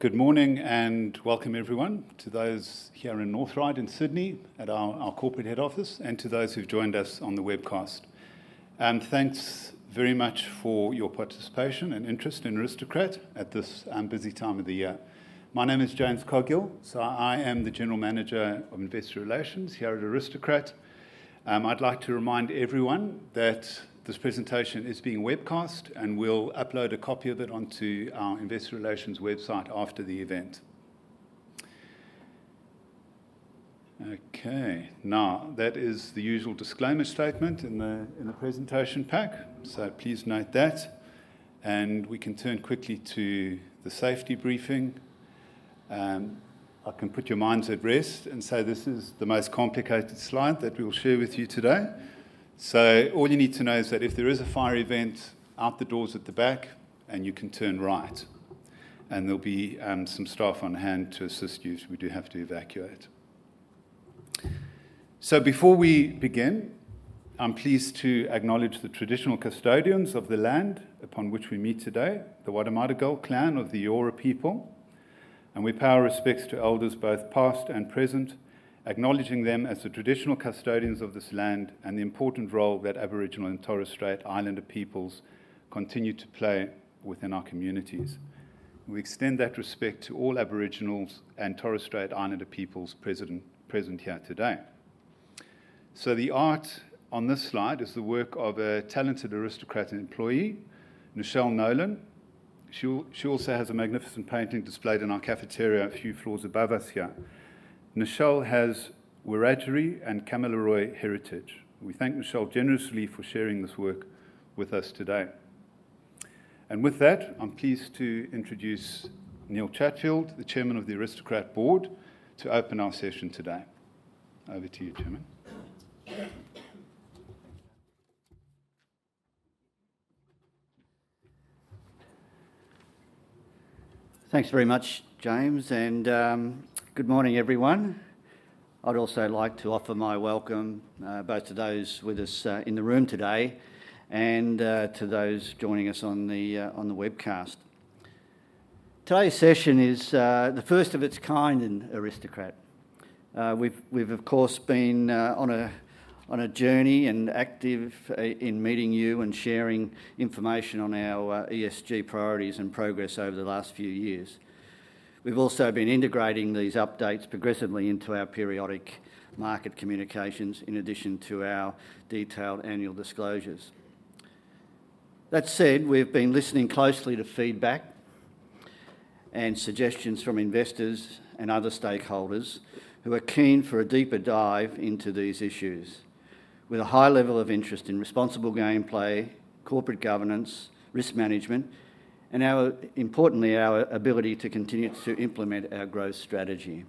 Good morning, and welcome everyone, to those here in North Ryde in Sydney at our corporate head office, and to those who've joined us on the webcast. Thanks very much for your participation and interest in Aristocrat at this busy time of the year. My name is James Coghill. I am the General Manager of Investor Relations here at Aristocrat. I'd like to remind everyone that this presentation is being webcast, and we'll upload a copy of it onto our investor relations website after the event. Okay, now, that is the usual disclaimer statement in the presentation pack, so please note that, and we can turn quickly to the safety briefing. I can put your minds at rest and say this is the most complicated slide that we will share with you today. So all you need to know is that if there is a fire event, out the doors at the back, and you can turn right, and there'll be some staff on hand to assist you should we do have to evacuate. So before we begin, I'm pleased to acknowledge the traditional custodians of the land upon which we meet today, the Wallumattagal clan of the Eora people, and we pay our respects to elders both past and present, acknowledging them as the traditional custodians of this land, and the important role that Aboriginal and Torres Strait Islander peoples continue to play within our communities. We extend that respect to all Aboriginals and Torres Strait Islander peoples present here today. So the art on this slide is the work of a talented Aristocrat employee, Michelle Nolan. She also has a magnificent painting displayed in our cafeteria a few floors above us here. Michelle has Wiradjuri and Kamilaroi heritage. We thank Michelle generously for sharing this work with us today. With that, I'm pleased to introduce Neil Chatfield, the Chairman of the Aristocrat Board, to open our session today. Over to you, Chairman. Thanks very much, James, and good morning, everyone. I'd also like to offer my welcome both to those with us in the room today and to those joining us on the webcast. Today's session is the first of its kind in Aristocrat. We've of course been on a journey and active in meeting you and sharing information on our ESG priorities and progress over the last few years. We've also been integrating these updates progressively into our periodic market communications, in addition to our detailed annual disclosures. That said, we've been listening closely to feedback and suggestions from investors and other stakeholders who are keen for a deeper dive into these issues, with a high level of interest in responsible gameplay, corporate governance, risk management, and our, importantly, our ability to continue to implement our growth strategy.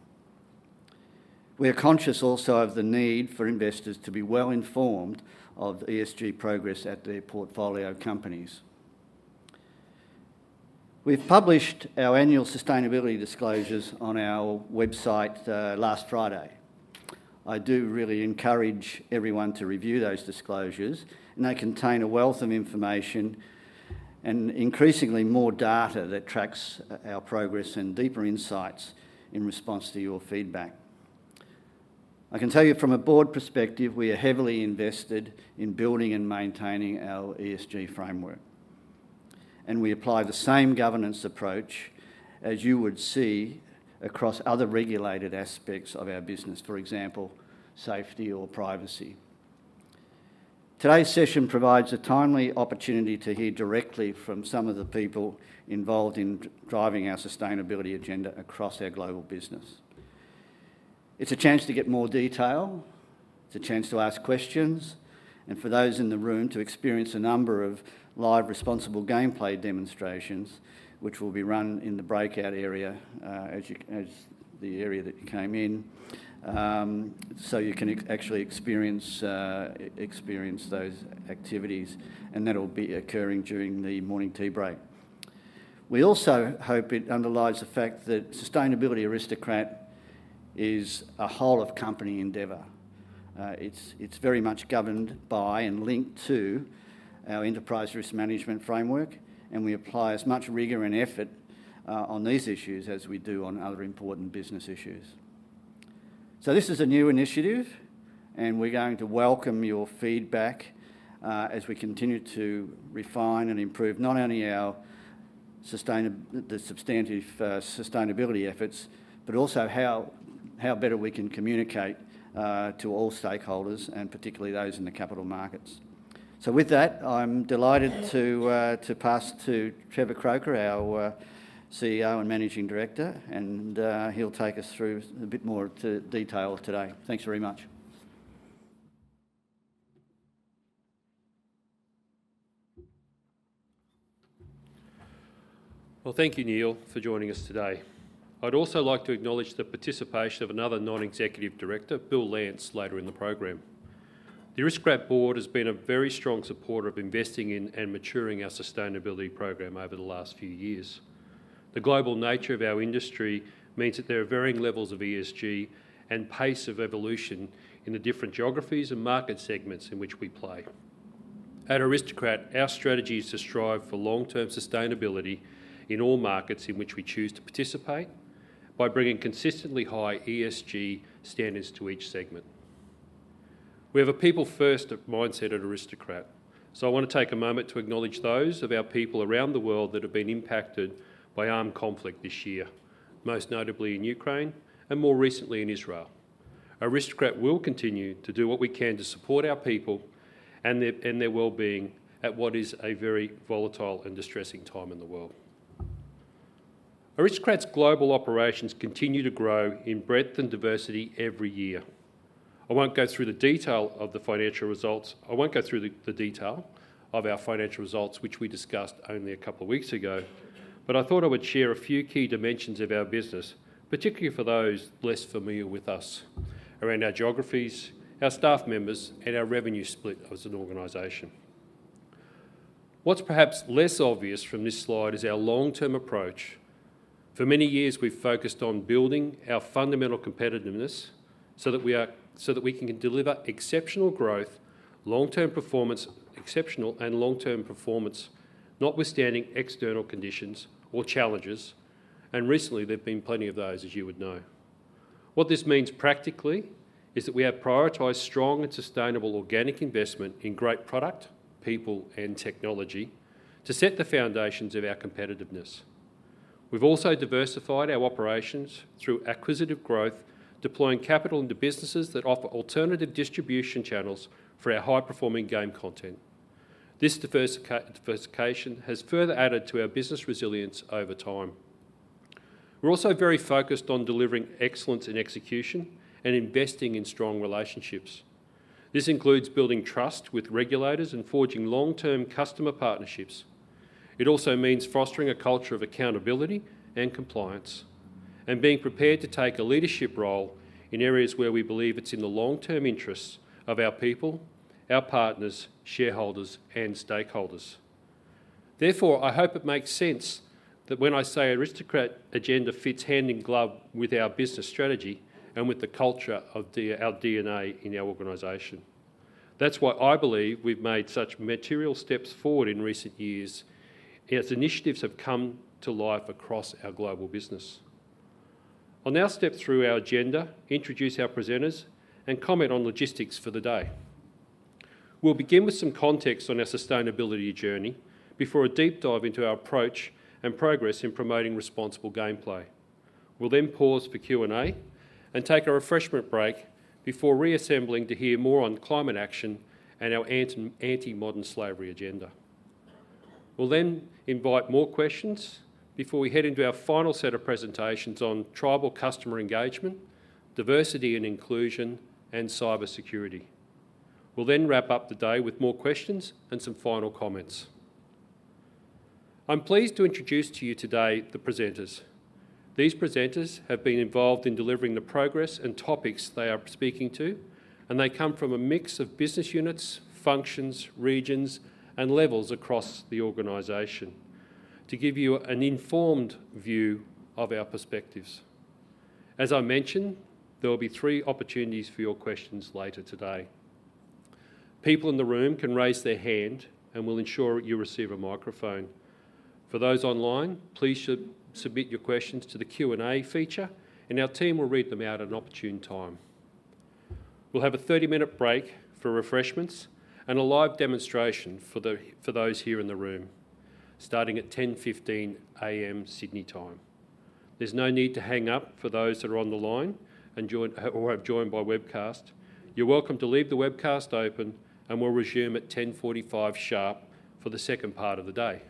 We are conscious also of the need for investors to be well-informed of ESG progress at their portfolio companies. We've published our annual sustainability disclosures on our website last Friday. I do really encourage everyone to review those disclosures, and they contain a wealth of information and increasingly more data that tracks our progress and deeper insights in response to your feedback. I can tell you from a board perspective, we are heavily invested in building and maintaining our ESG framework, and we apply the same governance approach as you would see across other regulated aspects of our business, for example, safety or privacy. Today's session provides a timely opportunity to hear directly from some of the people involved in driving our sustainability agenda across our global business. It's a chance to get more detail. It's a chance to ask questions, and for those in the room, to experience a number of live responsible gameplay demonstrations, which will be run in the breakout area, as the area that you came in. So you can actually experience those activities, and that'll be occurring during the morning tea break. We also hope it underlies the fact that sustainability Aristocrat is a whole of company endeavor. It's very much governed by and linked to our enterprise risk management framework, and we apply as much rigor and effort on these issues as we do on other important business issues. So this is a new initiative, and we're going to welcome your feedback as we continue to refine and improve not only our the substantive sustainability efforts, but also how better we can communicate to all stakeholders, and particularly those in the capital markets. So with that, I'm delighted to pass to Trevor Croker, our CEO and Managing Director, and he'll take us through a bit more to detail today. Thanks very much. Well, thank you, Neil, for joining us today. I'd also like to acknowledge the participation of another non-executive director, Bill Lance, later in the program. The Aristocrat board has been a very strong supporter of investing in and maturing our sustainability program over the last few years. The global nature of our industry means that there are varying levels of ESG and pace of evolution in the different geographies and market segments in which we play. ...At Aristocrat, our strategy is to strive for long-term sustainability in all markets in which we choose to participate, by bringing consistently high ESG standards to each segment. We have a people-first, mindset at Aristocrat, so I want to take a moment to acknowledge those of our people around the world that have been impacted by armed conflict this year, most notably in Ukraine and more recently in Israel. Aristocrat will continue to do what we can to support our people and their, and their wellbeing at what is a very volatile and distressing time in the world. Aristocrat's global operations continue to grow in breadth and diversity every year. I won't go through the detail of the financial results... I won't go through the detail of our financial results, which we discussed only a couple of weeks ago, but I thought I would share a few key dimensions of our business, particularly for those less familiar with us, around our geographies, our staff members, and our revenue split as an organization. What's perhaps less obvious from this slide is our long-term approach. For many years, we've focused on building our fundamental competitiveness, so that we can deliver exceptional growth, long-term performance, exceptional and long-term performance, notwithstanding external conditions or challenges, and recently there've been plenty of those, as you would know. What this means practically is that we have prioritized strong and sustainable organic investment in great product, people, and technology to set the foundations of our competitiveness. We've also diversified our operations through acquisitive growth, deploying capital into businesses that offer alternative distribution channels for our high-performing game content. This diversification has further added to our business resilience over time. We're also very focused on delivering excellence in execution and investing in strong relationships. This includes building trust with regulators and forging long-term customer partnerships. It also means fostering a culture of accountability and compliance, and being prepared to take a leadership role in areas where we believe it's in the long-term interests of our people, our partners, shareholders, and stakeholders. Therefore, I hope it makes sense that when I say Aristocrat agenda fits hand in glove with our business strategy and with the culture of our DNA in our organization. That's why I believe we've made such material steps forward in recent years, as initiatives have come to life across our global business. I'll now step through our agenda, introduce our presenters, and comment on logistics for the day. We'll begin with some context on our sustainability journey before a deep dive into our approach and progress in promoting responsible gameplay. We'll then pause for Q&A and take a refreshment break before reassembling to hear more on climate action and our anti-modern slavery agenda. We'll then invite more questions before we head into our final set of presentations on tribal customer engagement, diversity and inclusion, and cyber security. We'll then wrap up the day with more questions and some final comments. I'm pleased to introduce to you today the presenters. These presenters have been involved in delivering the progress and topics they are speaking to, and they come from a mix of business units, functions, regions, and levels across the organization, to give you an informed view of our perspectives. As I mentioned, there will be three opportunities for your questions later today. People in the room can raise their hand, and we'll ensure you receive a microphone. For those online, please submit your questions to the Q&A feature, and our team will read them out at an opportune time. We'll have a 30-minute break for refreshments and a live demonstration for those here in the room, starting at 10:15 A.M. Sydney time. There's no need to hang up for those that are on the line and joined or have joined by webcast. You're welcome to leave the webcast open, and we'll resume at 10:45 sharp for the second part of the day.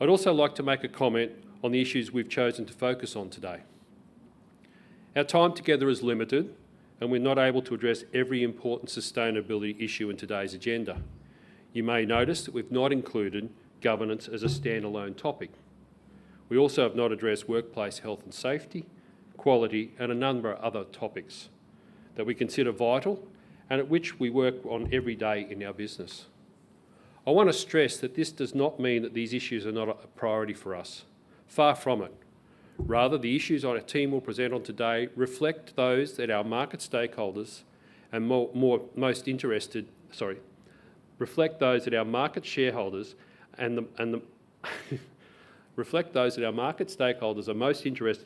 I'd also like to make a comment on the issues we've chosen to focus on today. Our time together is limited, and we're not able to address every important sustainability issue in today's agenda. You may notice that we've not included governance as a standalone topic. We also have not addressed workplace health and safety, quality, and a number of other topics that we consider vital and at which we work on every day in our business. I wanna stress that this does not mean that these issues are not a priority for us. Far from it. Rather, the issues our team will present on today reflect those that our market stakeholders are most interested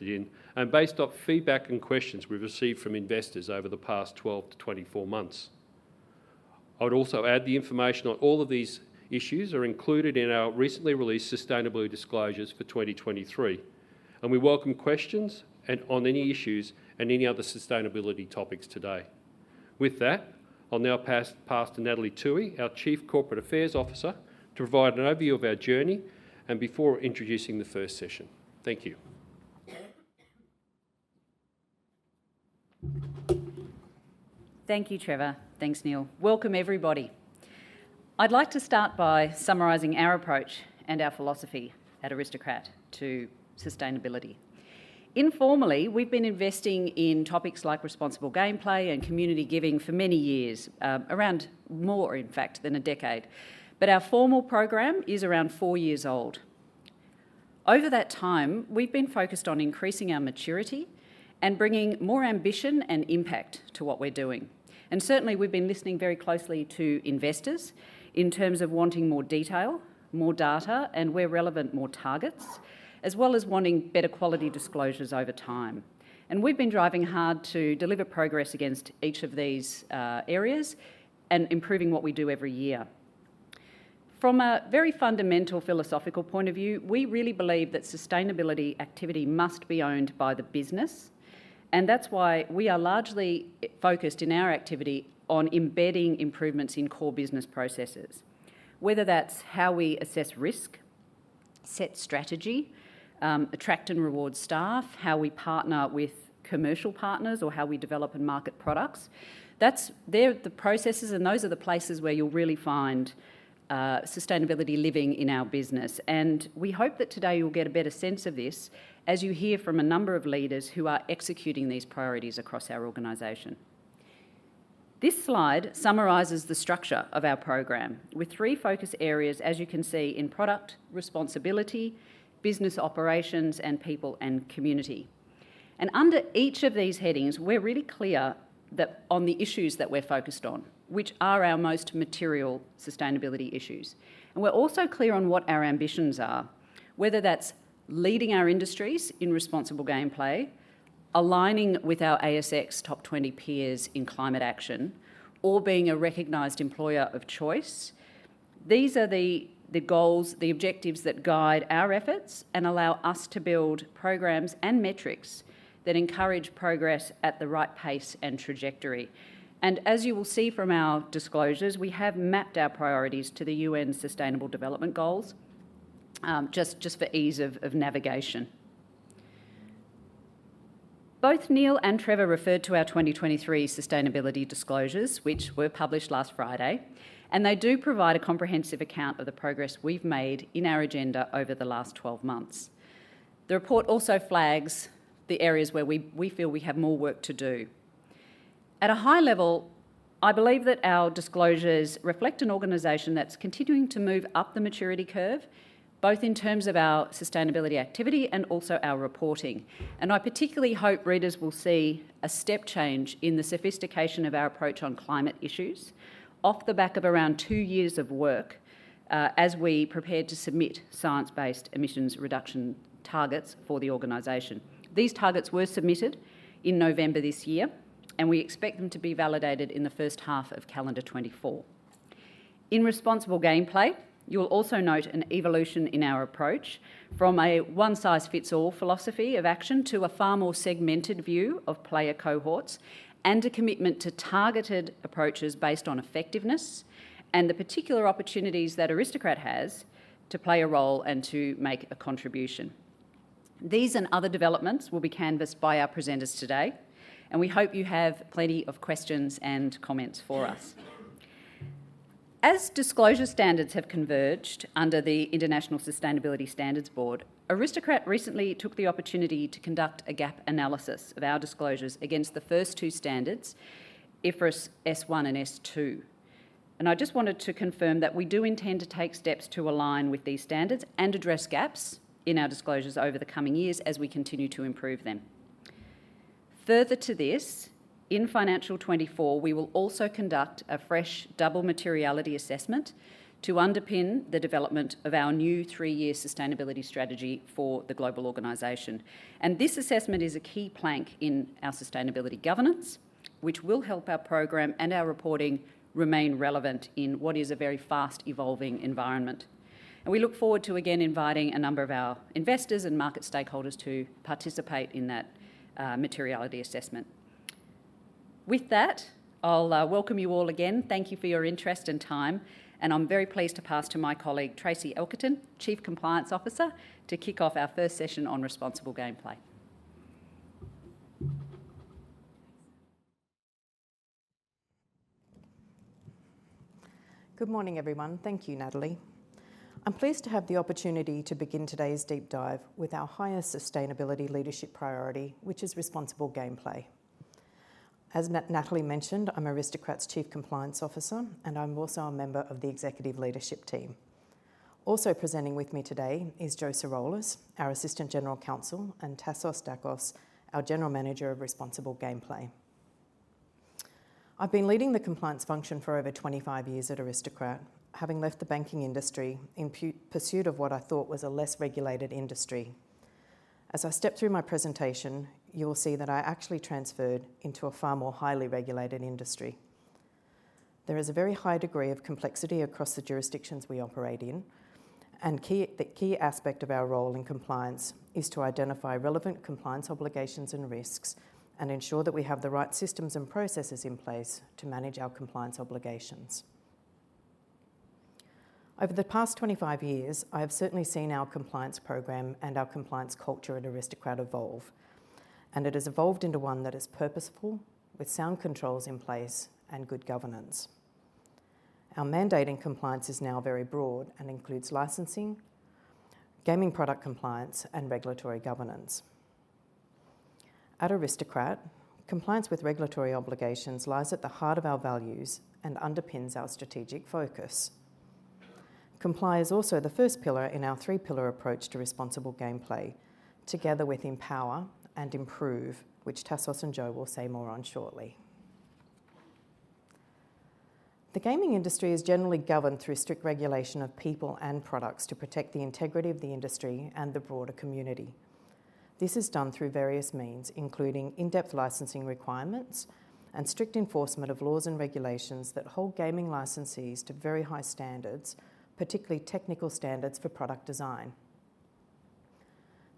in, and based off feedback and questions we've received from investors over the past 12-24 months. I would also add the information on all of these issues are included in our recently released sustainability disclosures for 2023, and we welcome questions on any issues and any other sustainability topics today. With that, I'll now pass to Natalie Toohey, our Chief Corporate Affairs Officer, to provide an overview of our journey before introducing the first session. Thank you. Thank you, Trevor. Thanks, Neil. Welcome, everybody. I'd like to start by summarizing our approach and our philosophy at Aristocrat to sustainability. Informally, we've been investing in topics like responsible gameplay and community giving for many years, around more, in fact, than a decade. But our formal program is around four years old. Over that time, we've been focused on increasing our maturity and bringing more ambition and impact to what we're doing. And certainly, we've been listening very closely to investors in terms of wanting more detail, more data, and where relevant, more targets, as well as wanting better quality disclosures over time. And we've been driving hard to deliver progress against each of these areas and improving what we do every year. From a very fundamental philosophical point of view, we really believe that sustainability activity must be owned by the business, and that's why we are largely focused in our activity on embedding improvements in core business processes. Whether that's how we assess risk, set strategy, attract and reward staff, how we partner with commercial partners, or how we develop and market products, they're the processes, and those are the places where you'll really find sustainability living in our business. And we hope that today you'll get a better sense of this as you hear from a number of leaders who are executing these priorities across our organization. This slide summarizes the structure of our program, with three focus areas, as you can see, in product responsibility, business operations, and people and community. Under each of these headings, we're really clear that on the issues that we're focused on, which are our most material sustainability issues. We're also clear on what our ambitions are, whether that's leading our industries in responsible gameplay, aligning with our ASX top 20 peers in climate action, or being a recognized employer of choice. These are the, the goals, the objectives that guide our efforts and allow us to build programs and metrics that encourage progress at the right pace and trajectory. As you will see from our disclosures, we have mapped our priorities to the UN Sustainable Development Goals, just for ease of navigation. Both Neil and Trevor referred to our 2023 sustainability disclosures, which were published last Friday, and they do provide a comprehensive account of the progress we've made in our agenda over the last 12 months. The report also flags the areas where we feel we have more work to do. At a high level, I believe that our disclosures reflect an organization that's continuing to move up the maturity curve, both in terms of our sustainability activity and also our reporting. And I particularly hope readers will see a step change in the sophistication of our approach on climate issues, off the back of around two years of work, as we prepare to submit science-based emissions reduction targets for the organization. These targets were submitted in November this year, and we expect them to be validated in the first half of calendar 2024. In responsible gameplay, you'll also note an evolution in our approach from a one-size-fits-all philosophy of action to a far more segmented view of player cohorts and a commitment to targeted approaches based on effectiveness and the particular opportunities that Aristocrat has to play a role and to make a contribution. These and other developments will be canvassed by our presenters today, and we hope you have plenty of questions and comments for us. As disclosure standards have converged under the International Sustainability Standards Board, Aristocrat recently took the opportunity to conduct a gap analysis of our disclosures against the first two standards, IFRS S1 and S2. I just wanted to confirm that we do intend to take steps to align with these standards and address gaps in our disclosures over the coming years as we continue to improve them. Further to this, in financial 2024, we will also conduct a fresh Double Materiality Assessment to underpin the development of our new three-year sustainability strategy for the global organization. And this assessment is a key plank in our sustainability governance, which will help our program and our reporting remain relevant in what is a very fast-evolving environment. And we look forward to again inviting a number of our investors and market stakeholders to participate in that materiality assessment. With that, I'll welcome you all again. Thank you for your interest and time, and I'm very pleased to pass to my colleague, Tracey Elkerton, Chief Compliance Officer, to kick off our first session on responsible gameplay. Good morning, everyone. Thank you, Natalie. I'm pleased to have the opportunity to begin today's deep dive with our highest sustainability leadership priority, which is responsible gameplay. As Natalie mentioned, I'm Aristocrat's Chief Compliance Officer, and I'm also a member of the executive leadership team. Also presenting with me today is Jordan Sirolis, our Assistant General Counsel, and Tassos Dakos, our General Manager of Responsible Gameplay. I've been leading the compliance function for over 25 years at Aristocrat, having left the banking industry in pursuit of what I thought was a less regulated industry. As I step through my presentation, you will see that I actually transferred into a far more highly regulated industry. There is a very high degree of complexity across the jurisdictions we operate in, and the key aspect of our role in compliance is to identify relevant compliance obligations and risks and ensure that we have the right systems and processes in place to manage our compliance obligations. Over the past 25 years, I have certainly seen our compliance program and our compliance culture at Aristocrat evolve, and it has evolved into one that is purposeful, with sound controls in place and good governance. Our mandate in compliance is now very broad and includes licensing, gaming product compliance, and regulatory governance. At Aristocrat, compliance with regulatory obligations lies at the heart of our values and underpins our strategic focus. Comply is also the first pillar in our three-pillar approach to responsible gameplay, together with Empower and Improve, which Tassos and Jo will say more on shortly. The gaming industry is generally governed through strict regulation of people and products to protect the integrity of the industry and the broader community. This is done through various means, including in-depth licensing requirements and strict enforcement of laws and regulations that hold gaming licensees to very high standards, particularly technical standards for product design.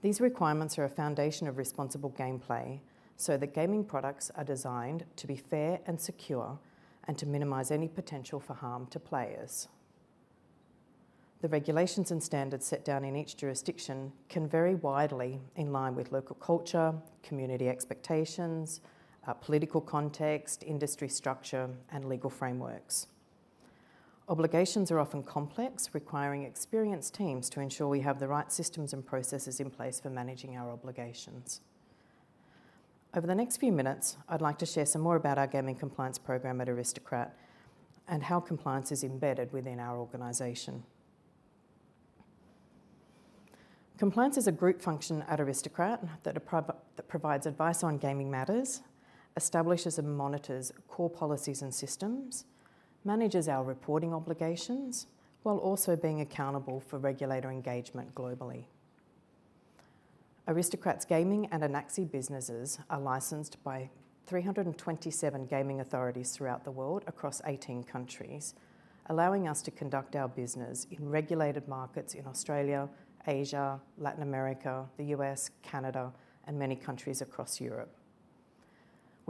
These requirements are a foundation of responsible gameplay, so that gaming products are designed to be fair and secure, and to minimize any potential for harm to players. The regulations and standards set down in each jurisdiction can vary widely in line with local culture, community expectations, political context, industry structure, and legal frameworks. Obligations are often complex, requiring experienced teams to ensure we have the right systems and processes in place for managing our obligations. Over the next few minutes, I'd like to share some more about our gaming compliance program at Aristocrat and how compliance is embedded within our organization. Compliance is a group function at Aristocrat that that provides advice on gaming matters, establishes and monitors core policies and systems, manages our reporting obligations, while also being accountable for regulator engagement globally. Aristocrat's gaming and Anaxi businesses are licensed by 327 gaming authorities throughout the world, across 18 countries, allowing us to conduct our business in regulated markets in Australia, Asia, Latin America, the U.S., Canada, and many countries across Europe.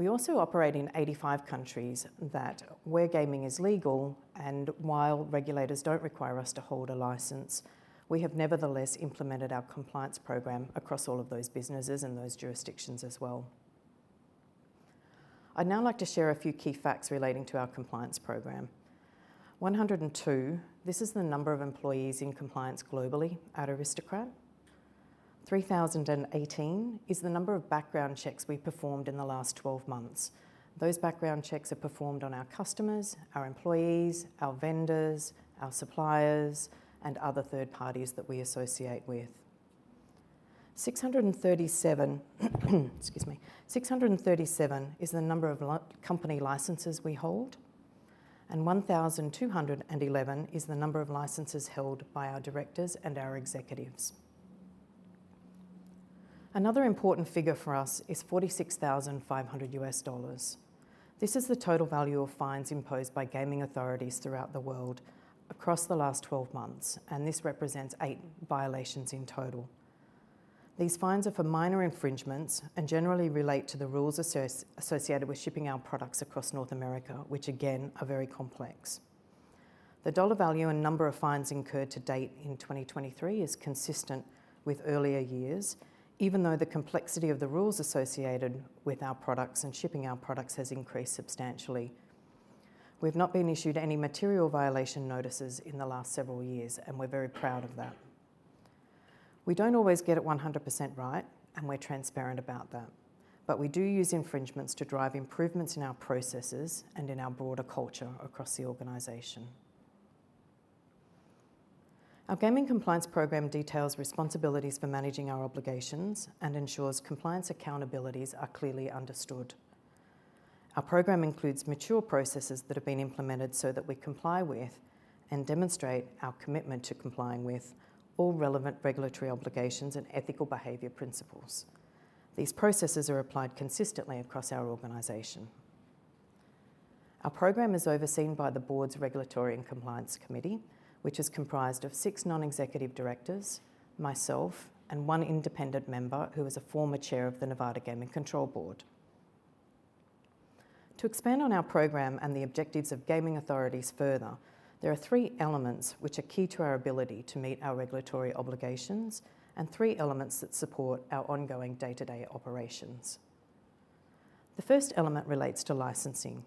We also operate in 85 countries that, where gaming is legal, and while regulators don't require us to hold a license, we have nevertheless implemented our compliance program across all of those businesses and those jurisdictions as well. I'd now like to share a few key facts relating to our compliance program. 102, this is the number of employees in compliance globally at Aristocrat. 3,018 is the number of background checks we've performed in the last 12 months. Those background checks are performed on our customers, our employees, our vendors, our suppliers, and other third parties that we associate with. 637, excuse me. 637 is the number of company licenses we hold, and 1,211 is the number of licenses held by our directors and our executives. Another important figure for us is $46,500. This is the total value of fines imposed by gaming authorities throughout the world across the last 12 months, and this represents eight violations in total. These fines are for minor infringements and generally relate to the rules associated with shipping our products across North America, which again, are very complex. The dollar value and number of fines incurred to date in 2023 is consistent with earlier years, even though the complexity of the rules associated with our products and shipping our products has increased substantially. We've not been issued any material violation notices in the last several years, and we're very proud of that. We don't always get it 100% right, and we're transparent about that. But we do use infringements to drive improvements in our processes and in our broader culture across the organization. Our gaming compliance program details responsibilities for managing our obligations and ensures compliance accountabilities are clearly understood. Our program includes mature processes that have been implemented so that we comply with and demonstrate our commitment to complying with all relevant regulatory obligations and ethical behavior principles. These processes are applied consistently across our organization. Our program is overseen by the board's Regulatory and Compliance Committee, which is comprised of six non-executive directors, myself, and one independent member, who is a former chair of the Nevada Gaming Control Board. To expand on our program and the objectives of gaming authorities further, there are three elements which are key to our ability to meet our regulatory obligations and three elements that support our ongoing day-to-day operations. The first element relates to licensing.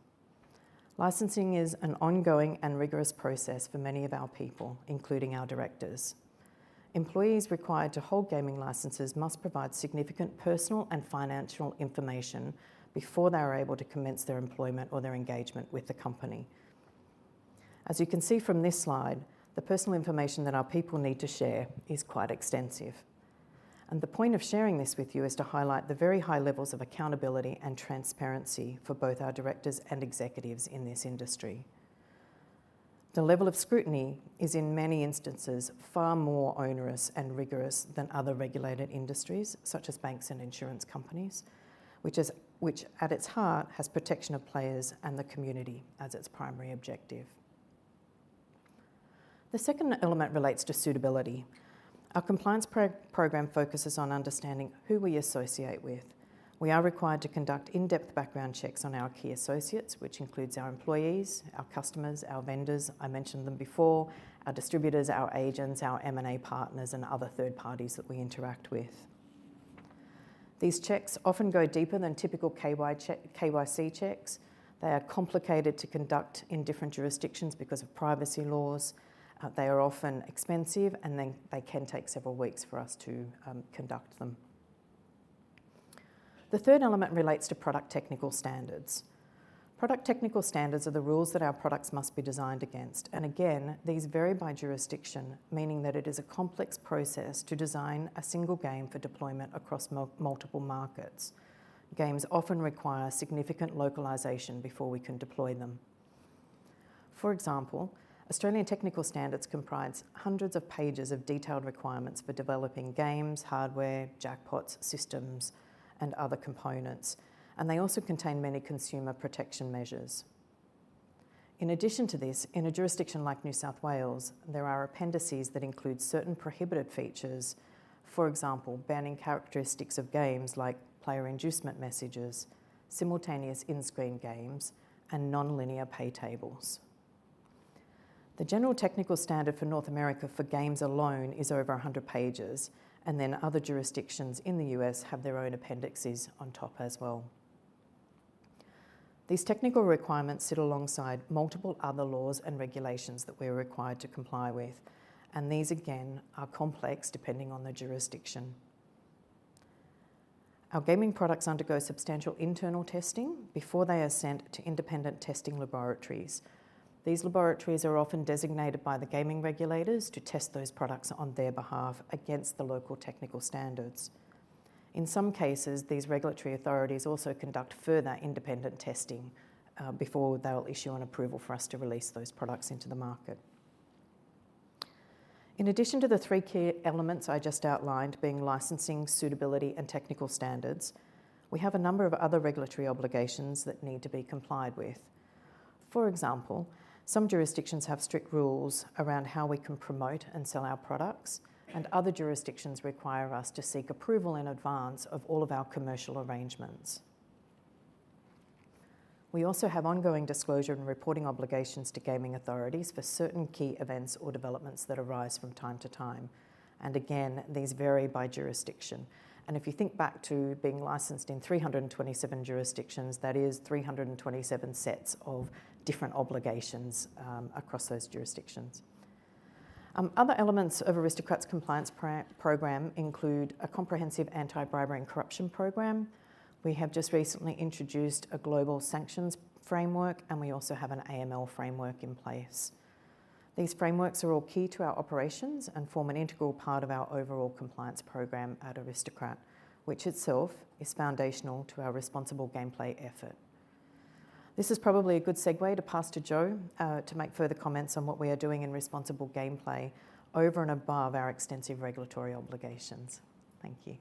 Licensing is an ongoing and rigorous process for many of our people, including our directors. Employees required to hold gaming licenses must provide significant personal and financial information before they are able to commence their employment or their engagement with the company. As you can see from this slide, the personal information that our people need to share is quite extensive. The point of sharing this with you is to highlight the very high levels of accountability and transparency for both our directors and executives in this industry. The level of scrutiny is, in many instances, far more onerous and rigorous than other regulated industries, such as banks and insurance companies, which, at its heart, has protection of players and the community as its primary objective. The second element relates to suitability. Our compliance program focuses on understanding who we associate with. We are required to conduct in-depth background checks on our key associates, which includes our employees, our customers, our vendors, I mentioned them before, our distributors, our agents, our M&A partners, and other third parties that we interact with. These checks often go deeper than typical KYC checks. They are complicated to conduct in different jurisdictions because of privacy laws. They are often expensive, and then they can take several weeks for us to conduct them. The third element relates to product technical standards. Product technical standards are the rules that our products must be designed against, and again, these vary by jurisdiction, meaning that it is a complex process to design a single game for deployment across multiple markets. Games often require significant localization before we can deploy them. For example, Australian technical standards comprise hundreds of pages of detailed requirements for developing games, hardware, jackpots, systems, and other components, and they also contain many consumer protection measures. In addition to this, in a jurisdiction like New South Wales, there are appendices that include certain prohibited features. For example, banning characteristics of games like player inducement messages, simultaneous in-screen games, and non-linear pay tables. The general technical standard for North America for games alone is over 100 pages, and then other jurisdictions in the U.S. have their own appendixes on top as well. These technical requirements sit alongside multiple other laws and regulations that we're required to comply with, and these, again, are complex depending on the jurisdiction. Our gaming products undergo substantial internal testing before they are sent to independent testing laboratories. These laboratories are often designated by the gaming regulators to test those products on their behalf against the local technical standards. In some cases, these regulatory authorities also conduct further independent testing before they'll issue an approval for us to release those products into the market. In addition to the three key elements I just outlined, being licensing, suitability, and technical standards, we have a number of other regulatory obligations that need to be complied with. For example, some jurisdictions have strict rules around how we can promote and sell our products, and other jurisdictions require us to seek approval in advance of all of our commercial arrangements. We also have ongoing disclosure and reporting obligations to gaming authorities for certain key events or developments that arise from time to time, and again, these vary by jurisdiction. And if you think back to being licensed in 327 jurisdictions, that is 327 sets of different obligations across those jurisdictions. Other elements of Aristocrat's compliance program include a comprehensive anti-bribery and corruption program. We have just recently introduced a global sanctions framework, and we also have an AML framework in place. These frameworks are all key to our operations and form an integral part of our overall compliance program at Aristocrat, which itself is foundational to our responsible gameplay effort. This is probably a good segue to pass to Jo to make further comments on what we are doing in responsible gameplay over and above our extensive regulatory obligations. Thank you.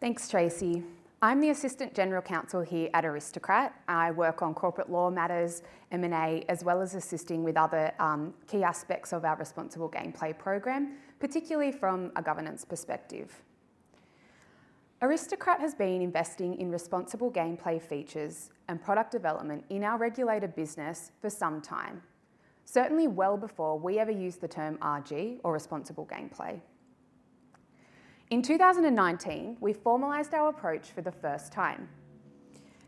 Thanks, Tracey. I'm the Assistant General Counsel here at Aristocrat. I work on corporate law matters, M&A, as well as assisting with other, key aspects of our responsible gameplay program, particularly from a governance perspective. Aristocrat has been investing in responsible gameplay features and product development in our regulated business for some time, certainly well before we ever used the term RG or responsible gameplay. In 2019, we formalized our approach for the first time,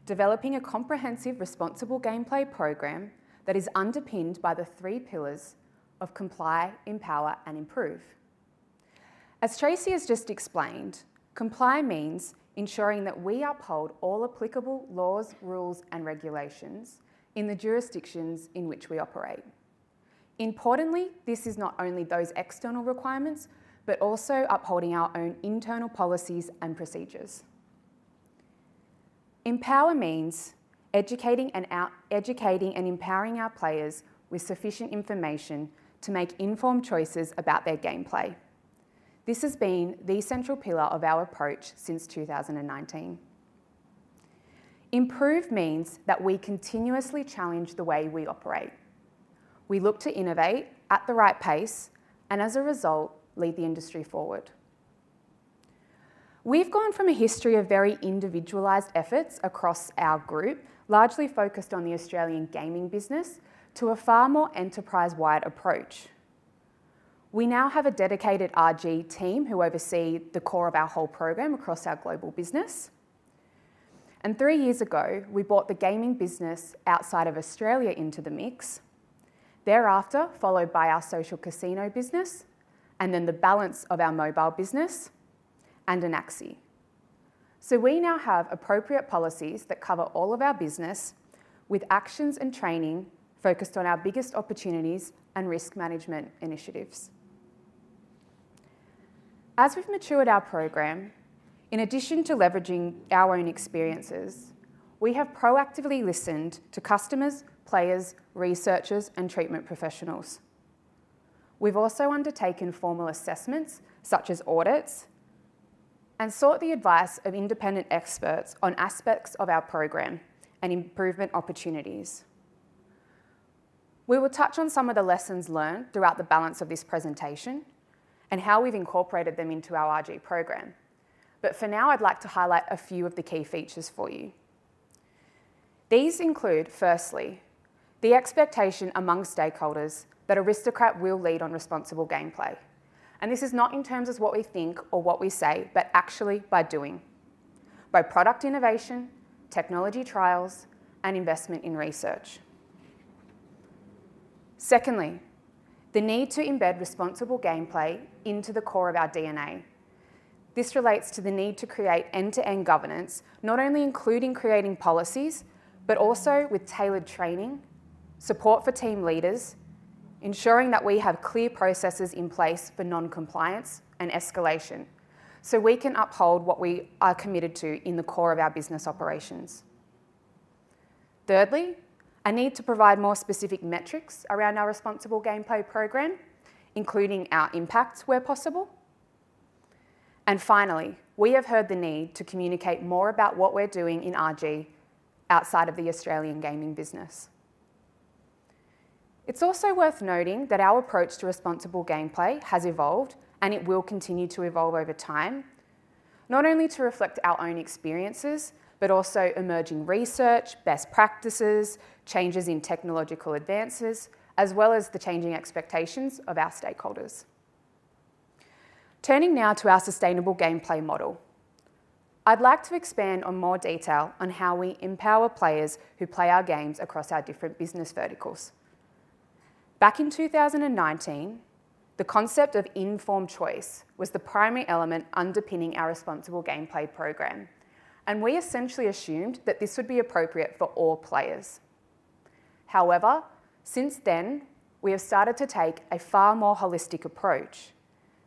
developing a comprehensive responsible gameplay program that is underpinned by the three pillars of comply, empower, and improve. As Tracey has just explained, comply means ensuring that we uphold all applicable laws, rules, and regulations in the jurisdictions in which we operate. Importantly, this is not only those external requirements, but also upholding our own internal policies and procedures. Empower means educating and educating and empowering our players with sufficient information to make informed choices about their gameplay. This has been the central pillar of our approach since 2019. Improve means that we continuously challenge the way we operate. We look to innovate at the right pace, and as a result, lead the industry forward. We've gone from a history of very individualized efforts across our group, largely focused on the Australian gaming business, to a far more enterprise-wide approach. We now have a dedicated RG team who oversee the core of our whole program across our global business. Three years ago, we brought the gaming business outside of Australia into the mix. Thereafter, followed by our social casino business, and then the balance of our mobile business, and Anaxi. So we now have appropriate policies that cover all of our business with actions and training focused on our biggest opportunities and risk management initiatives. As we've matured our program, in addition to leveraging our own experiences, we have proactively listened to customers, players, researchers, and treatment professionals. We've also undertaken formal assessments, such as audits, and sought the advice of independent experts on aspects of our program and improvement opportunities. We will touch on some of the lessons learned throughout the balance of this presentation and how we've incorporated them into our RG program, but for now, I'd like to highlight a few of the key features for you. These include, firstly, the expectation among stakeholders that Aristocrat will lead on responsible gameplay, and this is not in terms of what we think or what we say, but actually by doing.... by product innovation, technology trials, and investment in research. Secondly, the need to embed responsible gameplay into the core of our DNA. This relates to the need to create end-to-end governance, not only including creating policies, but also with tailored training, support for team leaders, ensuring that we have clear processes in place for non-compliance and escalation, so we can uphold what we are committed to in the core of our business operations. Thirdly, a need to provide more specific metrics around our responsible gameplay program, including our impacts, where possible. And finally, we have heard the need to communicate more about what we're doing in RG outside of the Australian gaming business. It's also worth noting that our approach to responsible gameplay has evolved, and it will continue to evolve over time, not only to reflect our own experiences, but also emerging research, best practices, changes in technological advances, as well as the changing expectations of our stakeholders. Turning now to our sustainable gameplay model. I'd like to expand on more detail on how we empower players who play our games across our different business verticals. Back in 2019, the concept of informed choice was the primary element underpinning our responsible gameplay program, and we essentially assumed that this would be appropriate for all players. However, since then, we have started to take a far more holistic approach,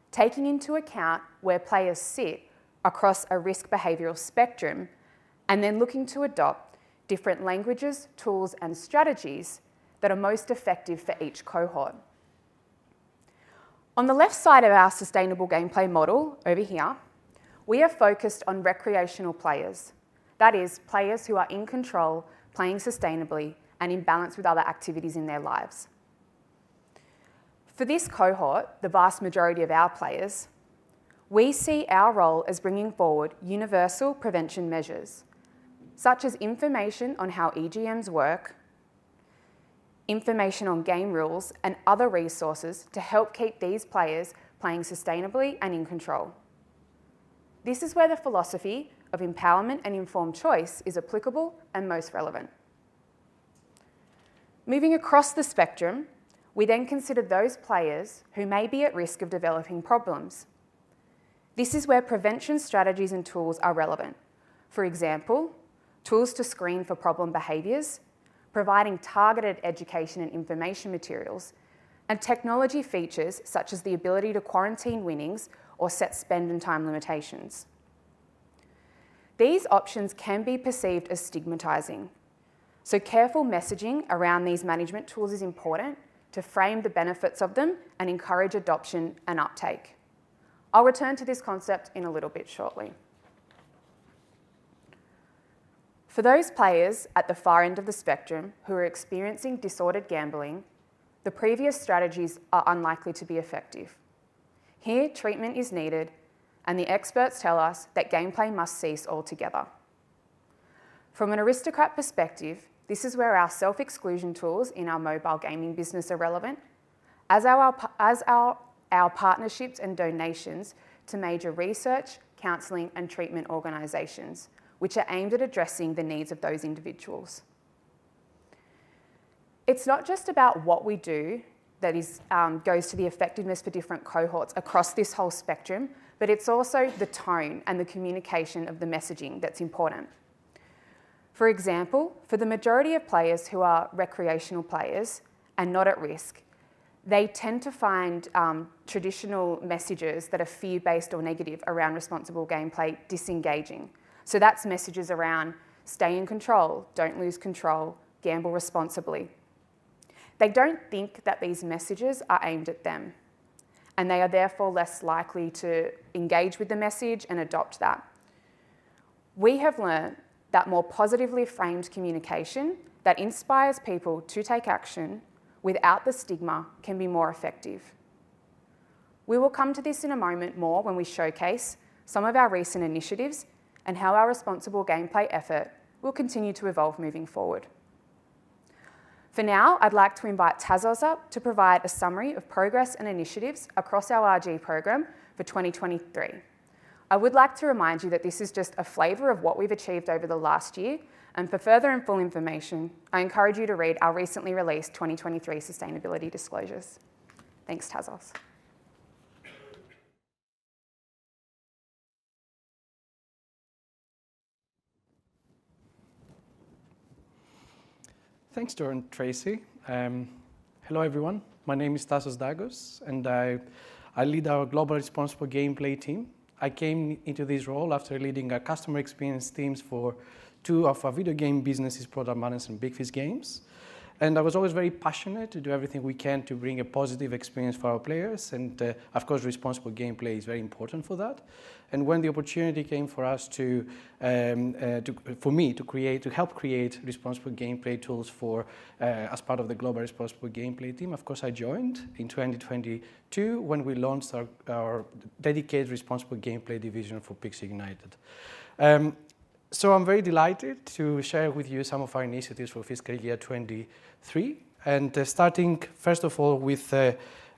taking into account where players sit across a risk behavioral spectrum, and then looking to adopt different languages, tools, and strategies that are most effective for each cohort. On the left side of our sustainable gameplay model over here, we are focused on recreational players. That is, players who are in control, playing sustainably and in balance with other activities in their lives. For this cohort, the vast majority of our players, we see our role as bringing forward universal prevention measures, such as information on how EGMs work, information on game rules, and other resources to help keep these players playing sustainably and in control. This is where the philosophy of empowerment and informed choice is applicable and most relevant. Moving across the spectrum, we then consider those players who may be at risk of developing problems. This is where prevention strategies and tools are relevant. For example, tools to screen for problem behaviors, providing targeted education and information materials, and technology features such as the ability to quarantine winnings or set spend and time limitations. These options can be perceived as stigmatizing, so careful messaging around these management tools is important to frame the benefits of them and encourage adoption and uptake. I'll return to this concept in a little bit shortly. For those players at the far end of the spectrum who are experiencing disordered gambling, the previous strategies are unlikely to be effective. Here, treatment is needed, and the experts tell us that gameplay must cease altogether. From an Aristocrat perspective, this is where our self-exclusion tools in our mobile gaming business are relevant, as our partnerships and donations to major research, counseling, and treatment organizations, which are aimed at addressing the needs of those individuals. It's not just about what we do that is, goes to the effectiveness for different cohorts across this whole spectrum, but it's also the tone and the communication of the messaging that's important. For example, for the majority of players who are recreational players and not at risk, they tend to find traditional messages that are fear-based or negative around responsible gameplay disengaging. So that's messages around: "Stay in control," "Don't lose control," "Gamble responsibly." They don't think that these messages are aimed at them, and they are therefore less likely to engage with the message and adopt that. We have learned that more positively framed communication that inspires people to take action without the stigma can be more effective. We will come to this in a moment more when we showcase some of our recent initiatives and how our responsible gameplay effort will continue to evolve moving forward. For now, I'd like to invite Tassos up to provide a summary of progress and initiatives across our RG program for 2023. I would like to remind you that this is just a flavor of what we've achieved over the last year, and for further and full information, I encourage you to read our recently released 2023 sustainability disclosures. Thanks, Tassos. Thanks, Jordan and Tracey. Hello, everyone. My name is Tassos Dakos, and I lead our Global Responsible Gameplay team. I came into this role after leading our customer experience teams for two of our video game businesses, Product Madness and Big Fish Games. I was always very passionate to do everything we can to bring a positive experience for our players, and, of course, responsible gameplay is very important for that. When the opportunity came for us to, for me, to create, to help create responsible gameplay tools for, as part of the Global Responsible Gameplay team, of course, I joined in 2022, when we launched our dedicated responsible gameplay division for Pixel United. So I'm very delighted to share with you some of our initiatives for fiscal year 2023, and starting, first of all, with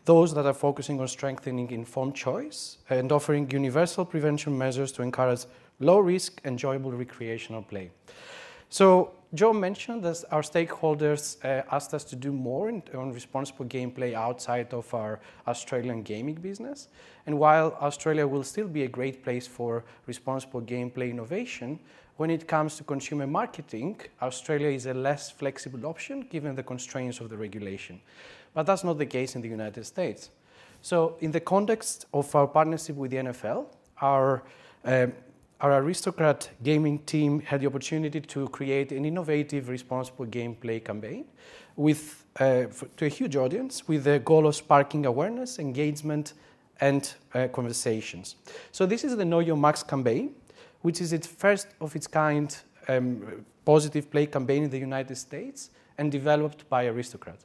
those that are focusing on strengthening informed choice and offering universal prevention measures to encourage low-risk, enjoyable, recreational play. So, Jo mentioned this, our stakeholders asked us to do more in on responsible gameplay outside of our Australian gaming business. And while Australia will still be a great place for responsible gameplay innovation, when it comes to consumer marketing, Australia is a less flexible option given the constraints of the regulation. But that's not the case in the United States. So in the context of our partnership with the NFL, our Aristocrat Gaming team had the opportunity to create an innovative, responsible gameplay campaign with to a huge audience, with the goal of sparking awareness, engagement, and conversations. So this is the Know Your Max campaign, which is its first of its kind, positive play campaign in the United States and developed by Aristocrat.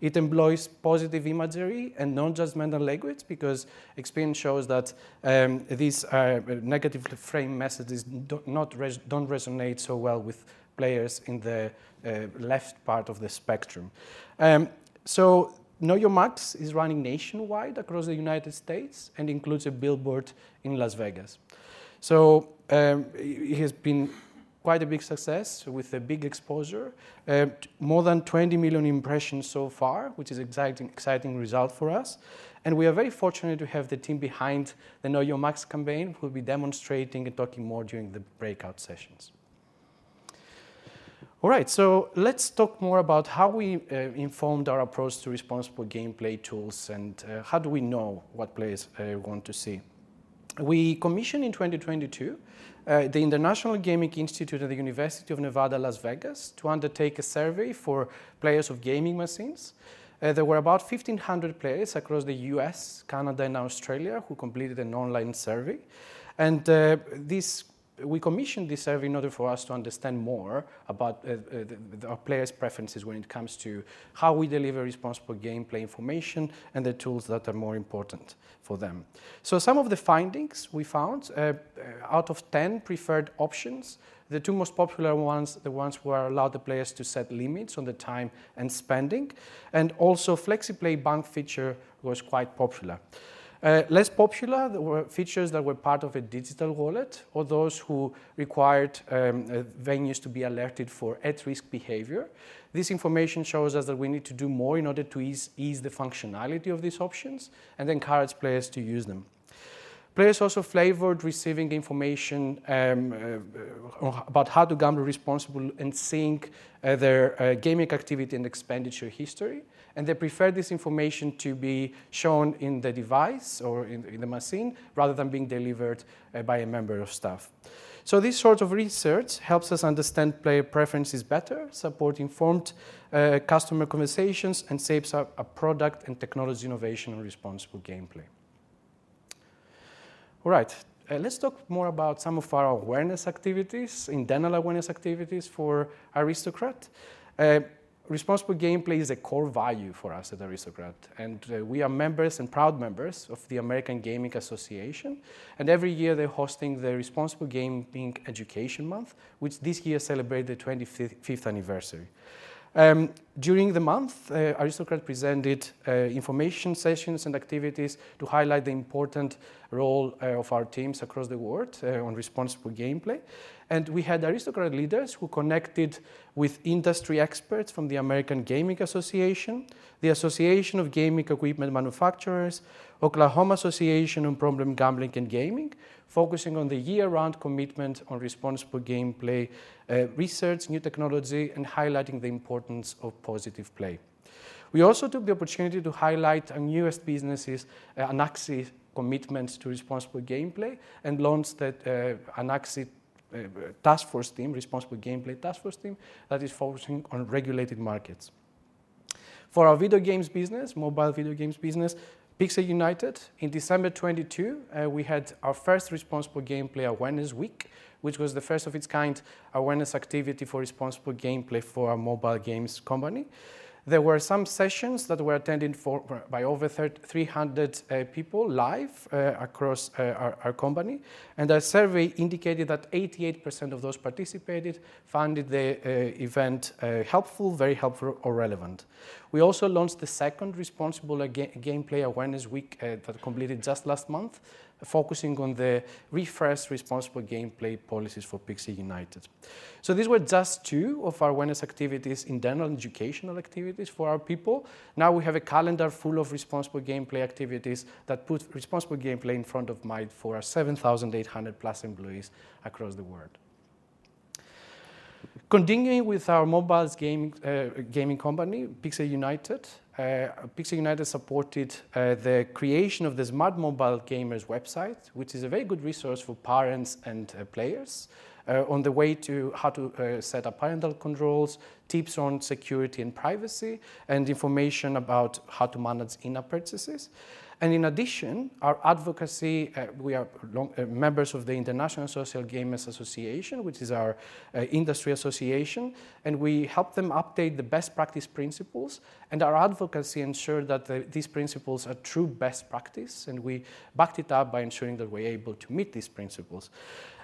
It employs positive imagery and non-judgmental language because experience shows that these negatively framed messages don't resonate so well with players in the left part of the spectrum. So Know Your Max is running nationwide across the United States and includes a billboard in Las Vegas. So it has been quite a big success with a big exposure. More than 20 million impressions so far, which is exciting, exciting result for us. And we are very fortunate to have the team behind the Know Your Max campaign, who will be demonstrating and talking more during the breakout sessions. All right, so let's talk more about how we informed our approach to responsible gameplay tools, and how do we know what players want to see? We commissioned in 2022 the International Gaming Institute (University of Nevada, Las Vegas) to undertake a survey for players of gaming machines. There were about 1,500 players across the U.S., Canada, and Australia who completed an online survey. And we commissioned this survey in order for us to understand more about our players' preferences when it comes to how we deliver responsible gameplay information and the tools that are more important for them. So some of the findings we found, out of 10 preferred options, the two most popular ones, the ones who are allowed the players to set limits on the time and spending, and also FlexiPlay Bank feature was quite popular. Less popular were features that were part of a digital wallet, or those who required venues to be alerted for at-risk behavior. This information shows us that we need to do more in order to ease the functionality of these options and encourage players to use them. Players also favored receiving information about how to gamble responsibly and seeing their gaming activity and expenditure history, and they preferred this information to be shown in the device or in the machine, rather than being delivered by a member of staff. So this sort of research helps us understand player preferences better, support informed customer conversations, and shapes our product and technology innovation and responsible gameplay. All right, let's talk more about some of our awareness activities, internal awareness activities for Aristocrat. Responsible gameplay is a core value for us at Aristocrat, and we are members and proud members of the American Gaming Association. Every year, they're hosting the Responsible Gaming Education Month, which this year celebrated the 25th anniversary. During the month, Aristocrat presented information sessions and activities to highlight the important role of our teams across the world on responsible gameplay. We had Aristocrat leaders who connected with industry experts from the American Gaming Association, the Association of Gaming Equipment Manufacturers, Oklahoma Association on Problem Gambling and Gaming, focusing on the year-round commitment on responsible gameplay, research, new technology, and highlighting the importance of positive play. We also took the opportunity to highlight our newest businesses', Anaxi commitment to responsible gameplay, and launched that Anaxi responsible gameplay task force team, that is focusing on regulated markets. For our video games business, mobile video games business, Pixel United, in December 2022, we had our first Responsible Gameplay Awareness Week, which was the first of its kind awareness activity for responsible gameplay for a mobile games company. There were some sessions that were attended by over 300 people live across our company. A survey indicated that 88% of those participated found the event helpful, very helpful or relevant. We also launched the second Responsible Gameplay Awareness Week that completed just last month, focusing on the refreshed responsible gameplay policies for Pixel United. So these were just two of our awareness activities, internal educational activities for our people. Now we have a calendar full of responsible gameplay activities that put responsible gameplay in front of mind for our 7,800+ employees across the world. Continuing with our mobile gaming gaming company, Pixel United. Pixel United supported the creation of the Smart Mobile Gamers website, which is a very good resource for parents and players on the way to how to set up parental controls, tips on security and privacy, and information about how to manage in-app purchases. In addition, our advocacy, we are long members of the International Social Games Association, which is our industry association, and we help them update the best practice principles, and our advocacy ensure that these principles are true best practice, and we backed it up by ensuring that we're able to meet these principles.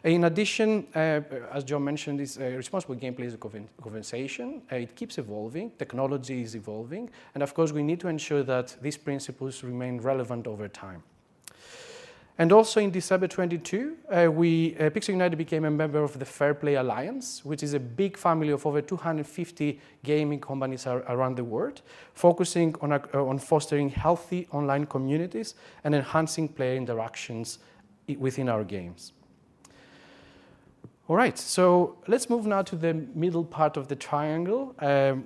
In addition, as Jo mentioned, this responsible gameplay is a conversation. It keeps evolving, technology is evolving, and of course, we need to ensure that these principles remain relevant over time.... And also in December 2022, we Pixel United became a member of the Fair Play Alliance, which is a big family of over 250 gaming companies around the world, focusing on fostering healthy online communities and enhancing player interactions within our games. All right, so let's move now to the middle part of the triangle,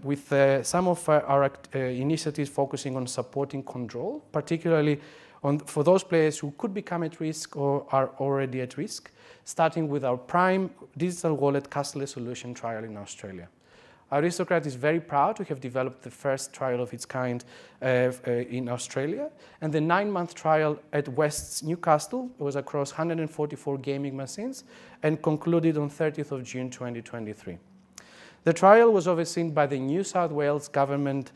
with some of our initiatives focusing on supporting control, particularly for those players who could become at risk or are already at risk, starting with our Prime Digital Wallet cashless solution trial in Australia. Aristocrat is very proud to have developed the first trial of its kind in Australia, and the nine-month trial at Wests Newcastle was across 144 gaming machines and concluded on thirtieth of June, 2023. The trial was overseen by the New South Wales Government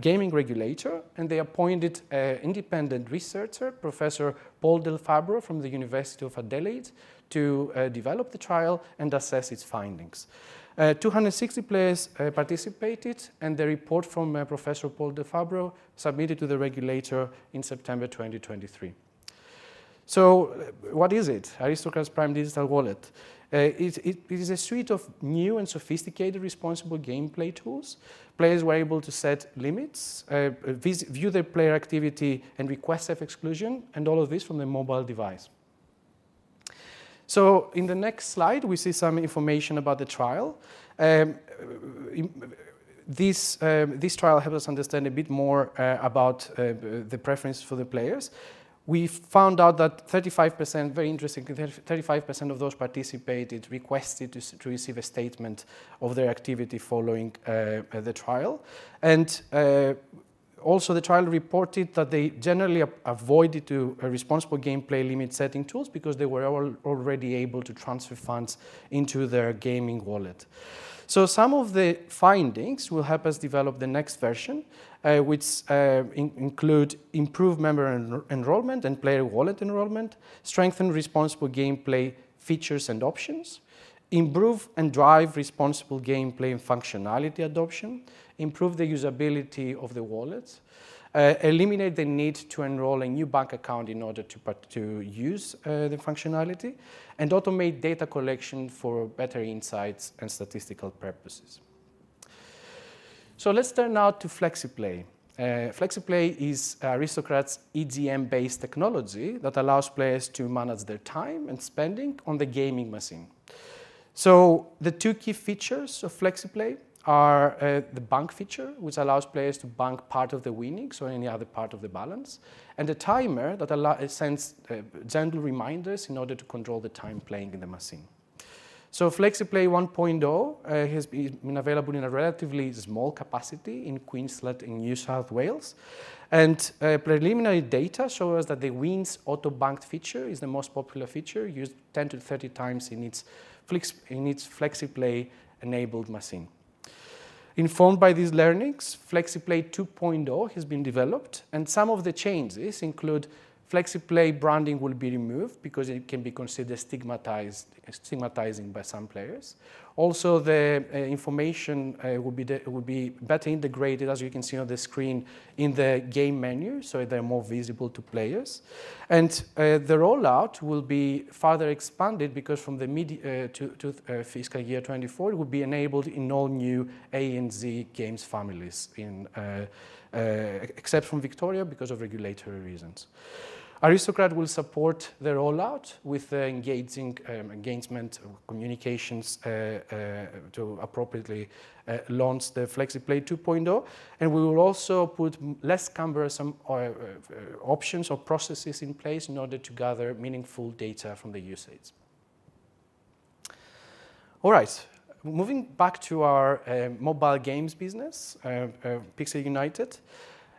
Gaming Regulator, and they appointed an independent researcher, Professor Paul Delfabbro from the University of Adelaide, to develop the trial and assess its findings. 260 players participated, and the report from Professor Paul Delfabbro submitted to the regulator in September 2023. So what is it, Aristocrat's Prime Digital Wallet? It is a suite of new and sophisticated responsible gameplay tools. Players were able to set limits, view their player activity, and request self-exclusion, and all of this from their mobile device. So in the next slide, we see some information about the trial. This trial helped us understand a bit more about the preference for the players. We found out that 35%, very interesting, 35% of those participated requested to receive a statement of their activity following the trial. Also, the trial reported that they generally avoided to responsible gameplay limit setting tools because they were already able to transfer funds into their gaming wallet. So some of the findings will help us develop the next version, which include improved member enrollment and player wallet enrollment, strengthen responsible gameplay features and options, improve and drive responsible gameplay and functionality adoption, improve the usability of the wallets, eliminate the need to enroll a new bank account in order to to use the functionality, and automate data collection for better insights and statistical purposes. So let's turn now to FlexiPlay. FlexiPlay is Aristocrat's EGM-based technology that allows players to manage their time and spending on the gaming machine. So the two key features of FlexiPlay are the bank feature, which allows players to bank part of the winnings or any other part of the balance, and a timer that sends gentle reminders in order to control the time playing in the machine. So FlexiPlay 1.0 has been available in a relatively small capacity in Queensland and New South Wales. Preliminary data show us that the Wins Auto Bank feature is the most popular feature, used 10-30 times in its FlexiPlay-enabled machine. Informed by these learnings, FlexiPlay 2.0 has been developed, and some of the changes include FlexiPlay branding will be removed because it can be considered stigmatized, stigmatizing by some players. Also, the information will be better integrated, as you can see on the screen, in the game menu, so they're more visible to players. And the rollout will be further expanded because from mid- to fiscal year 2024, it will be enabled in all new ANZ games families except from Victoria because of regulatory reasons. Aristocrat will support the rollout with engaging engagement communications to appropriately launch the FlexiPlay 2.0, and we will also put less cumbersome options or processes in place in order to gather meaningful data from the usage. All right, moving back to our mobile games business, Pixel United.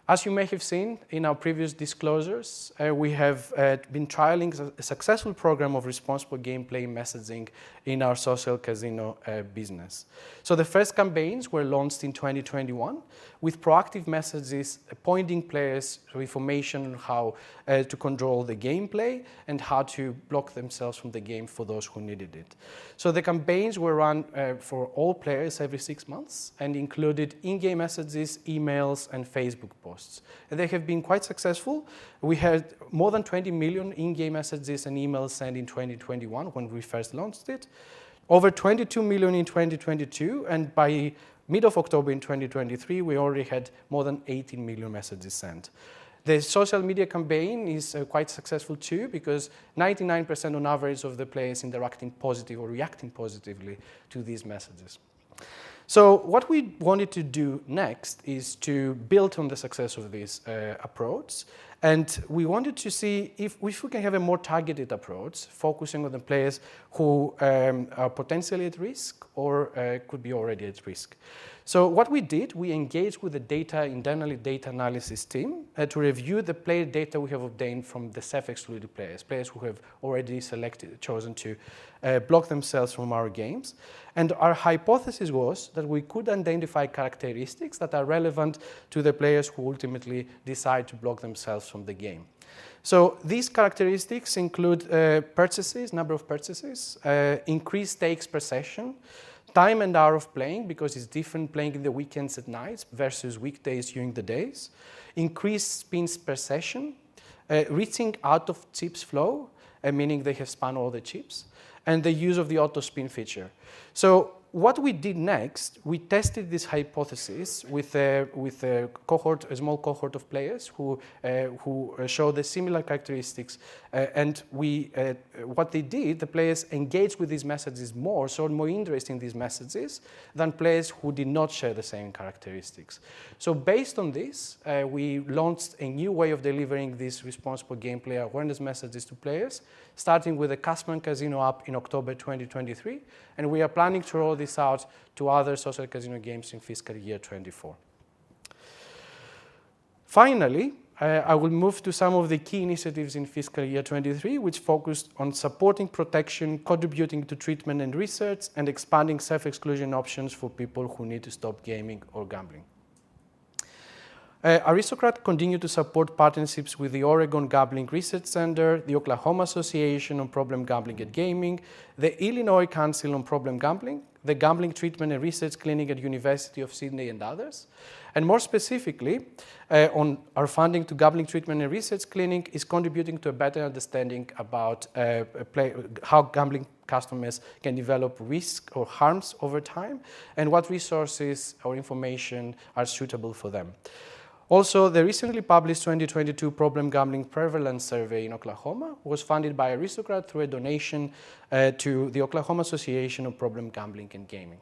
As you may have seen in our previous disclosures, we have been trialing a successful program of responsible gameplay messaging in our social casino business. So the first campaigns were launched in 2021 with proactive messages pointing players to information on how to control the gameplay and how to block themselves from the game for those who needed it. So the campaigns were run for all players every 6 months and included in-game messages, emails, and Facebook posts, and they have been quite successful. We had more than 20 million in-game messages and emails sent in 2021 when we first launched it, over 22 million in 2022, and by mid-October in 2023, we already had more than 80 million messages sent. The social media campaign is quite successful too because 99% on average of the players interacting positive or reacting positively to these messages. So what we wanted to do next is to build on the success of this approach, and we wanted to see if we can have a more targeted approach, focusing on the players who are potentially at risk or could be already at risk. So what we did, we engaged with the data, internally data analysis team to review the player data we have obtained from the self-excluded players, players who have already selected, chosen to block themselves from our games. And our hypothesis was that we could identify characteristics that are relevant to the players who ultimately decide to block themselves from the game. So these characteristics include, purchases, number of purchases, increased stakes per session, time and hour of playing, because it's different playing in the weekends at night versus weekdays during the days, increased spins per session, reaching out of chips flow, and meaning they have spun all the chips, and the use of the auto-spin feature. So what we did next, we tested this hypothesis with a cohort, a small cohort of players who showed the similar characteristics. The players engaged with these messages more, showed more interest in these messages than players who did not share the same characteristics. So based on this, we launched a new way of delivering these responsible gameplay awareness messages to players, starting with a customer casino app in October 2023, and we are planning to roll this out to other social casino games in fiscal year 2024. Finally, I will move to some of the key initiatives in fiscal year 2023, which focused on supporting protection, contributing to treatment and research, and expanding self-exclusion options for people who need to stop gaming or gambling. Aristocrat continued to support partnerships with the Oregon Gambling Research Center, the Oklahoma Association on Problem Gambling and Gaming, the Illinois Council on Problem Gambling, the Gambling Treatment and Research Clinic at University of Sydney, and others. And more specifically, on our funding to Gambling Treatment and Research Clinic is contributing to a better understanding about how gambling customers can develop risk or harms over time, and what resources or information are suitable for them. Also, the recently published 2022 Problem Gambling Prevalence Survey in Oklahoma was funded by Aristocrat through a donation to the Oklahoma Association on Problem Gambling and Gaming.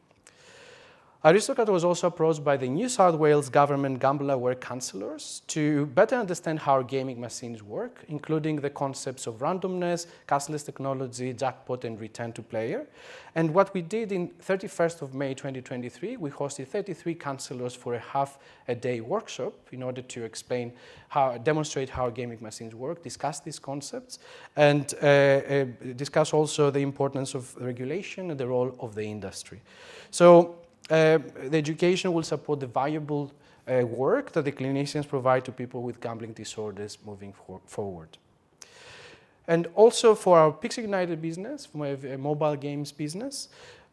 Aristocrat was also approached by the New South Wales Government GambleAware counselors to better understand how gaming machines work, including the concepts of randomness, cashless technology, jackpot, and Return to Player. What we did on 31st of May 2023, we hosted 33 counselors for a half-day workshop in order to explain how—demonstrate how gaming machines work, discuss these concepts, and discuss also the importance of regulation and the role of the industry. The education will support the valuable work that the clinicians provide to people with gambling disorders moving forward. Also for our Pixel United business, my mobile games business,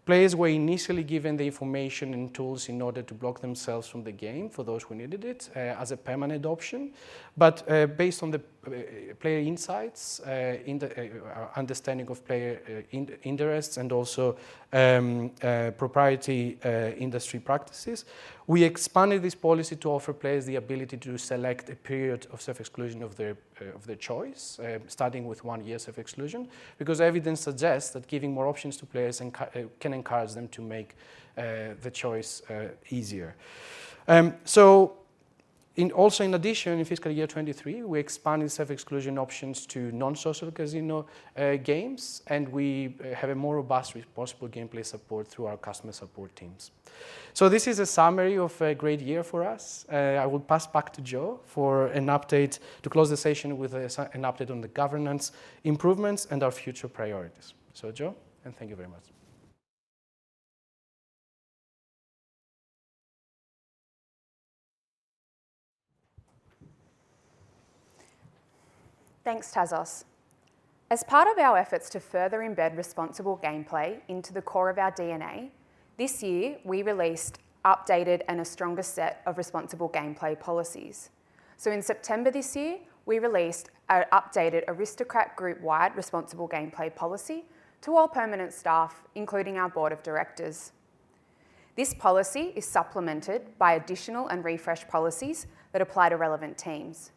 players were initially given the information and tools in order to block themselves from the game for those who needed it as a permanent option. But based on the player insights in the understanding of player interests and also proprietary industry practices, we expanded this policy to offer players the ability to select a period of self-exclusion of their choice starting with one year of exclusion, because evidence suggests that giving more options to players can encourage them to make the choice easier. So also, in addition, in fiscal year 2023, we expanded self-exclusion options to non-social casino games, and we have a more robust responsible gameplay support through our customer support teams. So this is a summary of a great year for us. I will pass back to Jo for an update, to close the session with an update on the governance improvements and our future priorities. So, Jo, and thank you very much. Thanks, Tassos. As part of our efforts to further embed responsible gameplay into the core of our DNA, this year, we released updated and a stronger set of responsible gameplay policies. In September this year, we released an updated Aristocrat group-wide responsible gameplay policy to all permanent staff, including our board of directors. This policy is supplemented by additional and refreshed policies that apply to relevant teams.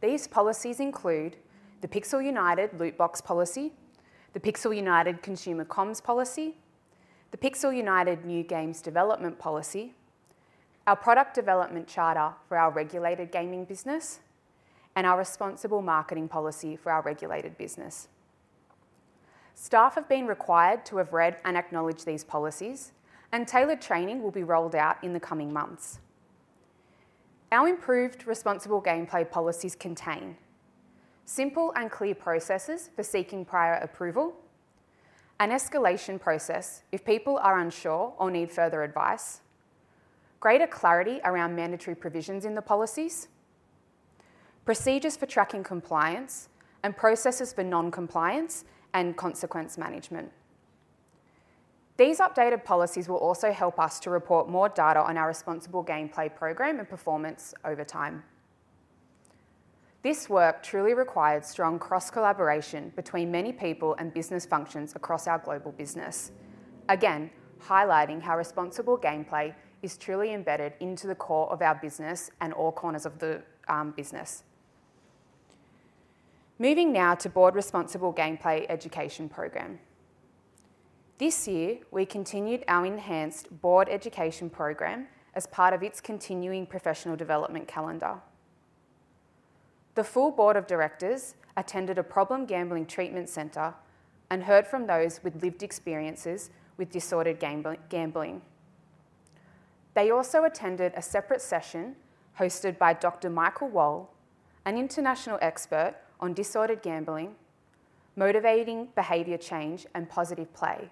These policies include the Pixel United Loot Box Policy, the Pixel United Consumer Comms Policy, the Pixel United New Games Development Policy, our Product Development Charter for our regulated gaming business, and our Responsible Marketing Policy for our regulated business. Staff have been required to have read and acknowledged these policies, and tailored training will be rolled out in the coming months. Our improved responsible gameplay policies contain: simple and clear processes for seeking prior approval, an escalation process if people are unsure or need further advice, greater clarity around mandatory provisions in the policies, procedures for tracking compliance, and processes for non-compliance and consequence management. These updated policies will also help us to report more data on our responsible gameplay program and performance over time. This work truly required strong cross-collaboration between many people and business functions across our global business. Again, highlighting how responsible gameplay is truly embedded into the core of our business and all corners of the business. Moving now to Board Responsible Gameplay Education Program. This year, we continued our enhanced board education program as part of its continuing professional development calendar. The full board of directors attended a problem gambling treatment center and heard from those with lived experiences with disordered gambling. They also attended a separate session hosted by Dr. Michael Wohl, an international expert on disordered gambling, motivating behavior change and positive play,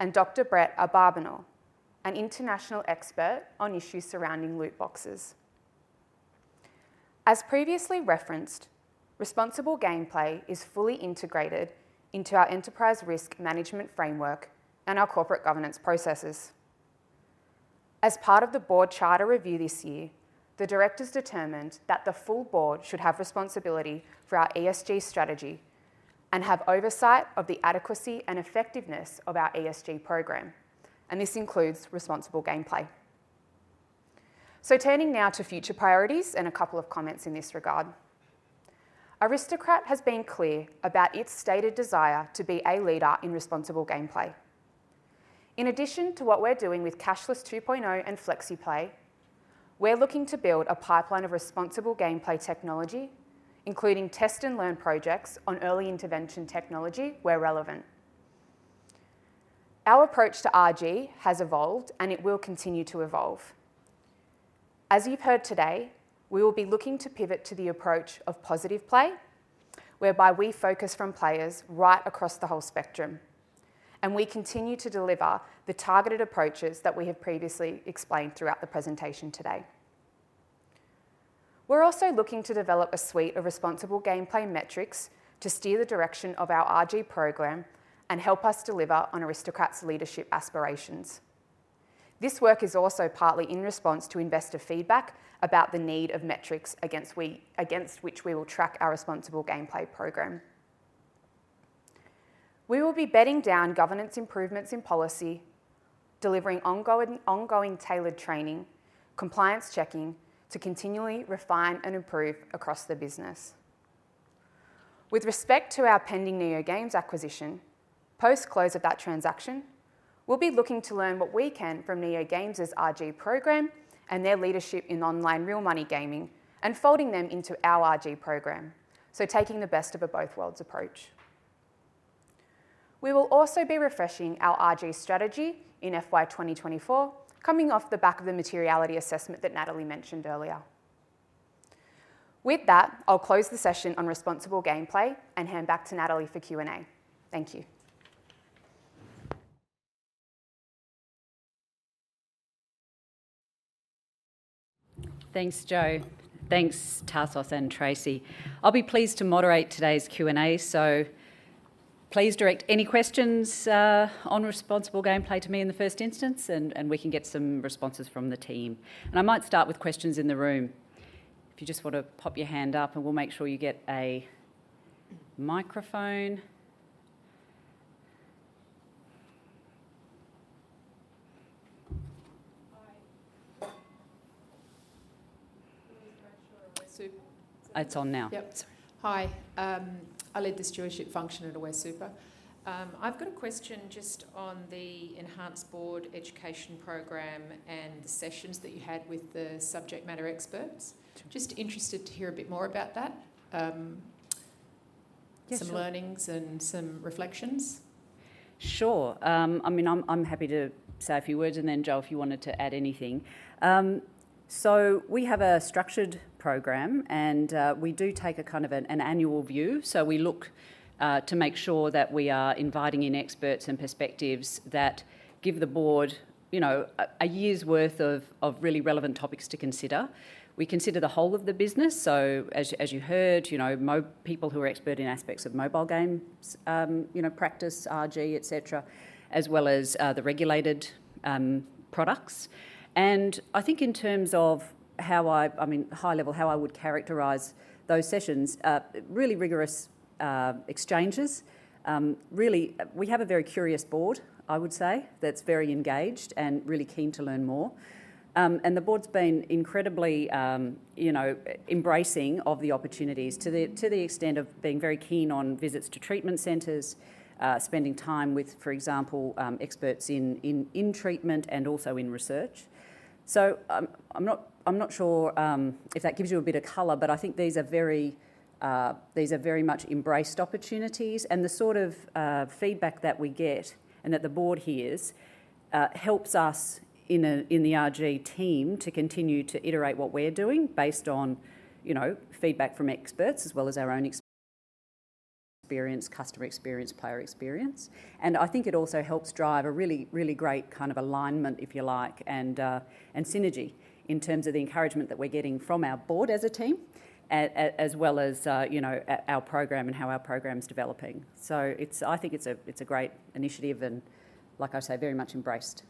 and Dr. Brett Abarbanel, an international expert on issues surrounding loot boxes. As previously referenced, responsible gameplay is fully integrated into our enterprise risk management framework and our corporate governance processes. As part of the board charter review this year, the directors determined that the full board should have responsibility for our ESG strategy and have oversight of the adequacy and effectiveness of our ESG program, and this includes responsible gameplay. So turning now to future priorities and a couple of comments in this regard. Aristocrat has been clear about its stated desire to be a leader in responsible gameplay. In addition to what we're doing with Cashless 2.0 and FlexiPlay, we're looking to build a pipeline of responsible gameplay technology, including test and learn projects on early intervention technology where relevant. Our approach to RG has evolved, and it will continue to evolve. As you've heard today, we will be looking to pivot to the approach of positive play, whereby we focus from players right across the whole spectrum, and we continue to deliver the targeted approaches that we have previously explained throughout the presentation today. We're also looking to develop a suite of responsible gameplay metrics to steer the direction of our RG program and help us deliver on Aristocrat's leadership aspirations. This work is also partly in response to investor feedback about the need of metrics against which we will track our responsible gameplay program. We will be bedding down governance improvements in policy, delivering ongoing tailored training, compliance checking, to continually refine and improve across the business. With respect to our pending NeoGames acquisition, post-close of that transaction, we'll be looking to learn what we can from NeoGames' RG program and their leadership in online real money gaming and folding them into our RG program, so taking the best of both worlds approach. We will also be refreshing our RG strategy in FY 2024, coming off the back of the materiality assessment that Natalie mentioned earlier. With that, I'll close the session on responsible gameplay and hand back to Natalie for Q&A. Thank you. Thanks, Jo. Thanks, Tassos and Tracey. I'll be pleased to moderate today's Q&A, so please direct any questions on responsible gameplay to me in the first instance, and, and we can get some responses from the team. And I might start with questions in the room. If you just want to pop your hand up, and we'll make sure you get a microphone. Hi. Super- It's on now. Yep. Hi. I lead the stewardship function at Aware Super. I've got a question just on the enhanced board education program and the sessions that you had with the subject matter experts. Sure. Just interested to hear a bit more about that. Yeah, sure. Some learnings and some reflections. Sure. I mean, I'm happy to say a few words, and then, Jo, if you wanted to add anything. So we have a structured program, and we do take a kind of an annual view. So we look to make sure that we are inviting in experts and perspectives that give the board, you know, a year's worth of really relevant topics to consider. We consider the whole of the business, so as you heard, you know, people who are expert in aspects of mobile games, you know, practice, RG, et cetera, as well as the regulated products. And I think in terms of how I mean, high level, how I would characterize those sessions, really rigorous exchanges. Really, we have a very curious board, I would say, that's very engaged and really keen to learn more. And the board's been incredibly, you know, embracing of the opportunities, to the extent of being very keen on visits to treatment centers, spending time with, for example, experts in treatment and also in research. So I'm not sure if that gives you a bit of color, but I think these are very much embraced opportunities. And the sort of feedback that we get and that the board hears helps us in the RG team to continue to iterate what we're doing based on, you know, feedback from experts, as well as our own experience, customer experience, player experience. I think it also helps drive a really, really great kind of alignment, if you like, and synergy in terms of the encouragement that we're getting from our board as a team, as well as, you know, our program and how our program is developing. So it's. I think it's a great initiative and, like I say, very much embraced.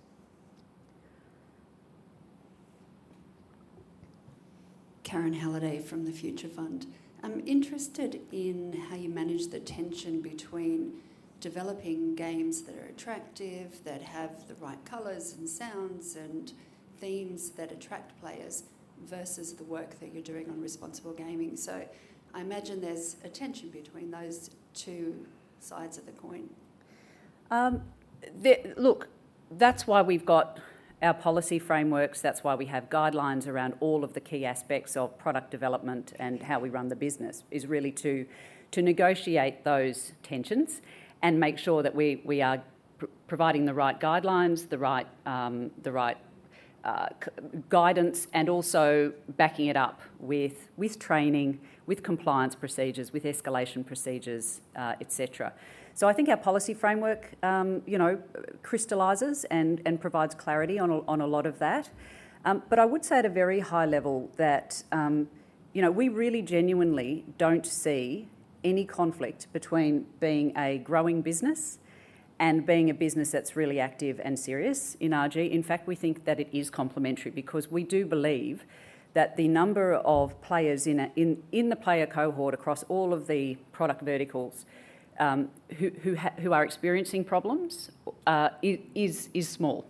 Kieran Halliday from Future Fund. I'm interested in how you manage the tension between developing games that are attractive, that have the right colors and sounds and themes that attract players, versus the work that you're doing on responsible gaming. I imagine there's a tension between those two sides of the coin. Look, that's why we've got our policy frameworks. That's why we have guidelines around all of the key aspects of product development and how we run the business, is really to negotiate those tensions and make sure that we are providing the right guidelines, the right, the right guidance, and also backing it up with training, with compliance procedures, with escalation procedures, et cetera. So I think our policy framework, you know, crystallizes and provides clarity on a lot of that. But I would say at a very high level that, you know, we really genuinely don't see any conflict between being a growing business and being a business that's really active and serious in RG. In fact, we think that it is complementary, because we do believe that the number of players in the player cohort across all of the product verticals, who are experiencing problems, is small,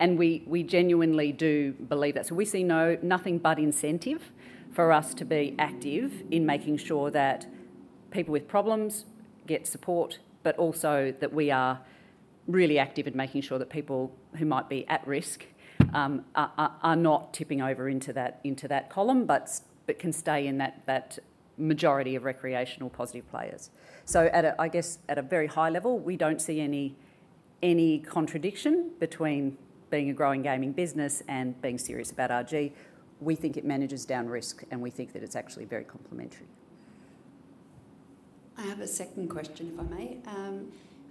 and we genuinely do believe that. So we see nothing but incentive for us to be active in making sure that people with problems get support, but also that we are really active in making sure that people who might be at risk are not tipping over into that column, but can stay in that majority of recreational positive players. So at a very high level, I guess, we don't see any contradiction between being a growing gaming business and being serious about RG. We think it manages down risk, and we think that it's actually very complementary. I have a second question, if I may.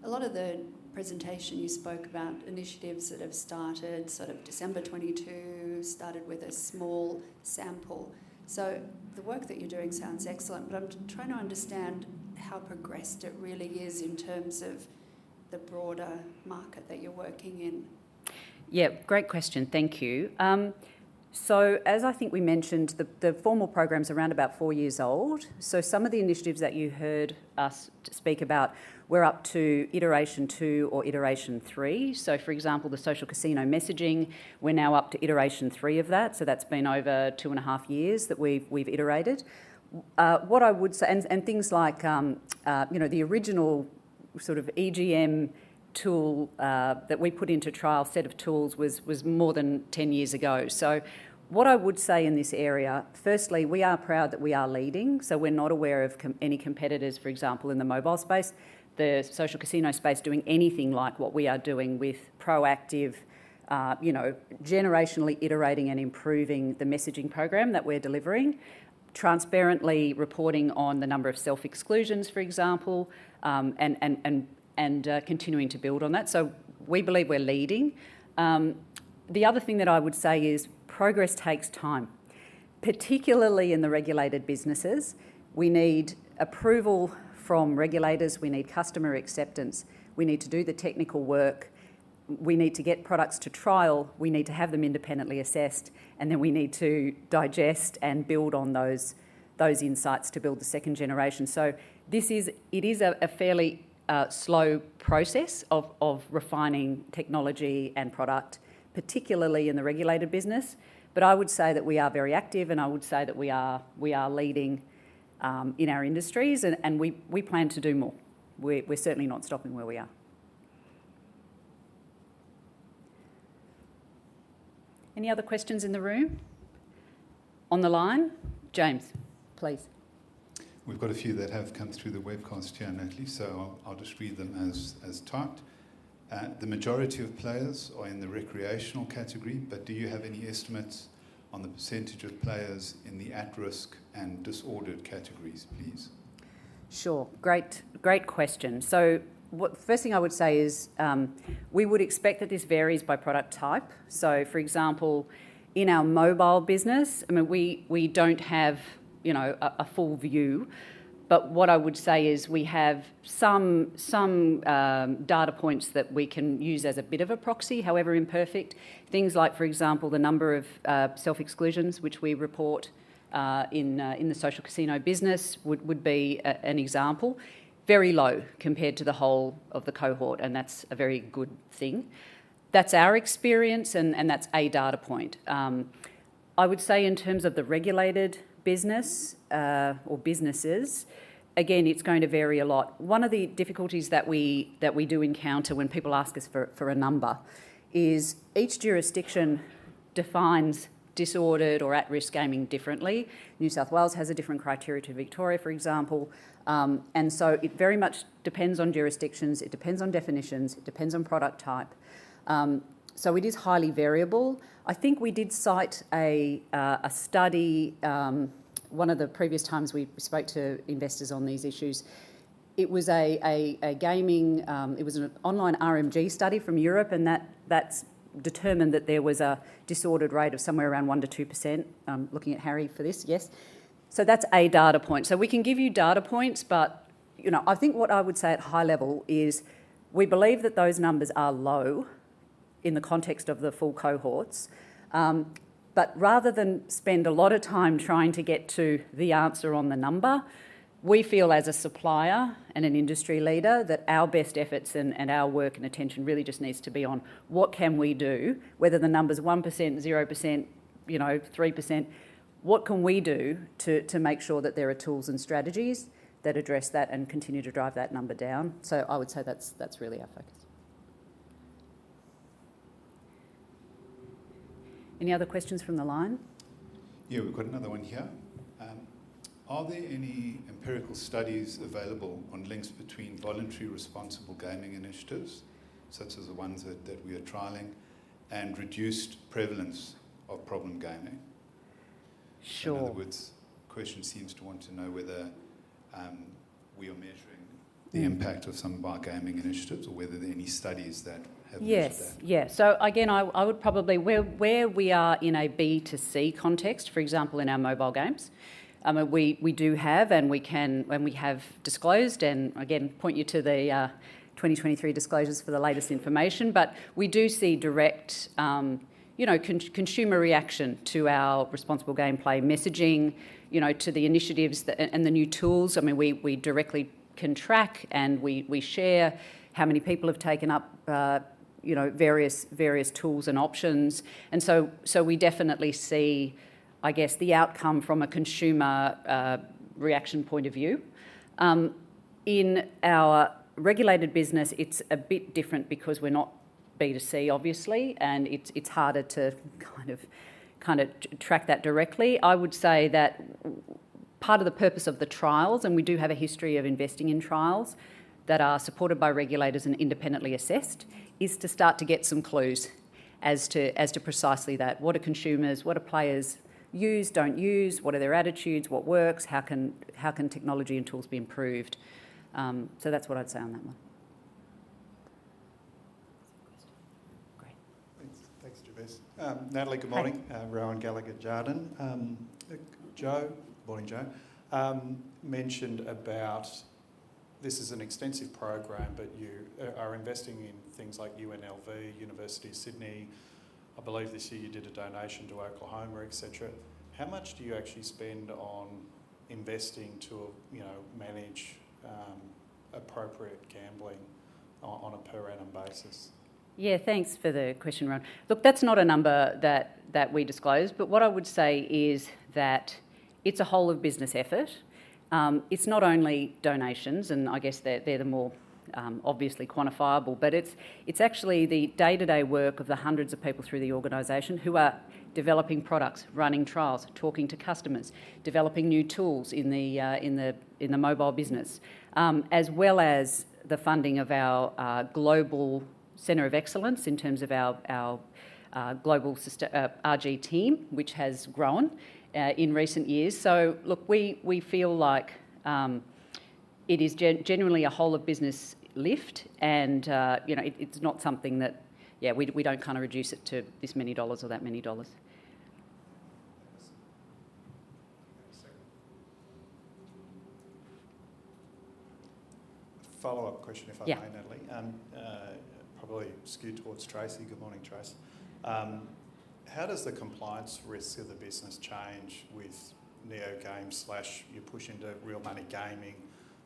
A lot of the presentation you spoke about initiatives that have started, sort of December 2022, started with a small sample. So the work that you're doing sounds excellent, but I'm trying to understand how progressed it really is in terms of the broader market that you're working in. Yeah, great question. Thank you. So as I think we mentioned, the formal program is around about four years old. So some of the initiatives that you heard us speak about, we're up to iteration two or iteration three. So for example, the social casino messaging, we're now up to iteration three of that, so that's been over two and a half years that we've iterated. What I would say, and things like, you know, the original sort of EGM tool that we put into trial, set of tools, was more than 10 years ago. So what I would say in this area, firstly, we are proud that we are leading, so we're not aware of any competitors, for example, in the mobile space, the social casino space, doing anything like what we are doing with proactive, you know, generationally iterating and improving the messaging program that we're delivering. Transparently reporting on the number of self-exclusions, for example, and continuing to build on that. So we believe we're leading. The other thing that I would say is progress takes time, particularly in the regulated businesses. We need approval from regulators, we need customer acceptance, we need to do the technical work, we need to get products to trial, we need to have them independently assessed, and then we need to digest and build on those insights to build the second generation. So this is a fairly slow process of refining technology and product, particularly in the regulated business, but I would say that we are very active, and I would say that we are leading in our industries, and we plan to do more. We're certainly not stopping where we are. Any other questions in the room? On the line? James, please. We've got a few that have come through the webcast here, Natalie, so I'll just read them as typed. "The majority of players are in the recreational category, but do you have any estimates on the percentage of players in the at-risk and disordered categories, please? Sure. Great, great question. So, first thing I would say is, we would expect that this varies by product type. So for example, in our mobile business, I mean, we don't have, you know, a full view, but what I would say is we have some data points that we can use as a bit of a proxy, however imperfect. Things like, for example, the number of self-exclusions, which we report in the social casino business, would be an example. Very low compared to the whole of the cohort, and that's a very good thing. That's our experience, and that's a data point. I would say in terms of the regulated business or businesses, again, it's going to vary a lot. One of the difficulties that we do encounter when people ask us for a number is each jurisdiction defines disordered or at-risk gaming differently. New South Wales has a different criteria to Victoria, for example. So it very much depends on jurisdictions, it depends on definitions, it depends on product type. So it is highly variable. I think we did cite a study one of the previous times we spoke to investors on these issues. It was a gaming, it was an online RMG study from Europe, and that's determined that there was a disordered rate of somewhere around 1%-2%. I'm looking at Harry for this. Yes. So that's a data point. We can give you data points, but, you know, I think what I would say at high level is we believe that those numbers are low in the context of the full cohorts. But rather than spend a lot of time trying to get to the answer on the number, we feel as a supplier and an industry leader, that our best efforts and our work and attention really just needs to be on what can we do, whether the number's 1%, 0%, you know, 3%, what can we do to make sure that there are tools and strategies that address that and continue to drive that number down? So I would say that's really our focus. Any other questions from the line? Yeah, we've got another one here. "Are there any empirical studies available on links between voluntary responsible gaming initiatives, such as the ones that, that we are trialing, and reduced prevalence of problem gaming?... Sure. In other words, question seems to want to know whether we are measuring the impact of some of our gaming initiatives or whether there are any studies that have looked at that? Yes. Yeah. So again, I would probably... Where we are in a B2C context, for example, in our mobile games, we do have, and we can, when we have disclosed, and again, point you to the 2023 disclosures for the latest information. But we do see direct, you know, consumer reaction to our responsible gameplay messaging, you know, to the initiatives that, and the new tools. I mean, we directly can track, and we share how many people have taken up, you know, various tools and options. And so we definitely see, I guess, the outcome from a consumer reaction point of view. In our regulated business, it's a bit different because we're not B2C, obviously, and it's harder to kind of track that directly. I would say that part of the purpose of the trials, and we do have a history of investing in trials that are supported by regulators and independently assessed, is to start to get some clues as to precisely that. What are consumers, what do players use, don't use? What are their attitudes? What works? How can technology and tools be improved? So that's what I'd say on that one. Next question. Great. Thanks. Thanks, James. Natalie, good morning. Hi. Rohan Gallagher, Jarden. Jo, morning, Jo, mentioned about this is an extensive program, but you are investing in things like UNLV, University of Sydney. I believe this year you did a donation to Oklahoma, et cetera. How much do you actually spend on investing to, you know, manage appropriate gambling on a per annum basis? Yeah, thanks for the question, Rohan. Look, that's not a number that we disclose, but what I would say is that it's a whole of business effort. It's not only donations, and I guess they're the more obviously quantifiable, but it's actually the day-to-day work of the hundreds of people through the organization who are developing products, running trials, talking to customers, developing new tools in the mobile business. As well as the funding of our global center of excellence in terms of our global RG team, which has grown in recent years. So look, we feel like it is generally a whole of business lift and, you know, it, it's not something that... Yeah, we don't kind of reduce it to this many dollars or that many dollars. Thanks. We have a second follow-up question, if I may, Natalie. Yeah. Probably skewed towards Tracey. Good morning, Tracey. How does the compliance risks of the business change with NeoGames you push into real money gaming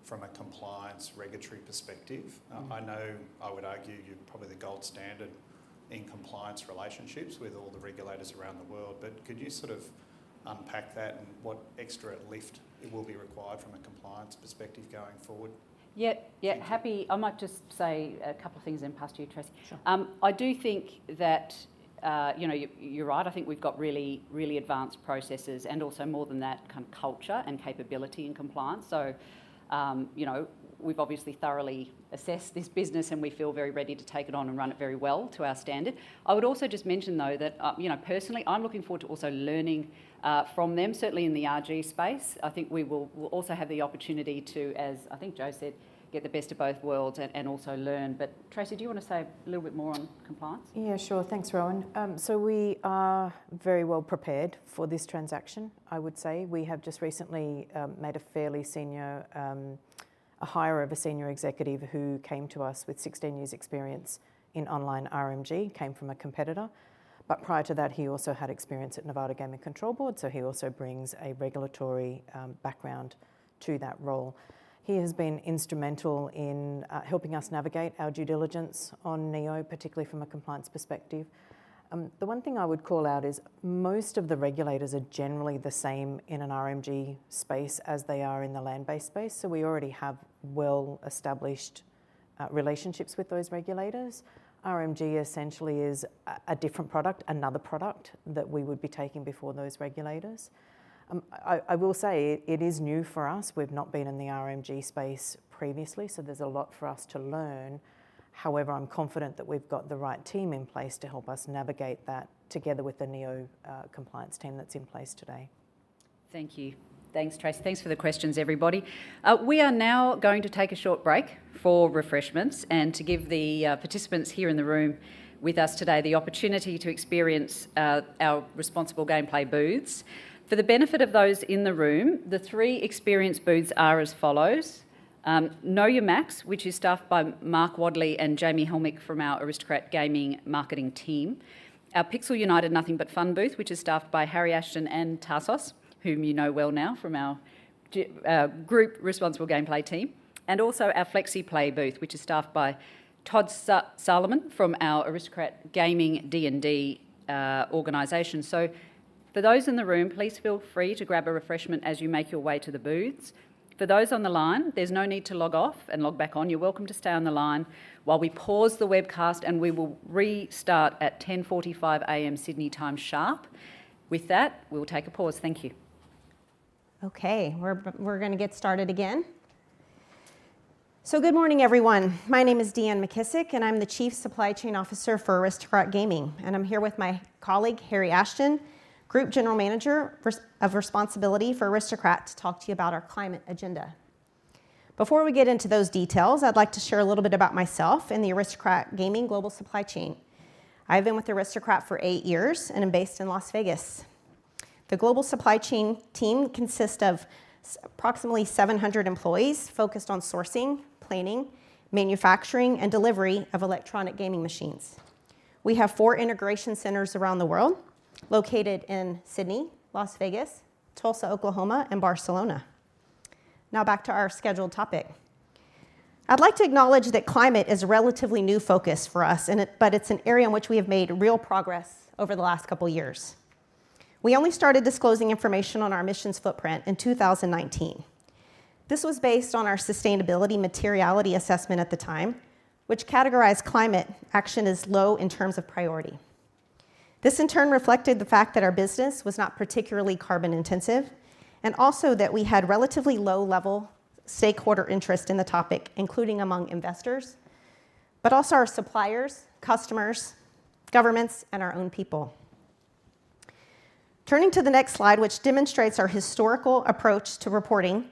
from a compliance regulatory perspective? I know I would argue you're probably the gold standard in compliance relationships with all the regulators around the world, but could you sort of unpack that and what extra lift will be required from a compliance perspective going forward? Yeah. Yeah, happy... I might just say a couple of things, then pass to you, Tracey. Sure. I do think that, you know, you're, you're right. I think we've got really, really advanced processes, and also more than that, kind of culture and capability in compliance. You know, we've obviously thoroughly assessed this business, and we feel very ready to take it on and run it very well to our standard. I would also just mention, though, that, you know, personally, I'm looking forward to also learning from them, certainly in the RG space. I think we will, we'll also have the opportunity to, as I think Jo said, get the best of both worlds and, and also learn. But, Tracey, do you want to say a little bit more on compliance? Yeah, sure. Thanks, Rohan. So we are very well prepared for this transaction. I would say we have just recently made a fairly senior hire of a senior executive who came to us with 16 years' experience in online RMG, came from a competitor. But prior to that, he also had experience at Nevada Gaming Control Board, so he also brings a regulatory background to that role. He has been instrumental in helping us navigate our due diligence on Neo, particularly from a compliance perspective. The one thing I would call out is most of the regulators are generally the same in an RMG space as they are in the land-based space, so we already have well-established relationships with those regulators. RMG essentially is a different product, another product that we would be taking before those regulators. I will say it is new for us. We've not been in the RMG space previously, so there's a lot for us to learn. However, I'm confident that we've got the right team in place to help us navigate that together with the Neo compliance team that's in place today. Thank you. Thanks, Tracey. Thanks for the questions, everybody. We are now going to take a short break for refreshments and to give the participants here in the room with us today the opportunity to experience our responsible gameplay booths. For the benefit of those in the room, the three experience booths are as follows: Know Your Max, which is staffed by Mark Wadley and Jamie Helmick from our Aristocrat Gaming marketing team; our Pixel United Nothing But Fun booth, which is staffed by Harry Ashton and Tassos, whom you know well now from our group responsible gameplay team; and also our FlexiPlay booth, which is staffed by Todd Solomon from our Aristocrat Gaming D&D organization. So for those in the room, please feel free to grab a refreshment as you make your way to the booths. For those on the line, there's no need to log off and log back on. You're welcome to stay on the line while we pause the webcast, and we will restart at 10:45 A.M. Sydney time sharp. With that, we'll take a pause. Thank you. Okay, we're gonna get started again. So good morning, everyone. My name is Deanne McKissick, and I'm the Chief Supply Chain Officer for Aristocrat Gaming, and I'm here with my colleague, Harry Ashton, Group General Manager of Responsibility for Aristocrat, to talk to you about our climate agenda. Before we get into those details, I'd like to share a little bit about myself and the Aristocrat Gaming global supply chain. I've been with Aristocrat for eight years, and I'm based in Las Vegas. The global supply chain team consists of approximately 700 employees focused on sourcing, planning, manufacturing, and delivery of electronic gaming machines. We have 4 integration centers around the world, located in Sydney, Las Vegas, Tulsa, Oklahoma, and Barcelona. Now, back to our scheduled topic. I'd like to acknowledge that climate is a relatively new focus for us, and, but it's an area in which we have made real progress over the last couple of years. We only started disclosing information on our emissions footprint in 2019. This was based on our sustainability materiality assessment at the time, which categorized climate action as low in terms of priority. This, in turn, reflected the fact that our business was not particularly carbon-intensive, and also that we had relatively low-level stakeholder interest in the topic, including among investors, but also our suppliers, customers, governments, and our own people. Turning to the next slide, which demonstrates our historical approach to reporting,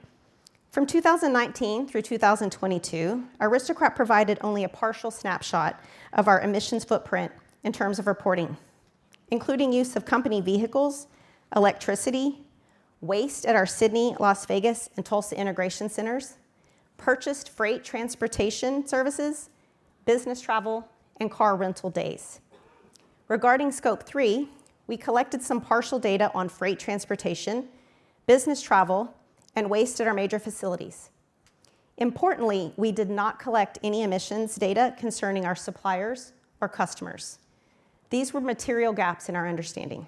from 2019 through 2022, Aristocrat provided only a partial snapshot of our emissions footprint in terms of reporting, including use of company vehicles, electricity, waste at our Sydney, Las Vegas, and Tulsa integration centers, purchased freight transportation services, business travel, and car rental days. Regarding Scope 3, we collected some partial data on freight transportation, business travel, and waste at our major facilities. Importantly, we did not collect any emissions data concerning our suppliers or customers. These were material gaps in our understanding.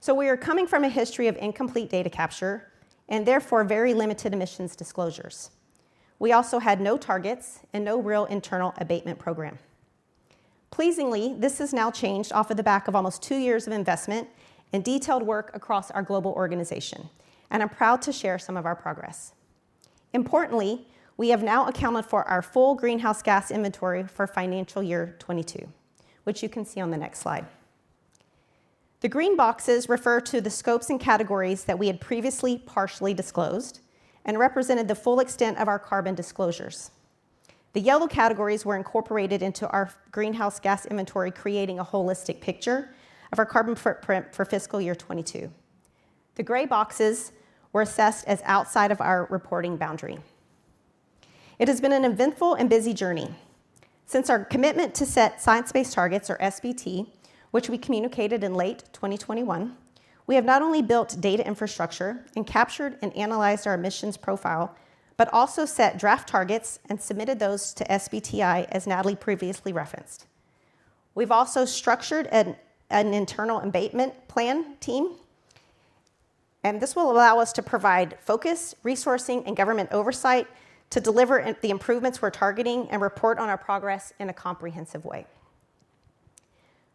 So we are coming from a history of incomplete data capture and therefore very limited emissions disclosures. We also had no targets and no real internal abatement program. Pleasingly, this has now changed off of the back of almost two years of investment and detailed work across our global organization, and I'm proud to share some of our progress. Importantly, we have now accounted for our full greenhouse gas inventory for financial year 2022, which you can see on the next slide. The green boxes refer to the scopes and categories that we had previously partially disclosed and represented the full extent of our carbon disclosures. The yellow categories were incorporated into our greenhouse gas inventory, creating a holistic picture of our carbon footprint for fiscal year 2022. The gray boxes were assessed as outside of our reporting boundary. It has been an eventful and busy journey. Since our commitment to set science-based targets, or SBT, which we communicated in late 2021, we have not only built data infrastructure and captured and analyzed our emissions profile, but also set draft targets and submitted those to SBTi, as Natalie previously referenced. We've also structured an internal abatement plan team, and this will allow us to provide focus, resourcing, and government oversight to deliver in the improvements we're targeting and report on our progress in a comprehensive way.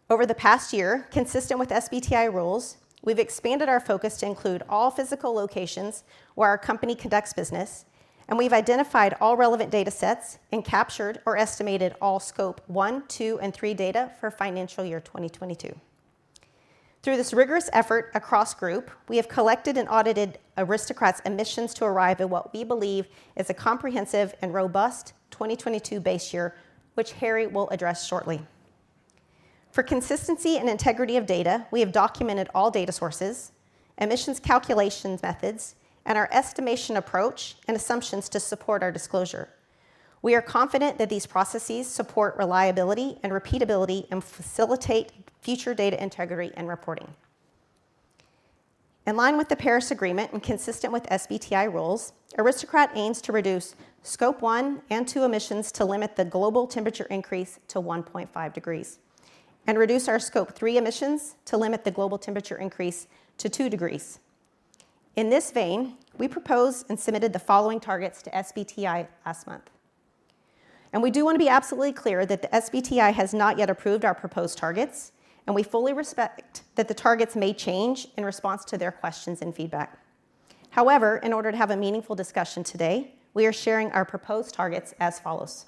Over the past year, consistent with SBTi rules, we've expanded our focus to include all physical locations where our company conducts business, and we've identified all relevant datasets and captured or estimated all Scope 1, 2, and 3 data for financial year 2022. Through this rigorous effort across Group, we have collected and audited Aristocrat's emissions to arrive at what we believe is a comprehensive and robust 2022 base year, which Harry will address shortly. For consistency and integrity of data, we have documented all data sources, emissions calculations methods, and our estimation approach and assumptions to support our disclosure. We are confident that these processes support reliability and repeatability and facilitate future data integrity and reporting. In line with the Paris Agreement and consistent with SBTi rules, Aristocrat aims to reduce Scope 1 and 2 emissions to limit the global temperature increase to 1.5 degrees and reduce our Scope 3 emissions to limit the global temperature increase to 2 degrees. In this vein, we proposed and submitted the following targets to SBTi last month. We do want to be absolutely clear that the SBTi has not yet approved our proposed targets, and we fully respect that the targets may change in response to their questions and feedback. However, in order to have a meaningful discussion today, we are sharing our proposed targets as follows: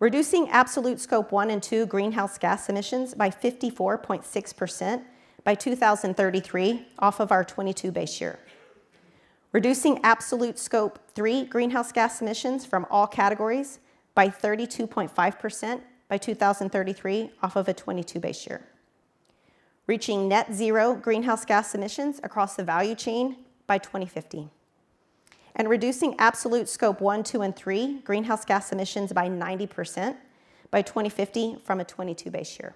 reducing absolute Scope 1 and 2 greenhouse gas emissions by 54.6% by 2033 off of our 2022 base year. Reducing absolute Scope 3 greenhouse gas emissions from all categories by 32.5% by 2033 off of a 2022 base year. Reaching net zero greenhouse gas emissions across the value chain by 2050, and reducing absolute Scope 1, 2, and 3 greenhouse gas emissions by 90% by 2050 from a 2022 base year.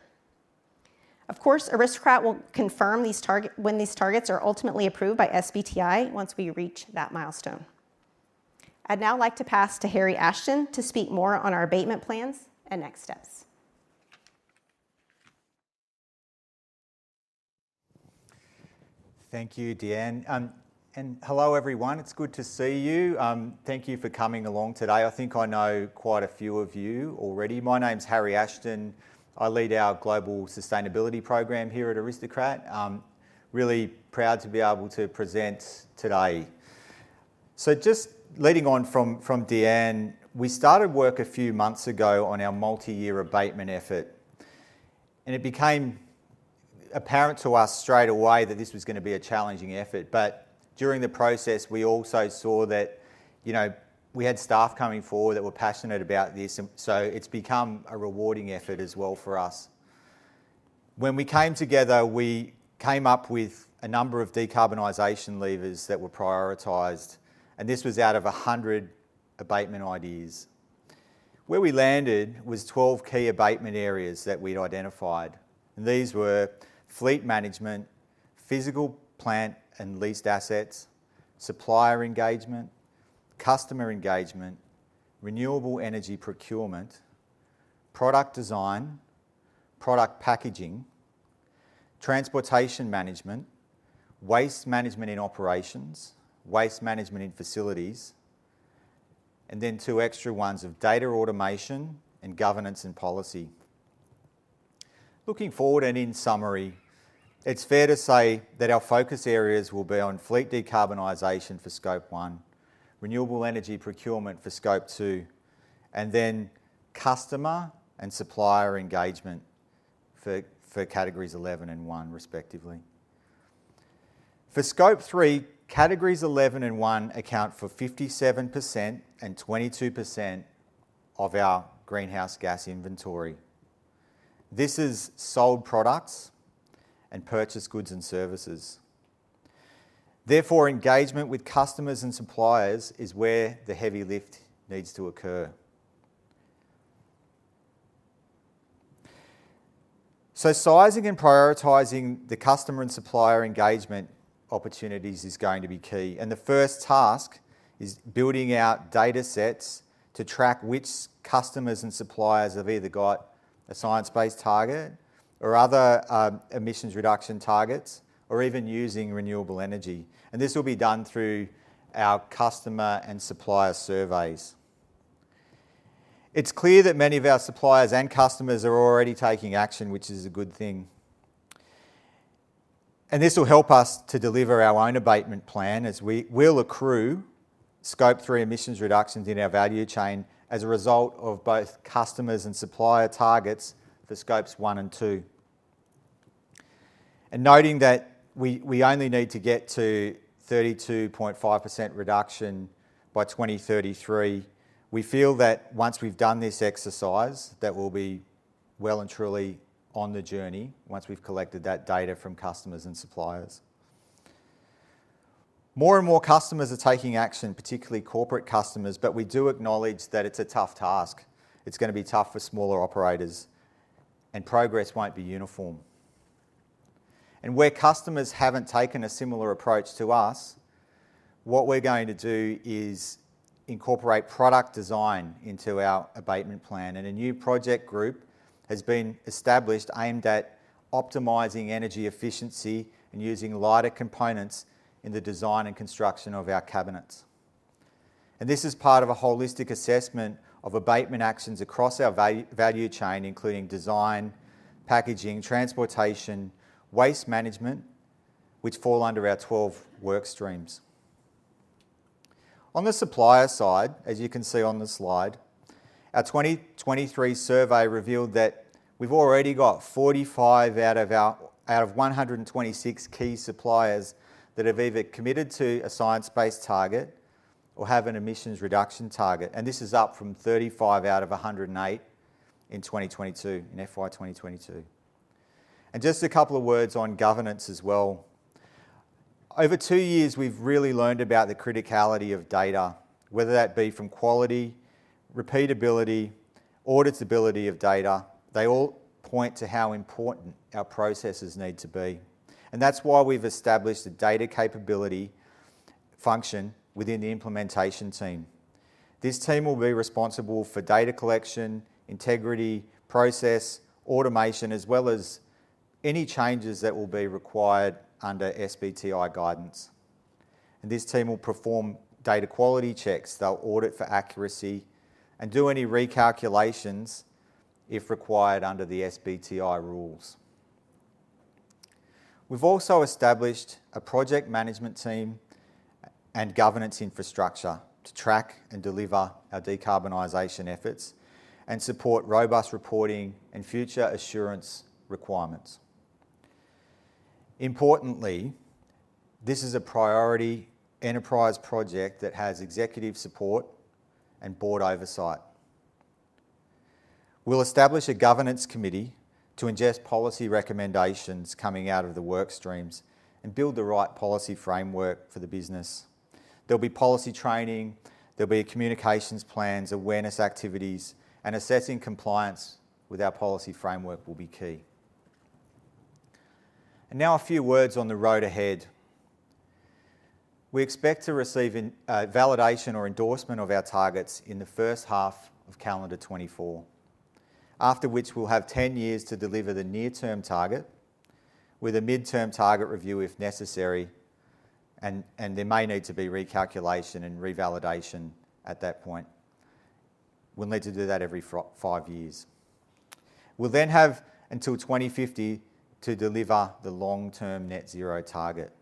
Of course, Aristocrat will confirm these targets when these targets are ultimately approved by SBTi once we reach that milestone. I'd now like to pass to Harry Ashton to speak more on our abatement plans and next steps. Thank you, Deanne, and hello, everyone. It's good to see you. Thank you for coming along today. I think I know quite a few of you already. My name's Harry Ashton. I lead our global sustainability program here at Aristocrat. Really proud to be able to present today. So just leading on from, from Deanne, we started work a few months ago on our multi-year abatement effort, and it became apparent to us straight away that this was gonna be a challenging effort. But during the process, we also saw that, you know, we had staff coming forward that were passionate about this, and so it's become a rewarding effort as well for us. When we came together, we came up with a number of decarbonization levers that were prioritized, and this was out of 100 abatement ideas. Where we landed was 12 key abatement areas that we'd identified, and these were: fleet management, physical plant and leased assets, supplier engagement, customer engagement, renewable energy procurement, product design, product packaging, transportation management, waste management in operations, waste management in facilities, and then two extra ones of data automation and governance and policy. Looking forward, and in summary, it's fair to say that our focus areas will be on fleet decarbonization for Scope 1, renewable energy procurement for Scope 2, and then customer and supplier engagement for, for categories 11 and 1, respectively. For Scope 3, categories 11 and 1 account for 57% and 22% of our greenhouse gas inventory. This is sold products and purchased goods and services. Therefore, engagement with customers and suppliers is where the heavy lift needs to occur. So sizing and prioritizing the customer and supplier engagement opportunities is going to be key, and the first task is building out data sets to track which customers and suppliers have either got a science-based target or other, emissions reduction targets, or even using renewable energy, and this will be done through our customer and supplier surveys. It's clear that many of our suppliers and customers are already taking action, which is a good thing. This will help us to deliver our own abatement plan, as we will accrue Scope 3 emissions reductions in our value chain as a result of both customers' and supplier targets for Scopes 1 and 2. Noting that we only need to get to 32.5% reduction by 2033, we feel that once we've done this exercise, that we'll be well and truly on the journey, once we've collected that data from customers and suppliers. More and more customers are taking action, particularly corporate customers, but we do acknowledge that it's a tough task. It's gonna be tough for smaller operators, and progress won't be uniform. Where customers haven't taken a similar approach to us, what we're going to do is incorporate product design into our abatement plan. A new project group has been established, aimed at optimizing energy efficiency and using lighter components in the design and construction of our cabinets. This is part of a holistic assessment of abatement actions across our value, value chain, including design, packaging, transportation, waste management, which fall under our 12 work streams. On the supplier side, as you can see on the slide, our 2023 survey revealed that we've already got 45 out of our out of 126 key suppliers that have either committed to a science-based target or have an emissions reduction target, and this is up from 35 out of a 108 in 2022, in FY 2022. Just a couple of words on governance as well. Over two years, we've really learned about the criticality of data, whether that be from quality, repeatability, auditability of data. They all point to how important our processes need to be, and that's why we've established a data capability function within the implementation team. This team will be responsible for data collection, integrity, process, automation, as well as any changes that will be required under SBTi guidance. This team will perform data quality checks. They'll audit for accuracy and do any recalculations if required under the SBTi rules. We've also established a project management team and governance infrastructure to track and deliver our decarbonization efforts and support robust reporting and future assurance requirements. Importantly, this is a priority enterprise project that has executive support and board oversight. We'll establish a governance committee to ingest policy recommendations coming out of the work streams and build the right policy framework for the business. There'll be policy training, there'll be communications plans, awareness activities, and assessing compliance with our policy framework will be key. Now a few words on the road ahead. We expect to receive validation or endorsement of our targets in the first half of calendar 2024, after which we'll have 10 years to deliver the near-term target with a mid-term target review, if necessary, and there may need to be recalculation and revalidation at that point. We'll need to do that every 5 years. We'll then have until 2050 to deliver the long-term net zero target.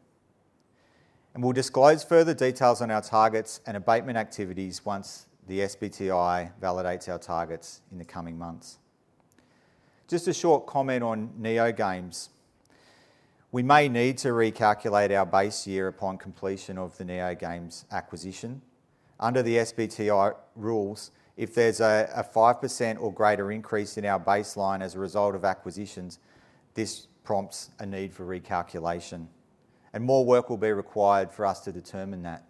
We'll disclose further details on our targets and abatement activities once the SBTi validates our targets in the coming months. Just a short comment on NeoGames. We may need to recalculate our base year upon completion of the NeoGames acquisition. Under the SBTi rules, if there's a five percent or greater increase in our baseline as a result of acquisitions, this prompts a need for recalculation, and more work will be required for us to determine that.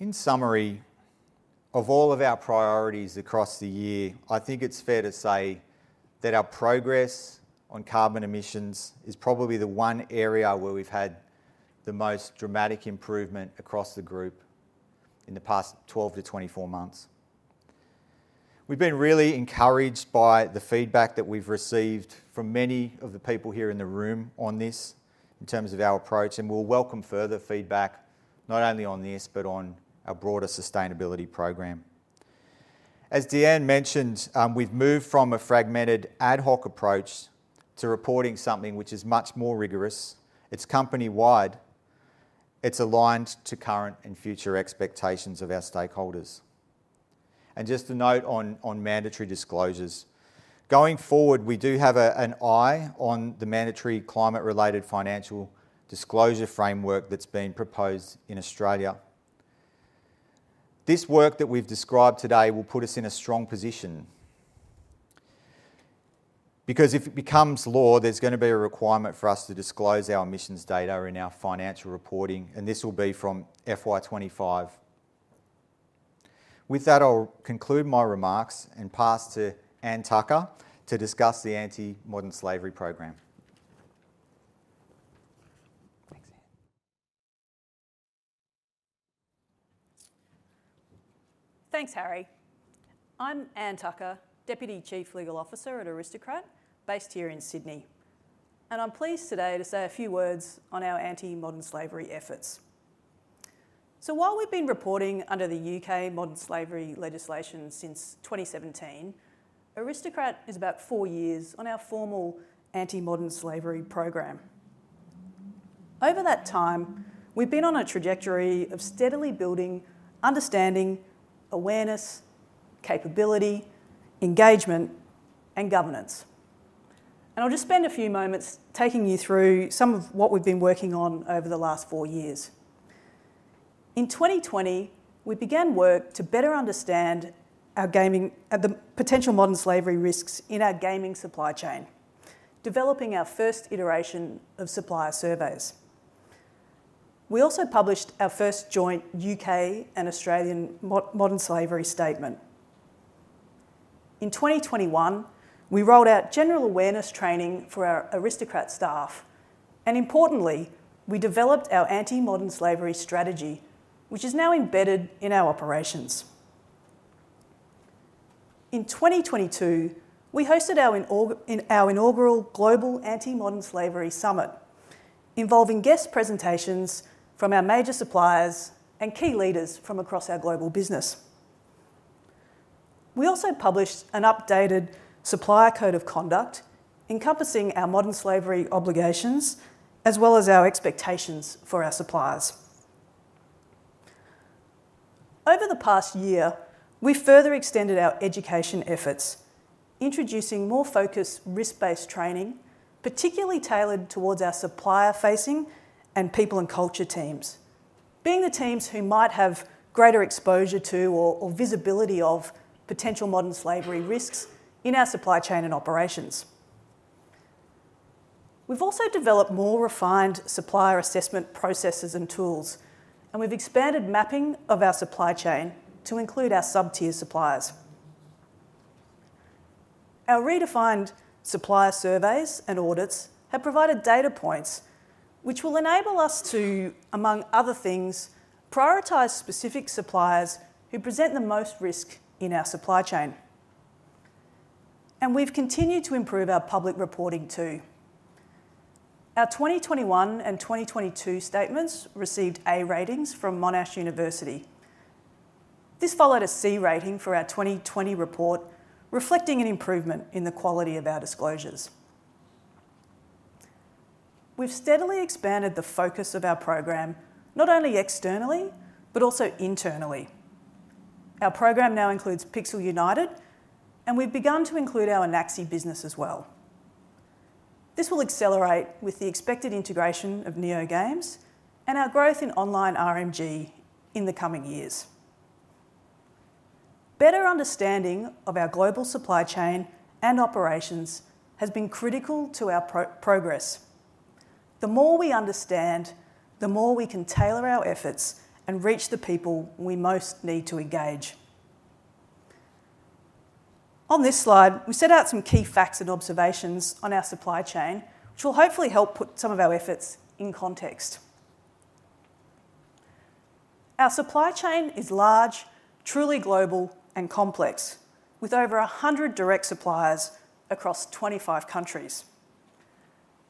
In summary, of all of our priorities across the year, I think it's fair to say that our progress on carbon emissions is probably the one area where we've had the most dramatic improvement across the group in the past 12-24 months. We've been really encouraged by the feedback that we've received from many of the people here in the room on this, in terms of our approach, and we'll welcome further feedback, not only on this, but on our broader sustainability program. As Deanne mentioned, we've moved from a fragmented ad hoc approach to reporting something which is much more rigorous. It's company-wide, it's aligned to current and future expectations of our stakeholders. Just a note on mandatory disclosures. Going forward, we do have an eye on the mandatory climate-related financial disclosure framework that's been proposed in Australia. This work that we've described today will put us in a strong position. Because if it becomes law, there's gonna be a requirement for us to disclose our emissions data in our financial reporting, and this will be from FY 2025. With that, I'll conclude my remarks and pass to Anne Tucker to discuss the Anti-Modern Slavery program. Thanks, Anne. Thanks, Harry. I'm Anne Tucker, Deputy Chief Legal Officer at Aristocrat, based here in Sydney, and I'm pleased today to say a few words on our anti-modern slavery efforts. So while we've been reporting under the UK Modern Slavery legislation since 2017, Aristocrat is about four years on our formal Anti-Modern Slavery program. Over that time, we've been on a trajectory of steadily building, understanding, awareness, capability, engagement, and governance. And I'll just spend a few moments taking you through some of what we've been working on over the last four years. In 2020, we began work to better understand our gaming supply chain, developing our first iteration of supplier surveys. We also published our first joint UK and Australian Modern Slavery Statement. In 2021, we rolled out general awareness training for our Aristocrat staff, and importantly, we developed our anti-modern slavery strategy, which is now embedded in our operations. In 2022, we hosted our inaugural Global Anti-Modern Slavery Summit, involving guest presentations from our major suppliers and key leaders from across our global business. We also published an updated Supplier Code of Conduct, encompassing our modern slavery obligations, as well as our expectations for our suppliers. Over the past year, we've further extended our education efforts, introducing more focused risk-based training, particularly tailored towards our supplier-facing and people and culture teams, being the teams who might have greater exposure to or visibility of potential modern slavery risks in our supply chain and operations. We've also developed more refined supplier assessment processes and tools, and we've expanded mapping of our supply chain to include our sub-tier suppliers. Our redefined supplier surveys and audits have provided data points which will enable us to, among other things, prioritize specific suppliers who present the most risk in our supply chain. We've continued to improve our public reporting, too. Our 2021 and 2022 statements received A ratings from Monash University. This followed a C rating for our 2020 report, reflecting an improvement in the quality of our disclosures. We've steadily expanded the focus of our program, not only externally, but also internally. Our program now includes Pixel United, and we've begun to include our Anaxi business as well. This will accelerate with the expected integration of NeoGames and our growth in online RMG in the coming years. Better understanding of our global supply chain and operations has been critical to our progress. The more we understand, the more we can tailor our efforts and reach the people we most need to engage. On this slide, we set out some key facts and observations on our supply chain, which will hopefully help put some of our efforts in context. Our supply chain is large, truly global and complex, with over 100 direct suppliers across 25 countries.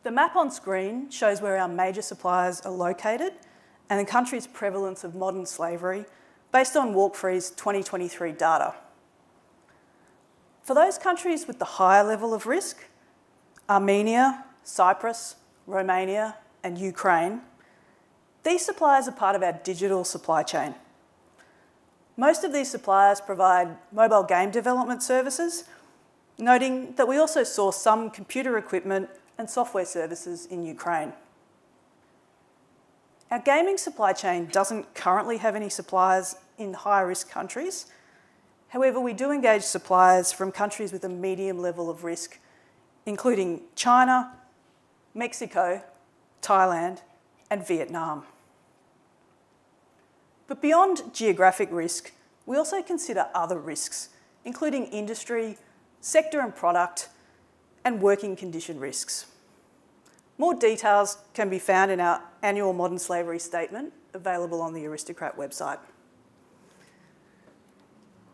The map on screen shows where our major suppliers are located and the country's prevalence of modern slavery based on Walk Free's 2023 data. For those countries with the higher level of risk, Armenia, Cyprus, Romania, and Ukraine, these suppliers are part of our digital supply chain. Most of these suppliers provide mobile game development services, noting that we also saw some computer equipment and software services in Ukraine. Our gaming supply chain doesn't currently have any suppliers in high-risk countries. However, we do engage suppliers from countries with a medium level of risk, including China, Mexico, Thailand, and Vietnam. But beyond geographic risk, we also consider other risks, including industry, sector and product, and working condition risks. More details can be found in our annual Modern Slavery Statement, available on the Aristocrat website.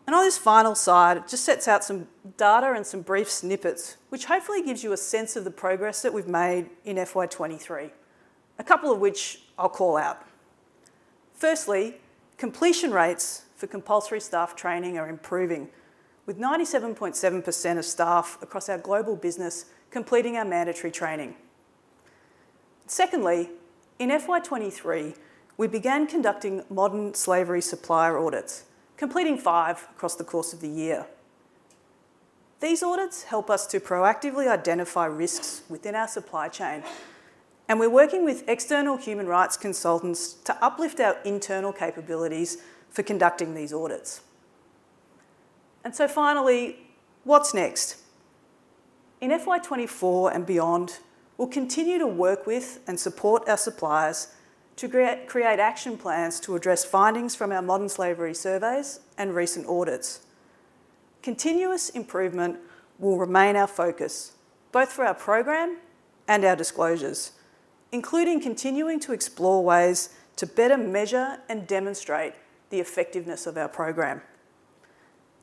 On this final slide, it just sets out some data and some brief snippets, which hopefully gives you a sense of the progress that we've made in FY 2023, a couple of which I'll call out. Firstly, completion rates for compulsory staff training are improving, with 97.7% of staff across our global business completing our mandatory training. Secondly, in FY 2023, we began conducting modern slavery supplier audits, completing 5 across the course of the year. These audits help us to proactively identify risks within our supply chain, and we're working with external human rights consultants to uplift our internal capabilities for conducting these audits. And so finally, what's next? In FY 2024 and beyond, we'll continue to work with and support our suppliers to create action plans to address findings from our modern slavery surveys and recent audits. Continuous improvement will remain our focus, both for our program and our disclosures, including continuing to explore ways to better measure and demonstrate the effectiveness of our program.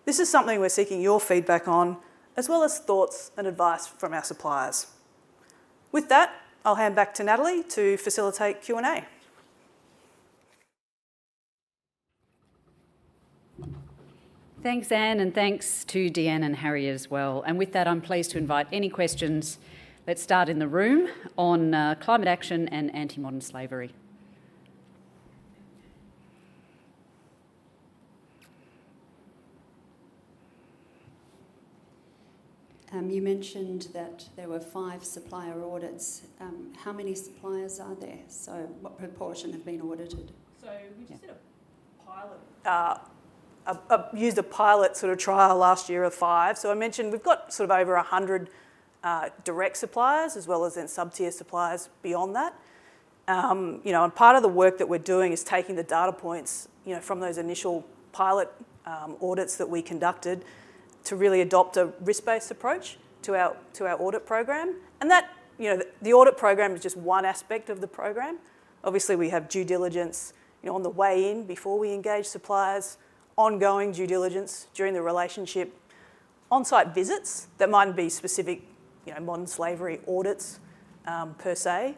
This is something we're seeking your feedback on, as well as thoughts and advice from our suppliers. With that, I'll hand back to Natalie to facilitate Q&A. Thanks, Anne, and thanks to Deanne and Harry as well. And with that, I'm pleased to invite any questions. Let's start in the room on climate action and anti-modern slavery. You mentioned that there were five supplier audits. How many suppliers are there? So what proportion have been audited? So we just used a pilot sort of trial last year of 5. So I mentioned we've got sort of over 100 direct suppliers as well as then sub-tier suppliers beyond that. You know, and part of the work that we're doing is taking the data points, you know, from those initial pilot audits that we conducted to really adopt a risk-based approach to our audit program. And that, you know, the audit program is just one aspect of the program. Obviously, we have due diligence, you know, on the way in before we engage suppliers, ongoing due diligence during the relationship, on-site visits that mightn't be specific, you know, modern slavery audits, per se.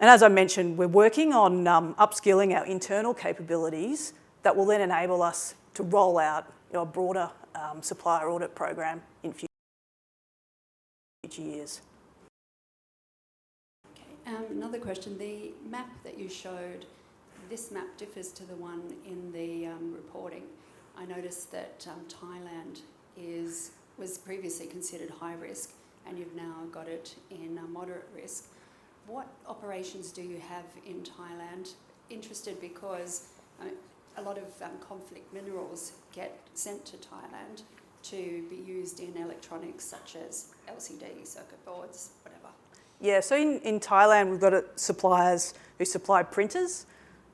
As I mentioned, we're working on upskilling our internal capabilities that will then enable us to roll out, you know, a broader supplier audit program in future years. Okay, another question: the map that you showed, this map differs to the one in the reporting. I noticed that Thailand was previously considered high risk, and you've now got it in moderate risk. What operations do you have in Thailand? Interested because a lot of conflict minerals get sent to Thailand to be used in electronics such as LCD circuit boards, whatever. Yeah. So in Thailand, we've got suppliers who supply printers,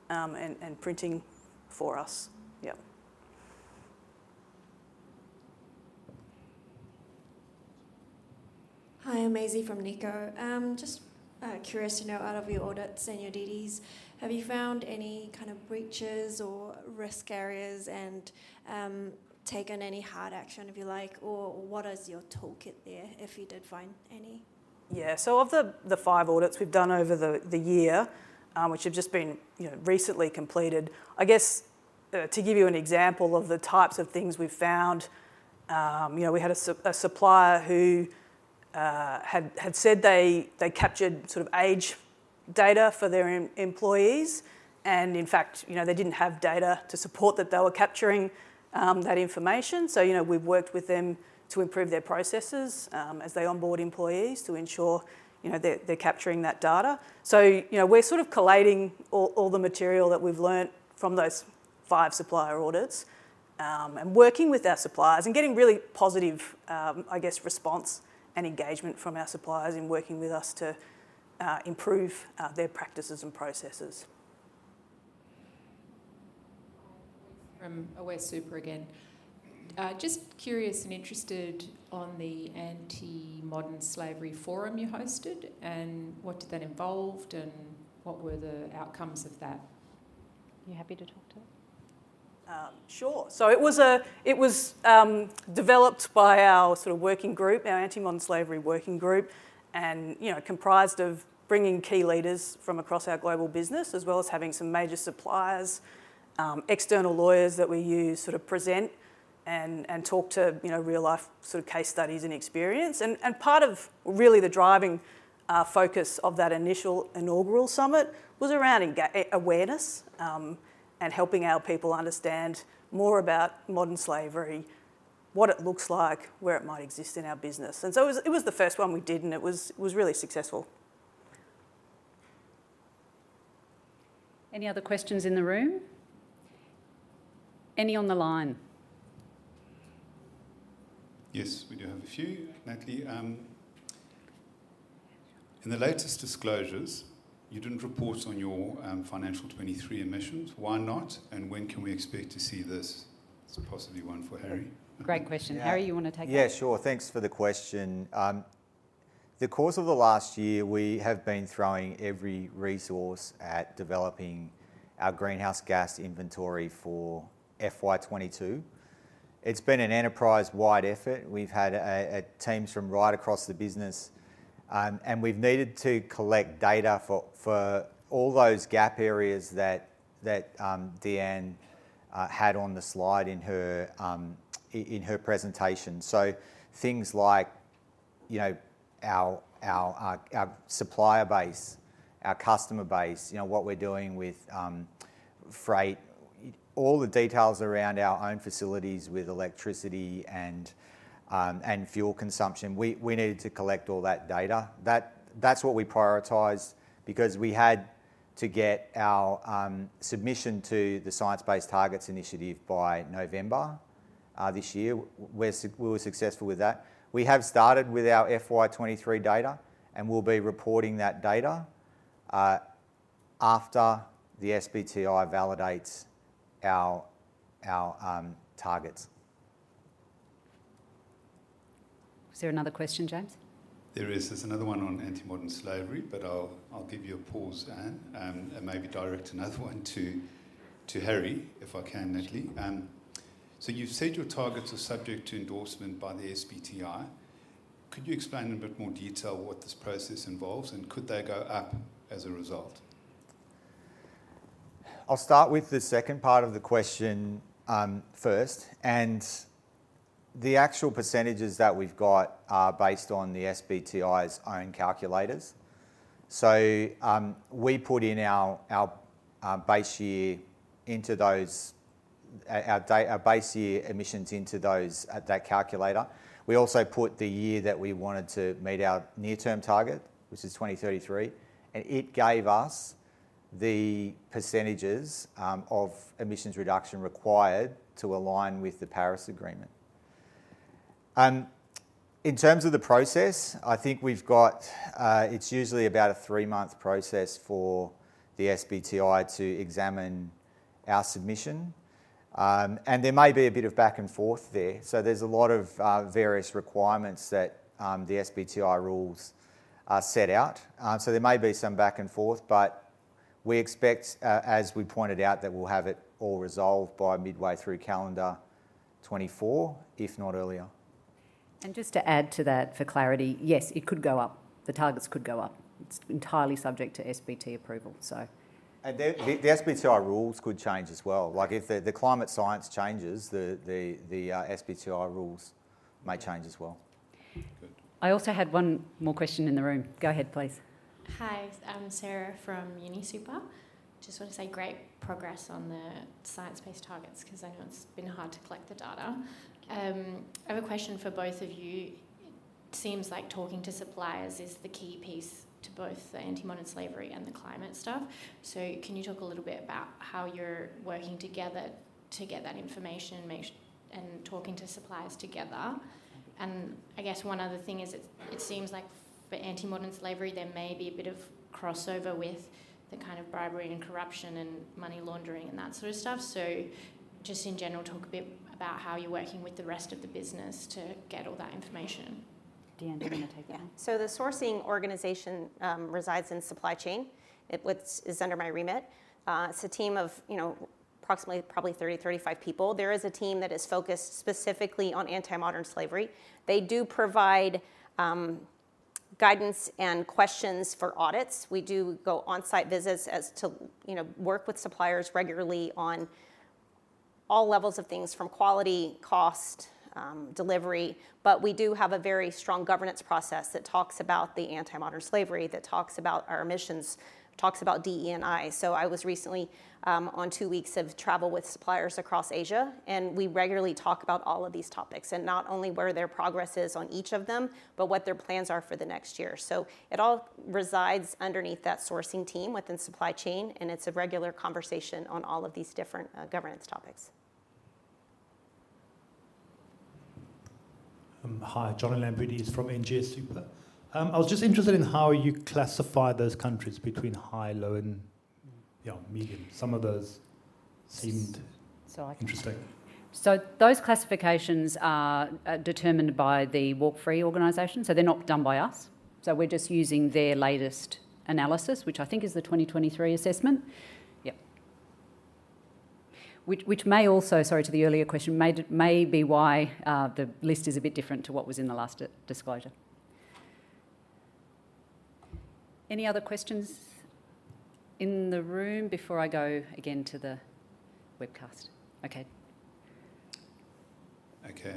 and printing for us. Yep. Hi, I'm Maisie from Nikko. Just curious to know, out of your audits and your DDs, have you found any kind of breaches or risk areas and taken any hard action, if you like, or what is your toolkit there, if you did find any? Yeah. So of the five audits we've done over the year, which have just been, you know, recently completed, I guess, to give you an example of the types of things we've found, you know, we had a supplier who had said they captured sort of age data for their employees, and in fact, you know, they didn't have data to support that they were capturing that information. So, you know, we've worked with them to improve their processes as they onboard employees to ensure, you know, they're capturing that data. So, you know, we're sort of collating all the material that we've learned from those five supplier audits, and working with our suppliers and getting really positive, I guess, response and engagement from our suppliers in working with us to improve their practices and processes. From Aware Super again. Just curious and interested on the anti-modern slavery forum you hosted, and what did that involved, and what were the outcomes of that? You happy to talk to her? Sure. So it was developed by our sort of working group, our Anti-Modern Slavery working group, and, you know, comprised of bringing key leaders from across our global business, as well as having some major suppliers, external lawyers that we use, sort of present and talk to, you know, real-life sort of case studies and experience. And part of really the driving focus of that initial inaugural summit was around awareness, and helping our people understand more about modern slavery, what it looks like, where it might exist in our business. And so it was the first one we did, and it was really successful. Any other questions in the room? Any on the line? Yes, we do have a few, Natalie. In the latest disclosures, you didn't report on your financial 23 emissions. Why not? And when can we expect to see this? It's possibly one for Harry. Great question. Yeah. Harry, you want to take that? Yeah, sure. Thanks for the question. In the course of the last year, we have been throwing every resource at developing our greenhouse gas inventory for FY 2022. It's been an enterprise-wide effort. We've had teams from right across the business, and we've needed to collect data for all those gap areas that Deanne had on the slide in her presentation. So things like, you know, our supplier base, our customer base, you know, what we're doing with freight, all the details around our own facilities with electricity and fuel consumption. We needed to collect all that data. That's what we prioritized, because we had to get our submission to the Science Based Targets initiative by November this year. We were successful with that. We have started with our FY23 data, and we'll be reporting that data after the SBTi validates our targets. Is there another question, James? There is. There's another one on anti-modern slavery, but I'll give you a pause, Anne, and maybe direct another one to Harry, if I can, Natalie. So you've said your targets are subject to endorsement by the SBTi. Could you explain in a bit more detail what this process involves, and could they go up as a result? I'll start with the second part of the question, first, and the actual percentages that we've got are based on the SBTi's own calculators. So, we put in our base year emissions into those that calculator. We also put the year that we wanted to meet our near-term target, which is 2033, and it gave us the percentages of emissions reduction required to align with the Paris Agreement. In terms of the process, I think it's usually about a three-month process for the SBTi to examine our submission. And there may be a bit of back and forth there. So there's a lot of various requirements that the SBTi rules set out. There may be some back and forth, but we expect, as we pointed out, that we'll have it all resolved by midway through calendar 2024, if not earlier. Just to add to that, for clarity, yes, it could go up. The targets could go up. It's entirely subject to SBT approval, so. The SBTi rules could change as well. Like, if the SBTi rules may change as well. Good. I also had one more question in the room. Go ahead, please. Hi, I'm Sarah from UniSuper. Just want to say great progress on the science-based targets, 'cause I know it's been hard to collect the data. I have a question for both of you. It seems like talking to suppliers is the key piece to both the anti-modern slavery and the climate stuff. So can you talk a little bit about how you're working together to get that information, make sure, and talking to suppliers together? And I guess one other thing is, it seems like for anti-modern slavery, there may be a bit of crossover with the kind of bribery and corruption and money laundering and that sort of stuff. So just in general, talk a bit about how you're working with the rest of the business to get all that information. Deanne, do you want to take that? Yeah. So the sourcing organization resides in supply chain. It, which is under my remit. It's a team of, you know, approximately probably 30, 35 people. There is a team that is focused specifically on anti-modern slavery. They do provide guidance and questions for audits. We do go on-site visits as to, you know, work with suppliers regularly on all levels of things, from quality, cost, delivery. But we do have a very strong governance process that talks about the anti-modern slavery, that talks about our emissions, talks about DE and I. So I was recently on two weeks of travel with suppliers across Asia, and we regularly talk about all of these topics, and not only where their progress is on each of them, but what their plans are for the next year. It all resides underneath that sourcing team within supply chain, and it's a regular conversation on all of these different governance topics. Hi, John Lamputis from NGS Super. I was just interested in how you classify those countries between high, low, and, yeah, medium. Some of those seemed- So I can-... interesting.... So those classifications are determined by the Walk Free organization, so they're not done by us. So we're just using their latest analysis, which I think is the 2023 assessment. Yep. Which may also, sorry, to the earlier question, may be why the list is a bit different to what was in the last disclosure. Any other questions in the room before I go again to the webcast? Okay. Okay,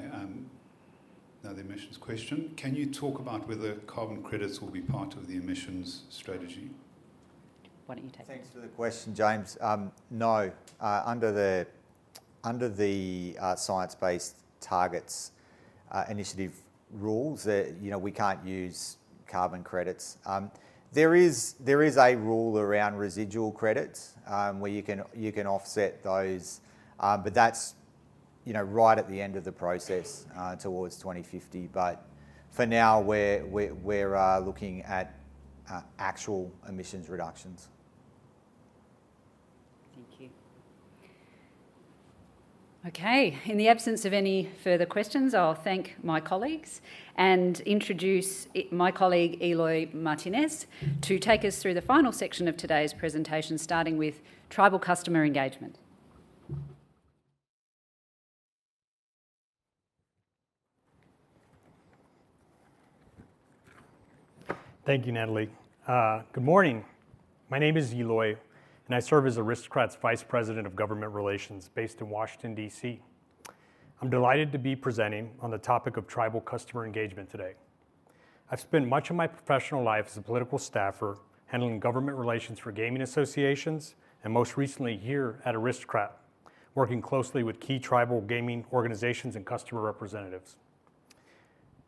now the emissions question: Can you talk about whether carbon credits will be part of the emissions strategy? Why don't you take that? Thanks for the question, James. No, under the science-based targets initiative rules, you know, we can't use carbon credits. There is a rule around residual credits, where you can offset those, but that's, you know, right at the end of the process, towards 2050. But for now, we're looking at actual emissions reductions. Thank you. Okay, in the absence of any further questions, I'll thank my colleagues and introduce my colleague, Eloy Martinez, to take us through the final section of today's presentation, starting with tribal customer engagement. Thank you, Natalie. Good morning. My name is Eloy, and I serve as Aristocrat's Vice President of Government Relations based in Washington, D.C. I'm delighted to be presenting on the topic of tribal customer engagement today. I've spent much of my professional life as a political staffer, handling government relations for gaming associations, and most recently here at Aristocrat, working closely with key tribal gaming organizations and customer representatives.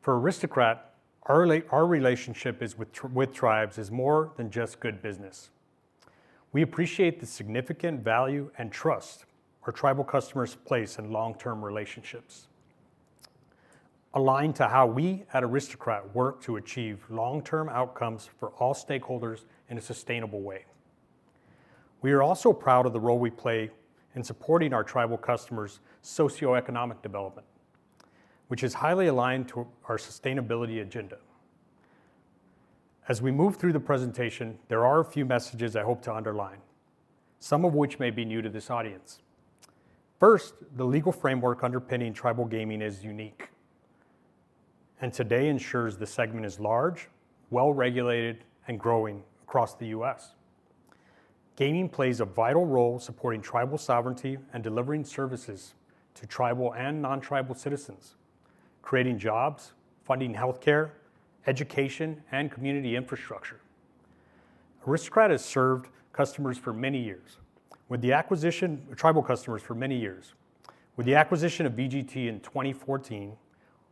For Aristocrat, our relationship with tribes is more than just good business. We appreciate the significant value and trust our tribal customers place in long-term relationships, aligned to how we at Aristocrat work to achieve long-term outcomes for all stakeholders in a sustainable way. We are also proud of the role we play in supporting our tribal customers' socioeconomic development, which is highly aligned to our sustainability agenda. As we move through the presentation, there are a few messages I hope to underline, some of which may be new to this audience. First, the legal framework underpinning tribal gaming is unique, and today ensures the segment is large, well-regulated, and growing across the U.S. Gaming plays a vital role supporting tribal sovereignty and delivering services to tribal and non-tribal citizens, creating jobs, funding healthcare, education, and community infrastructure. Aristocrat has served customers for many years. With the acquisition of VGT in 2014,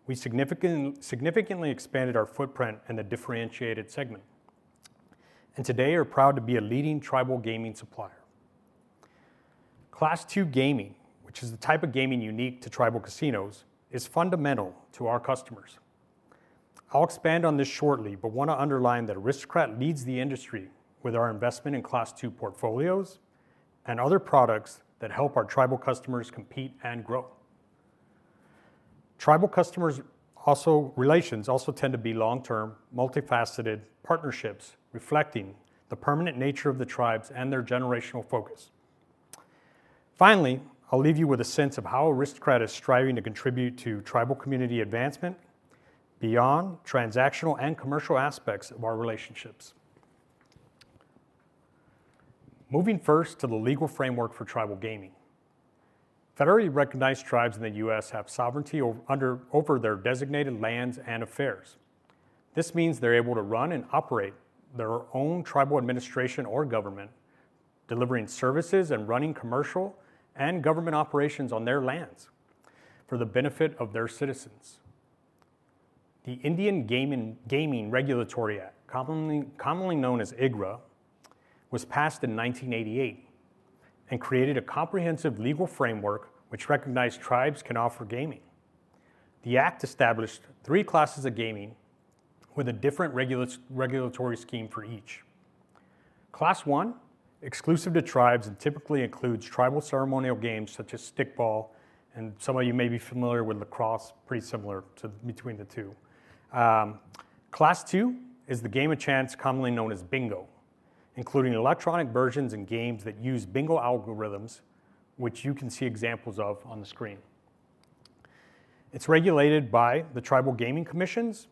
we significantly expanded our footprint in a differentiated segment, and today are proud to be a leading tribal gaming supplier. Class II gaming, which is the type of gaming unique to tribal casinos, is fundamental to our customers. I'll expand on this shortly, but want to underline that Aristocrat leads the industry with our investment in Class II portfolios and other products that help our tribal customers compete and grow. Tribal customer relations also tend to be long-term, multifaceted partnerships, reflecting the permanent nature of the tribes and their generational focus. Finally, I'll leave you with a sense of how Aristocrat is striving to contribute to tribal community advancement beyond transactional and commercial aspects of our relationships. Moving first to the legal framework for tribal gaming. Federally recognized tribes in the U.S. have sovereignty over their designated lands and affairs. This means they're able to run and operate their own tribal administration or government, delivering services and running commercial and government operations on their lands for the benefit of their citizens. The Indian Gaming Regulatory Act, commonly known as IGRA, was passed in 1988 and created a comprehensive legal framework which recognized tribes can offer gaming. The act established three classes of gaming with a different regulatory scheme for each. Class I, exclusive to tribes, and typically includes tribal ceremonial games such as stickball, and some of you may be familiar with lacrosse, pretty similar to between the two. Class II is the game of chance, commonly known as bingo, including electronic versions and games that use bingo algorithms, which you can see examples of on the screen. It's regulated by the tribal gaming commissions,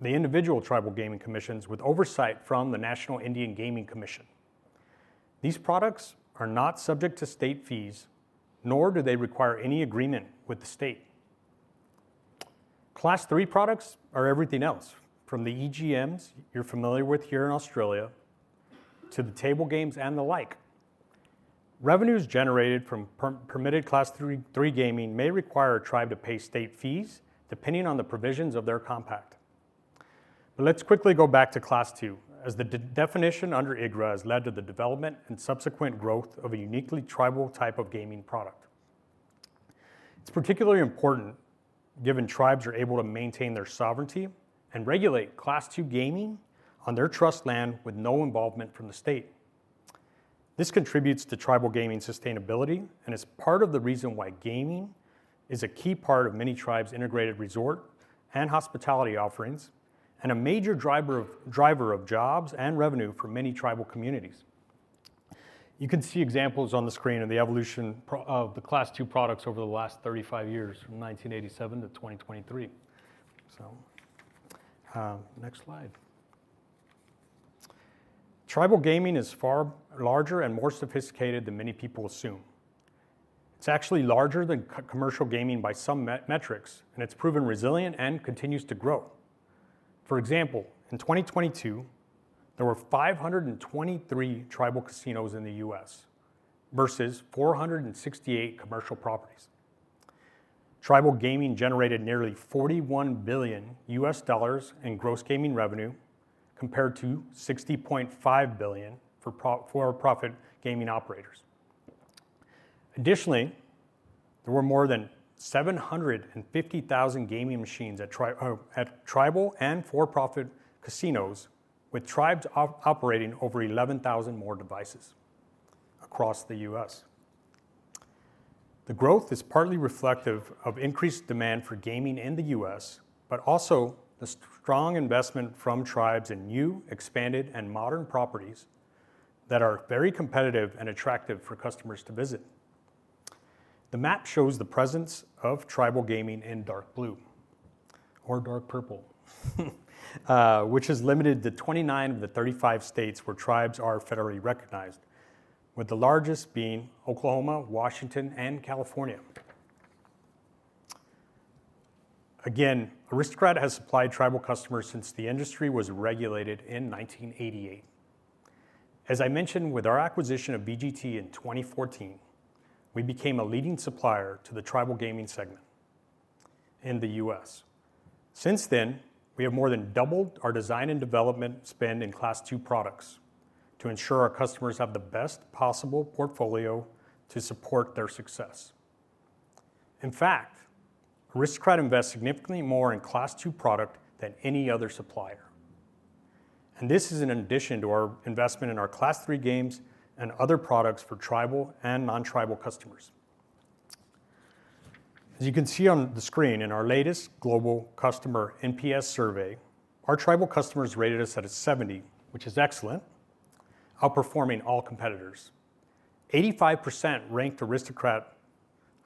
the individual tribal gaming commissions, with oversight from the National Indian Gaming Commission. These products are not subject to state fees, nor do they require any agreement with the state. Class III products are everything else, from the EGMs you're familiar with here in Australia, to the table games and the like. Revenues generated from permitted Class III gaming may require a tribe to pay state fees, depending on the provisions of their compact. But let's quickly go back to Class II, as the definition under IGRA has led to the development and subsequent growth of a uniquely tribal type of gaming product. It's particularly important, given tribes are able to maintain their sovereignty and regulate Class II gaming on their trust land with no involvement from the state. This contributes to tribal gaming sustainability, and is part of the reason why gaming is a key part of many tribes' integrated resort and hospitality offerings, and a major driver of jobs and revenue for many tribal communities. You can see examples on the screen of the evolution of the Class II products over the last 35 years, from 1987 to 2023. So, next slide. Tribal gaming is far larger and more sophisticated than many people assume. It's actually larger than commercial gaming by some metrics, and it's proven resilient and continues to grow. For example, in 2022, there were 523 tribal casinos in the U.S., versus 468 commercial properties. Tribal gaming generated nearly $41 billion in gross gaming revenue, compared to $60.5 billion for for-profit gaming operators. Additionally, there were more than 750,000 gaming machines at tribal and for-profit casinos, with tribes operating over 11,000 more devices across the U.S. The growth is partly reflective of increased demand for gaming in the U.S., but also the strong investment from tribes in new, expanded, and modern properties that are very competitive and attractive for customers to visit. The map shows the presence of tribal gaming in dark blue, or dark purple, which is limited to 29 of the 35 states where tribes are federally recognized, with the largest being Oklahoma, Washington, and California. Again, Aristocrat has supplied tribal customers since the industry was regulated in 1988. As I mentioned with our acquisition of VGT in 2014, we became a leading supplier to the tribal gaming segment in the U.S. Since then, we have more than doubled our design and development spend in Class II products to ensure our customers have the best possible portfolio to support their success. In fact, Aristocrat invests significantly more in Class II product than any other supplier, and this is in addition to our investment in our Class III games and other products for tribal and non-tribal customers. As you can see on the screen, in our latest global customer NPS survey, our tribal customers rated us at a 70, which is excellent, outperforming all competitors. 85% ranked Aristocrat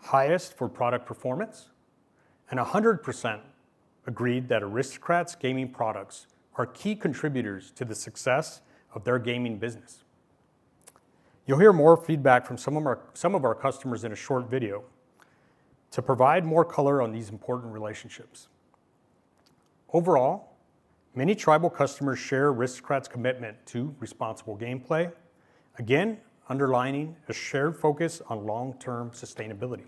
highest for product performance, and 100% agreed that Aristocrat's gaming products are key contributors to the success of their gaming business. You'll hear more feedback from some of our customers in a short video to provide more color on these important relationships. Overall, many tribal customers share Aristocrat's commitment to responsible gameplay, again, underlining a shared focus on long-term sustainability.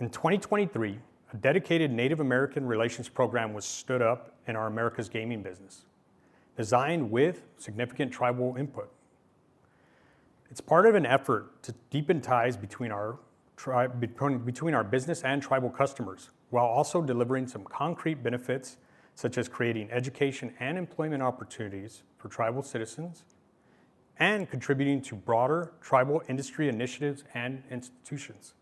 In 2023, a dedicated Native American relations program was stood up in our Americas gaming business, designed with significant tribal input. It's part of an effort to deepen ties between our business and tribal customers, while also delivering some concrete benefits, such as creating education and employment opportunities for tribal citizens and contributing to broader tribal industry initiatives and institutions.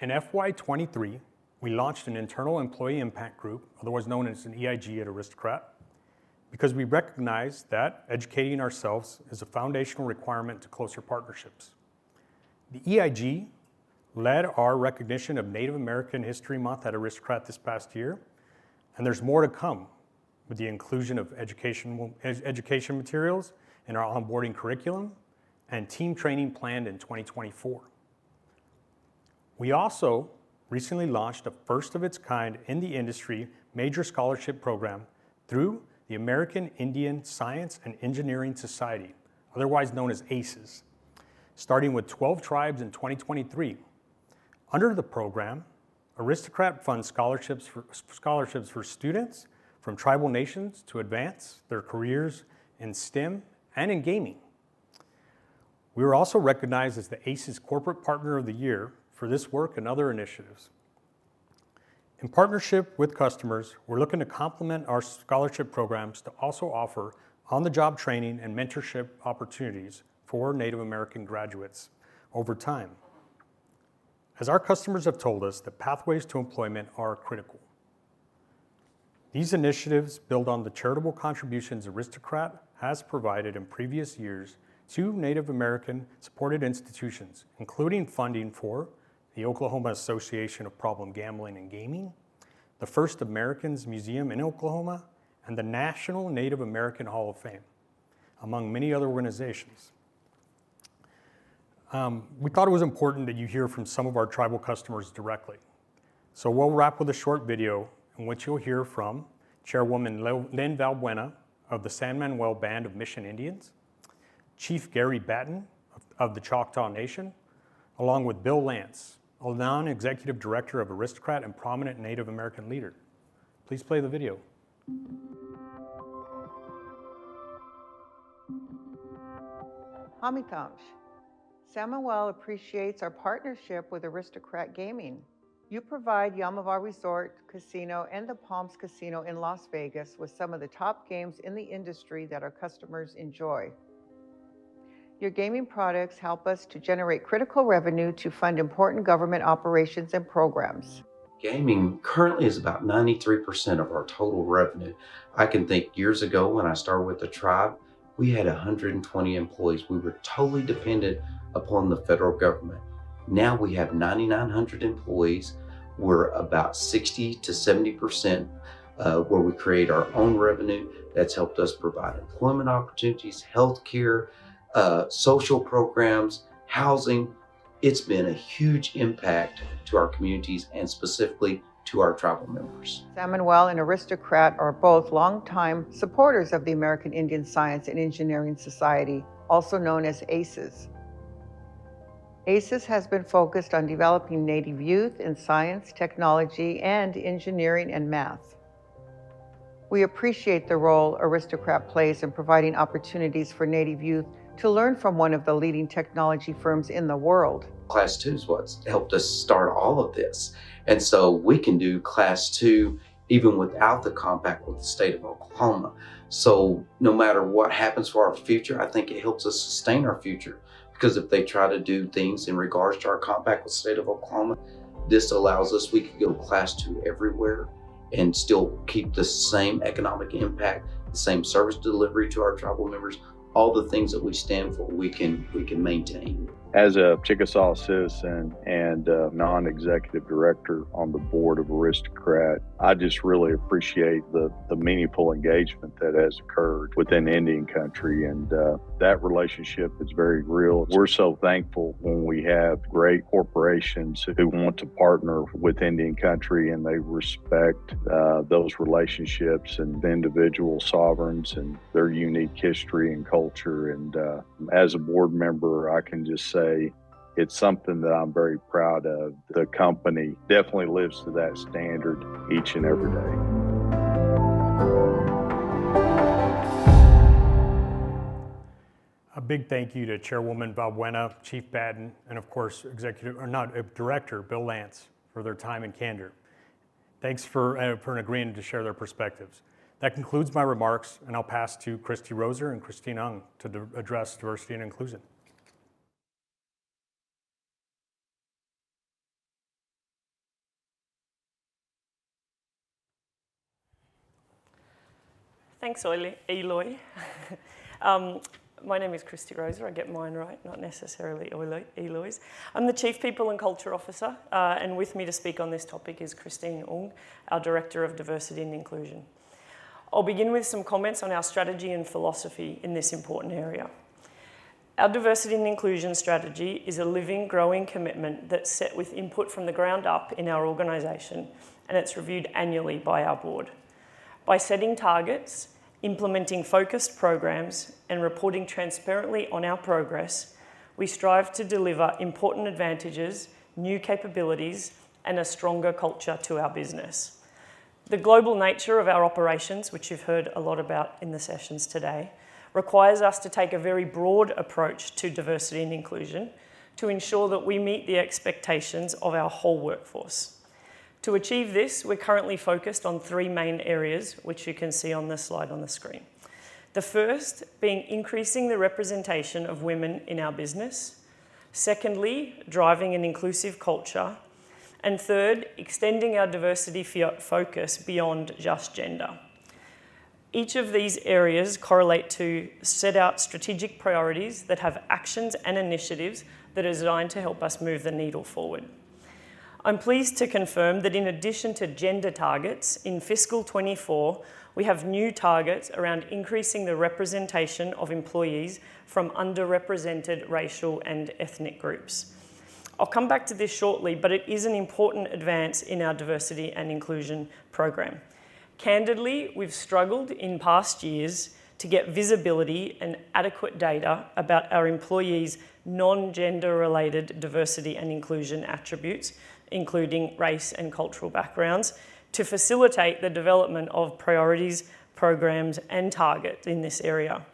In FY 2023, we launched an internal employee impact group, otherwise known as an EIG at Aristocrat, because we recognize that educating ourselves is a foundational requirement to closer partnerships. The EIG led our recognition of Native American History Month at Aristocrat this past year, and there's more to come, with the inclusion of educational materials in our onboarding curriculum and team training planned in 2024. We also recently launched a first-of-its-kind-in-the-industry major scholarship program through the American Indian Science and Engineering Society, otherwise known as AISES, starting with 12 tribes in 2023. Under the program, Aristocrat funds scholarships for, scholarships for students from tribal nations to advance their careers in STEM and in gaming. We were also recognized as the AISES Corporate Partner of the Year for this work and other initiatives. In partnership with customers, we're looking to complement our scholarship programs to also offer on-the-job training and mentorship opportunities for Native American graduates over time. As our customers have told us, the pathways to employment are critical. These initiatives build on the charitable contributions Aristocrat has provided in previous years to Native American-supported institutions, including funding for the Oklahoma Association on Problem Gambling and Gaming, the First Americans Museum in Oklahoma, and the National Native American Hall of Fame, among many other organizations. We thought it was important that you hear from some of our tribal customers directly. So we'll wrap with a short video in which you'll hear from Chairwoman Lynn Valbuena of the San Manuel Band of Mission Indians, Chief Gary Batton of the Choctaw Nation, along with Bill Lance, a non-executive director of Aristocrat and prominent Native American leader. Please play the video. Hamikamsh. San Manuel appreciates our partnership with Aristocrat Gaming. You provide Yaamava' Resort Casino and The Palms Casino in Las Vegas with some of the top games in the industry that our customers enjoy. Your gaming products help us to generate critical revenue to fund important government operations and programs. Gaming currently is about 93% of our total revenue. I can think years ago when I started with the tribe, we had 120 employees. We were totally dependent upon the federal government. Now we have 9,900 employees. We're about 60%-70% where we create our own revenue. That's helped us provide employment opportunities, healthcare, social programs, housing. It's been a huge impact to our communities and specifically to our tribal members. San Manuel and Aristocrat are both longtime supporters of the American Indian Science and Engineering Society, also known as AISES. AISES has been focused on developing Native youth in science, technology, and engineering and math. We appreciate the role Aristocrat plays in providing opportunities for Native youth to learn from one of the leading technology firms in the world. Class II is what's helped us start all of this, and so we can do Class II even without the compact with the state of Oklahoma. So no matter what happens for our future, I think it helps us sustain our future, because if they try to do things in regards to our compact with the state of Oklahoma, this allows us, we can go Class II everywhere and still keep the same economic impact, the same service delivery to our tribal members. All the things that we stand for, we can, we can maintain. As a Chickasaw citizen and Non-Executive Director on the Board of Aristocrat, I just really appreciate the meaningful engagement that has occurred within Indian Country, and that relationship is very real. We're so thankful when we have great corporations who want to partner with Indian Country, and they respect those relationships and individual sovereigns and their unique history and culture. And as a board member, I can just say it's something that I'm very proud of. The company definitely lives to that standard each and every day. A big thank you to Chairwoman Valbuena, Chief Batton, and of course, Director Bill Lance, for their time and candor. Thanks for agreeing to share their perspectives. That concludes my remarks, and I'll pass to Christie Roser and Christie Ung to address diversity and inclusion. Thanks, Eloy, Eloy. My name is Christie Roser. I get mine right, not necessarily Eloy, Eloy's. I'm the Chief People and Culture Officer, and with me to speak on this topic is Christie Ung, our Director of Diversity and Inclusion. I'll begin with some comments on our strategy and philosophy in this important area. Our diversity and inclusion strategy is a living, growing commitment that's set with input from the ground up in our organization, and it's reviewed annually by our board. By setting targets, implementing focused programs, and reporting transparently on our progress, we strive to deliver important advantages, new capabilities, and a stronger culture to our business. The global nature of our operations, which you've heard a lot about in the sessions today, requires us to take a very broad approach to diversity and inclusion to ensure that we meet the expectations of our whole workforce. To achieve this, we're currently focused on three main areas, which you can see on the slide on the screen. The first being increasing the representation of women in our business. Secondly, driving an inclusive culture. And third, extending our diversity focus beyond just gender. Each of these areas correlate to set out strategic priorities that have actions and initiatives that are designed to help us move the needle forward. I'm pleased to confirm that in addition to gender targets, in fiscal 2024, we have new targets around increasing the representation of employees from underrepresented racial and ethnic groups. I'll come back to this shortly, but it is an important advance in our diversity and inclusion program. Candidly, we've struggled in past years to get visibility and adequate data about our employees' non-gender-related diversity and inclusion attributes, including race and cultural backgrounds, to facilitate the development of priorities, programs, and targets in this area.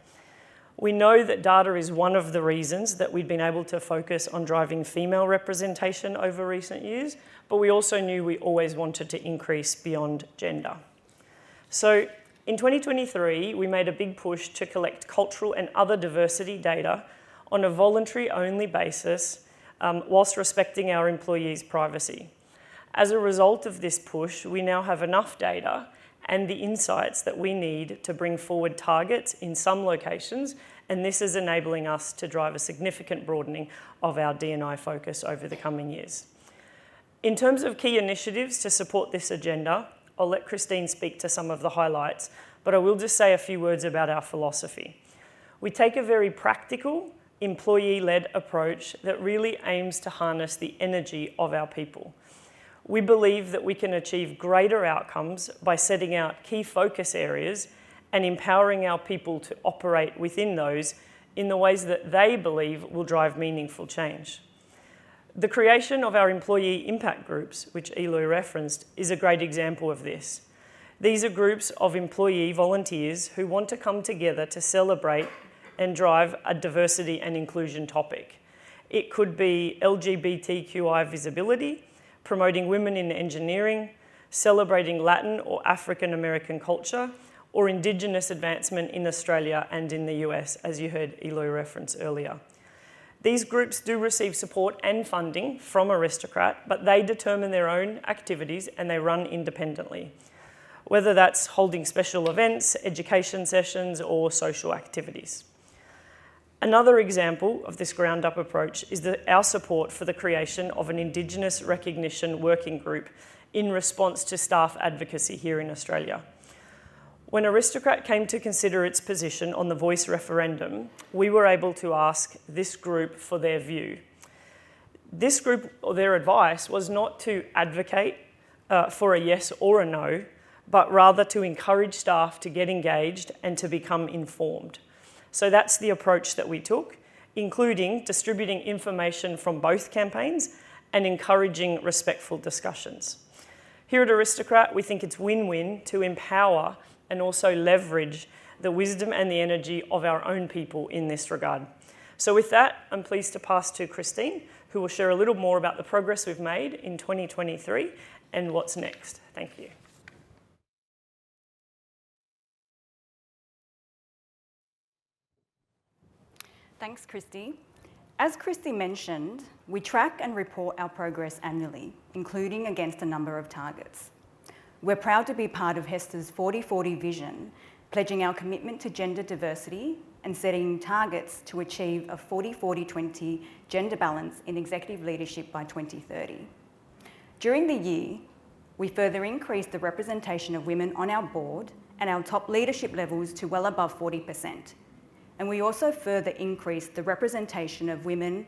We know that data is one of the reasons that we've been able to focus on driving female representation over recent years, but we also knew we always wanted to increase beyond gender. So in 2023, we made a big push to collect cultural and other diversity data on a voluntary-only basis, while respecting our employees' privacy. As a result of this push, we now have enough data and the insights that we need to bring forward targets in some locations, and this is enabling us to drive a significant broadening of our DNI focus over the coming years. In terms of key initiatives to support this agenda, I'll let Christine speak to some of the highlights, but I will just say a few words about our philosophy. We take a very practical, employee-led approach that really aims to harness the energy of our people. We believe that we can achieve greater outcomes by setting out key focus areas and empowering our people to operate within those in the ways that they believe will drive meaningful change.... The creation of our employee impact groups, which Eloy referenced, is a great example of this. These are groups of employee volunteers who want to come together to celebrate and drive a diversity and inclusion topic. It could be LGBTQI visibility, promoting women in engineering, celebrating Latin or African American culture, or Indigenous advancement in Australia and in the U.S., as you heard Eloy reference earlier. These groups do receive support and funding from Aristocrat, but they determine their own activities, and they run independently, whether that's holding special events, education sessions, or social activities. Another example of this ground-up approach is our support for the creation of an Indigenous recognition working group in response to staff advocacy here in Australia. When Aristocrat came to consider its position on the Voice referendum, we were able to ask this group for their view. This group, their advice was not to advocate for a yes or a no, but rather to encourage staff to get engaged and to become informed. So that's the approach that we took, including distributing information from both campaigns and encouraging respectful discussions. Here at Aristocrat, we think it's win-win to empower and also leverage the wisdom and the energy of our own people in this regard. With that, I'm pleased to pass to Christine, who will share a little more about the progress we've made in 2023 and what's next. Thank you. Thanks, Christie. As Christie mentioned, we track and report our progress annually, including against a number of targets. We're proud to be part of HESTA's 40:40 Vision, pledging our commitment to gender diversity and setting targets to achieve a 40-40-20 gender balance in executive leadership by 2030. During the year, we further increased the representation of women on our board and our top leadership levels to well above 40%, and we also further increased the representation of women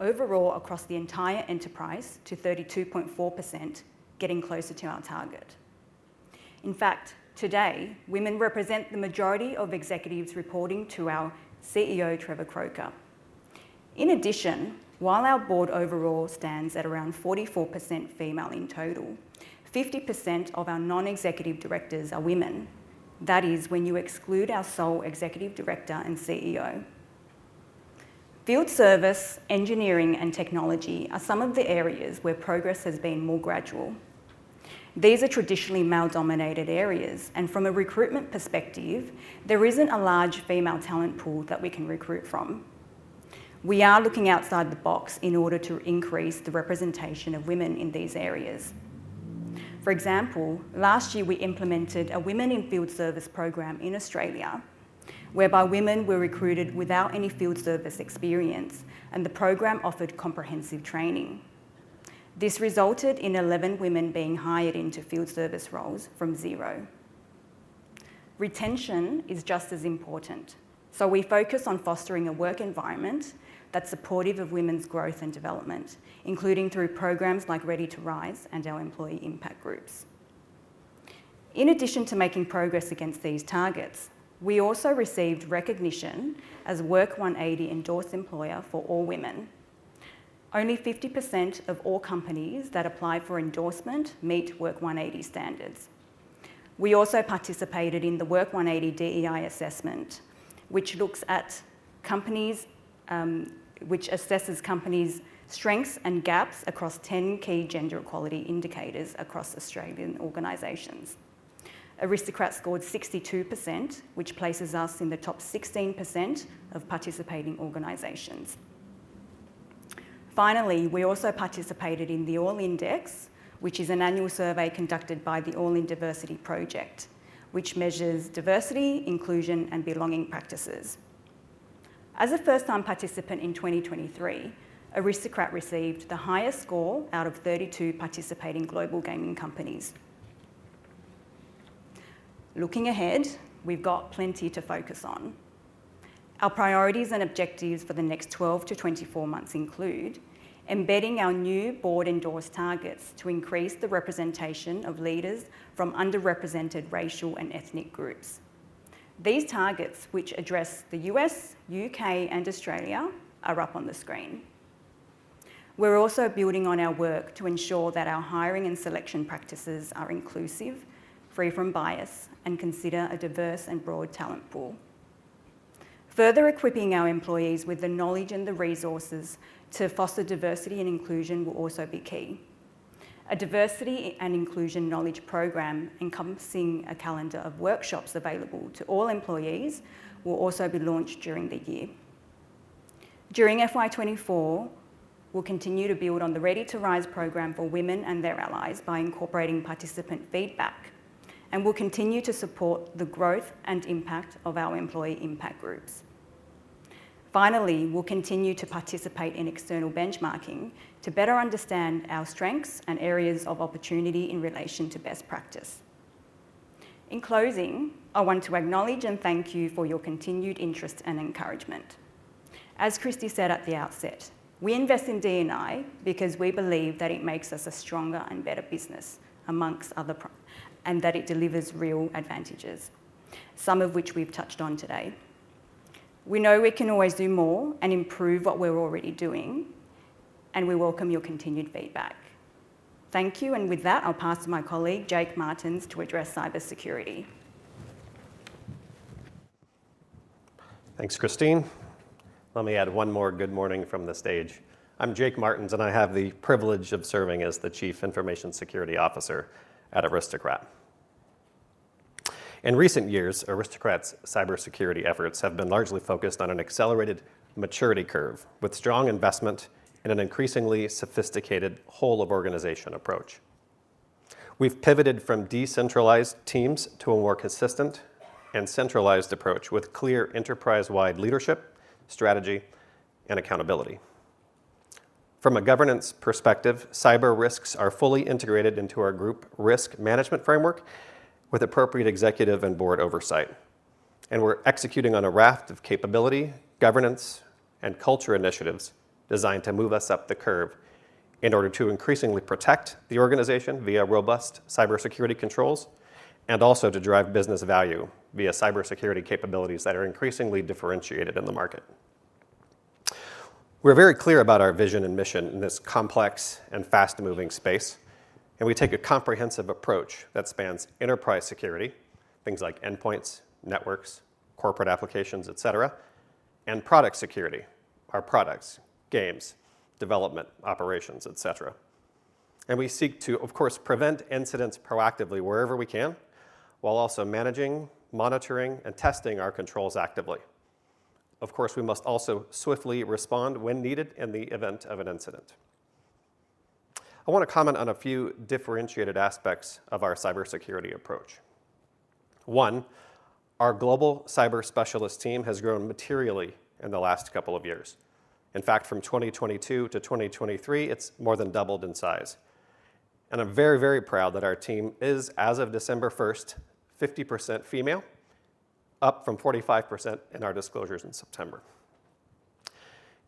overall across the entire enterprise to 32.4%, getting closer to our target. In fact, today, women represent the majority of executives reporting to our CEO, Trevor Croker. In addition, while our board overall stands at around 44% female in total, 50% of our non-executive directors are women. That is, when you exclude our sole executive director and CEO. Field service, engineering, and technology are some of the areas where progress has been more gradual. These are traditionally male-dominated areas, and from a recruitment perspective, there isn't a large female talent pool that we can recruit from. We are looking outside the box in order to increase the representation of women in these areas. For example, last year, we implemented a Women in Field Service program in Australia, whereby women were recruited without any field service experience, and the program offered comprehensive training. This resulted in 11 women being hired into field service roles from 0. Retention is just as important, so we focus on fostering a work environment that's supportive of women's growth and development, including through programs like Ready to Rise and our employee impact groups. In addition to making progress against these targets, we also received recognition as a Work180 Endorsed Employer for all women. Only 50% of all companies that apply for endorsement meet Work180 standards. We also participated in the Work180 DEI assessment, which looks at companies, which assesses companies' strengths and gaps across 10 key gender equality indicators across Australian organizations. Aristocrat scored 62%, which places us in the top 16% of participating organizations. Finally, we also participated in the All In Index, which is an annual survey conducted by the All In Diversity Project, which measures diversity, inclusion, and belonging practices. As a first-time participant in 2023, Aristocrat received the highest score out of 32 participating global gaming companies. Looking ahead, we've got plenty to focus on. Our priorities and objectives for the next 12-24 months include embedding our new board-endorsed targets to increase the representation of leaders from underrepresented racial and ethnic groups. These targets, which address the U.S., U.K., and Australia, are up on the screen. We're also building on our work to ensure that our hiring and selection practices are inclusive, free from bias, and consider a diverse and broad talent pool. Further equipping our employees with the knowledge and the resources to foster diversity and inclusion will also be key. A diversity and inclusion knowledge program encompassing a calendar of workshops available to all employees will also be launched during the year. During FY 2024, we'll continue to build on the Ready to Rise program for women and their allies by incorporating participant feedback, and we'll continue to support the growth and impact of our employee impact groups. Finally, we'll continue to participate in external benchmarking to better understand our strengths and areas of opportunity in relation to best practice. In closing, I want to acknowledge and thank you for your continued interest and encouragement. As Christie said at the outset, we invest in DNI because we believe that it makes us a stronger and better business among other pros, and that it delivers real advantages, some of which we've touched on today. We know we can always do more and improve what we're already doing, and we welcome your continued feedback. Thank you, and with that, I'll pass to my colleague, Jake Martens, to address cybersecurity. Thanks, Christine. Let me add one more good morning from the stage. I'm Jake Martens, and I have the privilege of serving as the Chief Information Security Officer at Aristocrat. In recent years, Aristocrat's cybersecurity efforts have been largely focused on an accelerated maturity curve, with strong investment in an increasingly sophisticated whole-of-organization approach. We've pivoted from decentralized teams to a more consistent and centralized approach, with clear enterprise-wide leadership, strategy, and accountability. From a governance perspective, cyber risks are fully integrated into our group risk management framework, with appropriate executive and board oversight. We're executing on a raft of capability, governance, and culture initiatives designed to move us up the curve in order to increasingly protect the organization via robust cybersecurity controls, and also to drive business value via cybersecurity capabilities that are increasingly differentiated in the market. We're very clear about our vision and mission in this complex and fast-moving space, and we take a comprehensive approach that spans enterprise security, things like endpoints, networks, corporate applications, et cetera, and product security, our products, games, development, operations, et cetera. We seek to, of course, prevent incidents proactively wherever we can, while also managing, monitoring, and testing our controls actively. Of course, we must also swiftly respond when needed in the event of an incident. I want to comment on a few differentiated aspects of our cybersecurity approach. One, our global cyber specialist team has grown materially in the last couple of years. In fact, from 2022 to 2023, it's more than doubled in size. I'm very, very proud that our team is, as of December 1, 50% female, up from 45% in our disclosures in September.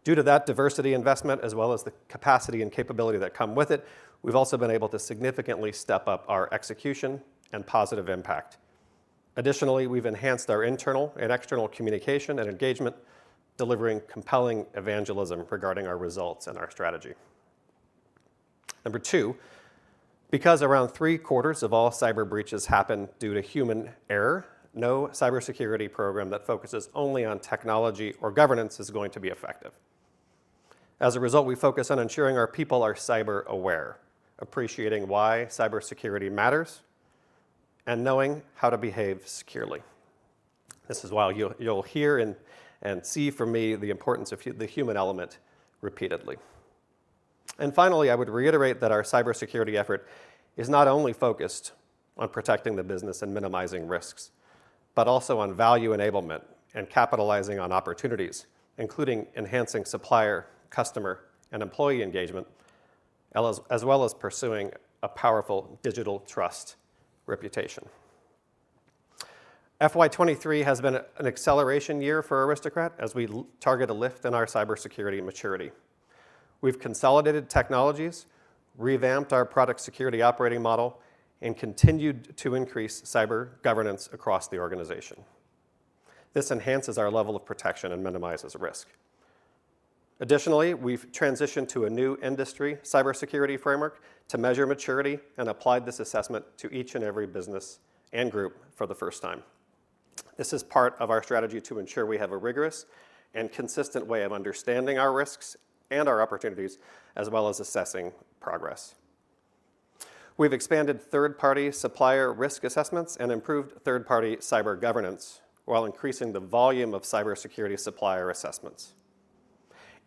Due to that diversity investment, as well as the capacity and capability that come with it, we've also been able to significantly step up our execution and positive impact. Additionally, we've enhanced our internal and external communication and engagement, delivering compelling evangelism regarding our results and our strategy. Number two, because around three-quarters of all cyber breaches happen due to human error, no cybersecurity program that focuses only on technology or governance is going to be effective. As a result, we focus on ensuring our people are cyber aware, appreciating why cybersecurity matters, and knowing how to behave securely. This is why you'll hear and see from me the importance of the human element repeatedly. Finally, I would reiterate that our cybersecurity effort is not only focused on protecting the business and minimizing risks, but also on value enablement and capitalizing on opportunities, including enhancing supplier, customer, and employee engagement, as well as pursuing a powerful digital trust reputation. FY 2023 has been an acceleration year for Aristocrat as we target a lift in our cybersecurity maturity. We've consolidated technologies, revamped our product security operating model, and continued to increase cyber governance across the organization. This enhances our level of protection and minimizes risk. Additionally, we've transitioned to a new industry cybersecurity framework to measure maturity and applied this assessment to each and every business and group for the first time. This is part of our strategy to ensure we have a rigorous and consistent way of understanding our risks and our opportunities, as well as assessing progress. We've expanded third-party supplier risk assessments and improved third-party cyber governance while increasing the volume of cybersecurity supplier assessments.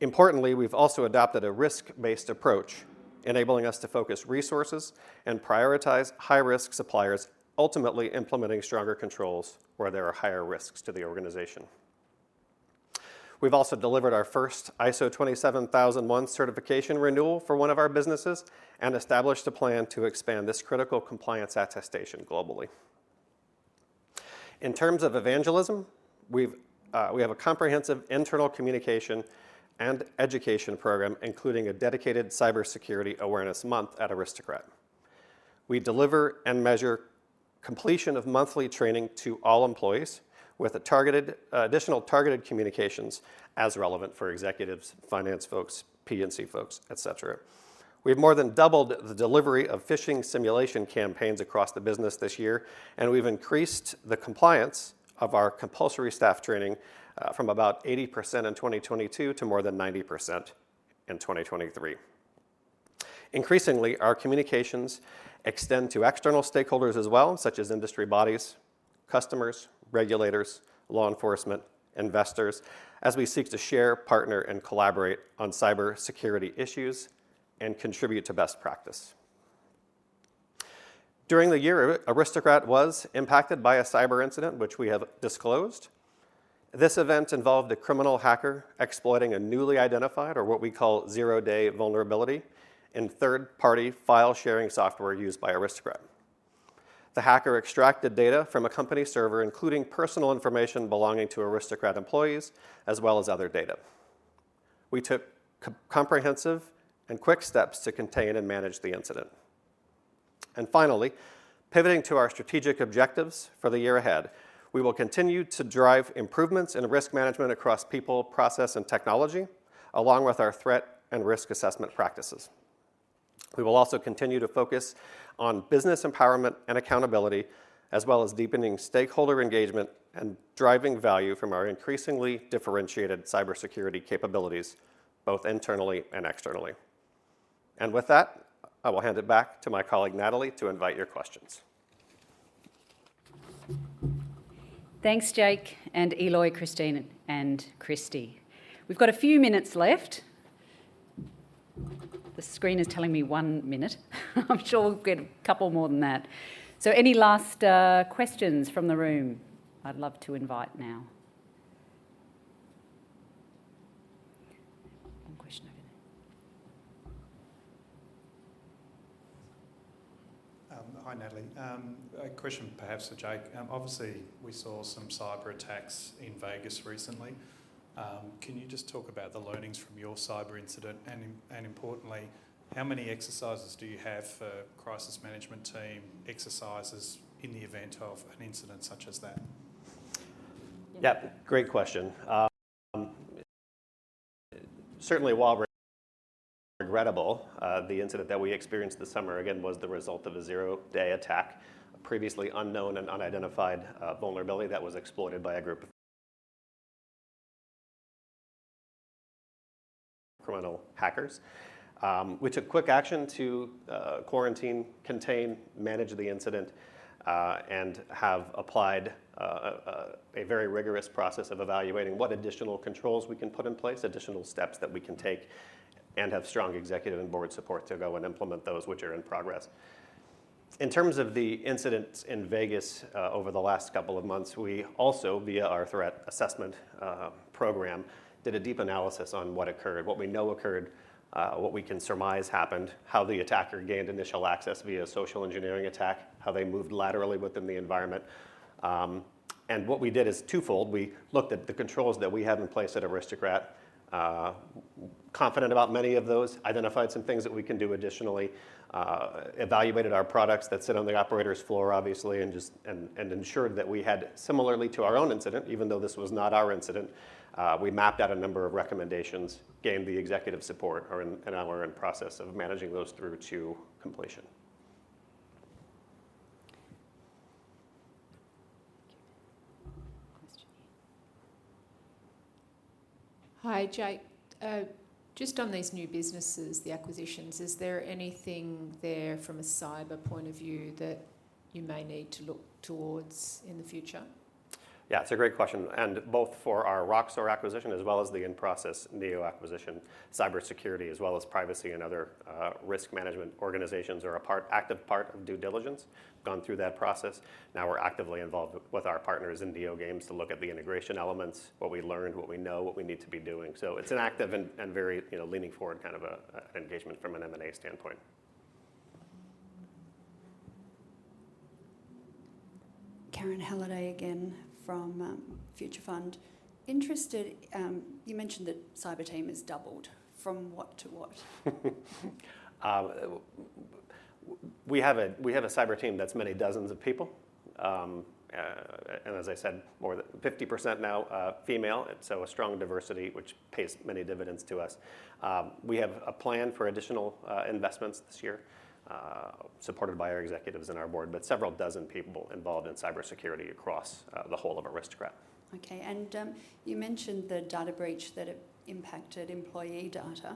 Importantly, we've also adopted a risk-based approach, enabling us to focus resources and prioritize high-risk suppliers, ultimately implementing stronger controls where there are higher risks to the organization. We've also delivered our first ISO 27001 certification renewal for one of our businesses and established a plan to expand this critical compliance attestation globally. In terms of evangelism, we've we have a comprehensive internal communication and education program, including a dedicated Cybersecurity Awareness Month at Aristocrat. We deliver and measure completion of monthly training to all employees, with a targeted, additional targeted communications as relevant for executives, finance folks, P&C folks, et cetera. We've more than doubled the delivery of phishing simulation campaigns across the business this year, and we've increased the compliance of our compulsory staff training from about 80% in 2022 to more than 90% in 2023. Increasingly, our communications extend to external stakeholders as well, such as industry bodies, customers, regulators, law enforcement, investors, as we seek to share, partner, and collaborate on cybersecurity issues and contribute to best practice. During the year, Aristocrat was impacted by a cyber incident, which we have disclosed. This event involved a criminal hacker exploiting a newly identified, or what we call zero-day vulnerability, in third-party file-sharing software used by Aristocrat. The hacker extracted data from a company server, including personal information belonging to Aristocrat employees, as well as other data. We took comprehensive and quick steps to contain and manage the incident.... Finally, pivoting to our strategic objectives for the year ahead, we will continue to drive improvements in risk management across people, process, and technology, along with our threat and risk assessment practices. We will also continue to focus on business empowerment and accountability, as well as deepening stakeholder engagement and driving value from our increasingly differentiated cybersecurity capabilities, both internally and externally. With that, I will hand it back to my colleague, Natalie, to invite your questions. Thanks, Jake, and Eloy, Christine, and Christy. We've got a few minutes left. The screen is telling me one minute. I'm sure we'll get a couple more than that. So any last questions from the room, I'd love to invite now? One question over there. Hi, Natalie. A question perhaps for Jake. Obviously, we saw some cyber attacks in Vegas recently. Can you just talk about the learnings from your cyber incident? And, and importantly, how many exercises do you have for crisis management team exercises in the event of an incident such as that? Yeah, great question. Certainly, while regrettable, the incident that we experienced this summer, again, was the result of a zero-day attack, a previously unknown and unidentified vulnerability that was exploited by a group of criminal hackers. We took quick action to quarantine, contain, manage the incident, and have applied a very rigorous process of evaluating what additional controls we can put in place, additional steps that we can take, and have strong executive and board support to go and implement those, which are in progress. In terms of the incidents in Vegas, over the last couple of months, we also, via our threat assessment program, did a deep analysis on what occurred, what we know occurred, what we can surmise happened, how the attacker gained initial access via social engineering attack, how they moved laterally within the environment. What we did is twofold: We looked at the controls that we have in place at Aristocrat, confident about many of those, identified some things that we can do additionally, evaluated our products that sit on the operator's floor, obviously, and just ensured that we had similarly to our own incident, even though this was not our incident, we mapped out a number of recommendations, gained the executive support, are in process of managing those through to completion. Thank you. Question here. Hi, Jake. Just on these new businesses, the acquisitions, is there anything there from a cyber point of view that you may need to look towards in the future? Yeah, it's a great question, and both for our Roxor acquisition as well as the in-process NeoGames acquisition, cybersecurity, as well as privacy and other, risk management organizations, are a part, active part of due diligence. Gone through that process. Now we're actively involved with our partners in NeoGames to look at the integration elements, what we learned, what we know, what we need to be doing. So it's an active and very, you know, leaning forward kind of an engagement from an M&A standpoint. Karen Halliday again from Future Fund. Interested, you mentioned that cyber team has doubled. From what to what? We have a cyber team that's many dozens of people. As I said, more than 50% now are female, and so a strong diversity, which pays many dividends to us. We have a plan for additional investments this year, supported by our executives and our board, but several dozen people involved in cybersecurity across the whole of Aristocrat. Okay, and, you mentioned the data breach that had impacted employee data.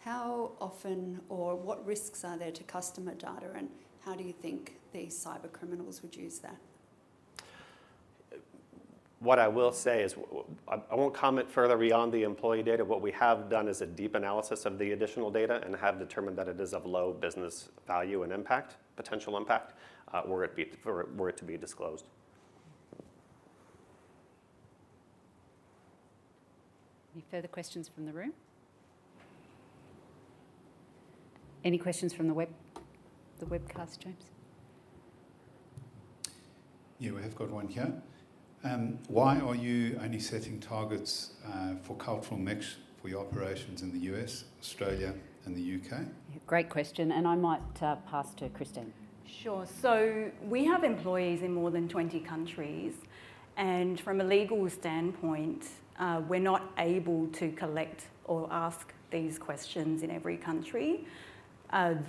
How often or what risks are there to customer data, and how do you think these cybercriminals would use that? What I will say is I won't comment further beyond the employee data. What we have done is a deep analysis of the additional data and have determined that it is of low business value and impact, potential impact, were it to be disclosed. Any further questions from the room? Any questions from the web, the webcast, James? Yeah, we have got one here. Why are you only setting targets for cultural mix for your operations in the U.S., Australia, and the U.K.? Great question, and I might pass to Christine. Sure. So we have employees in more than 20 countries, and from a legal standpoint, we're not able to collect or ask these questions in every country.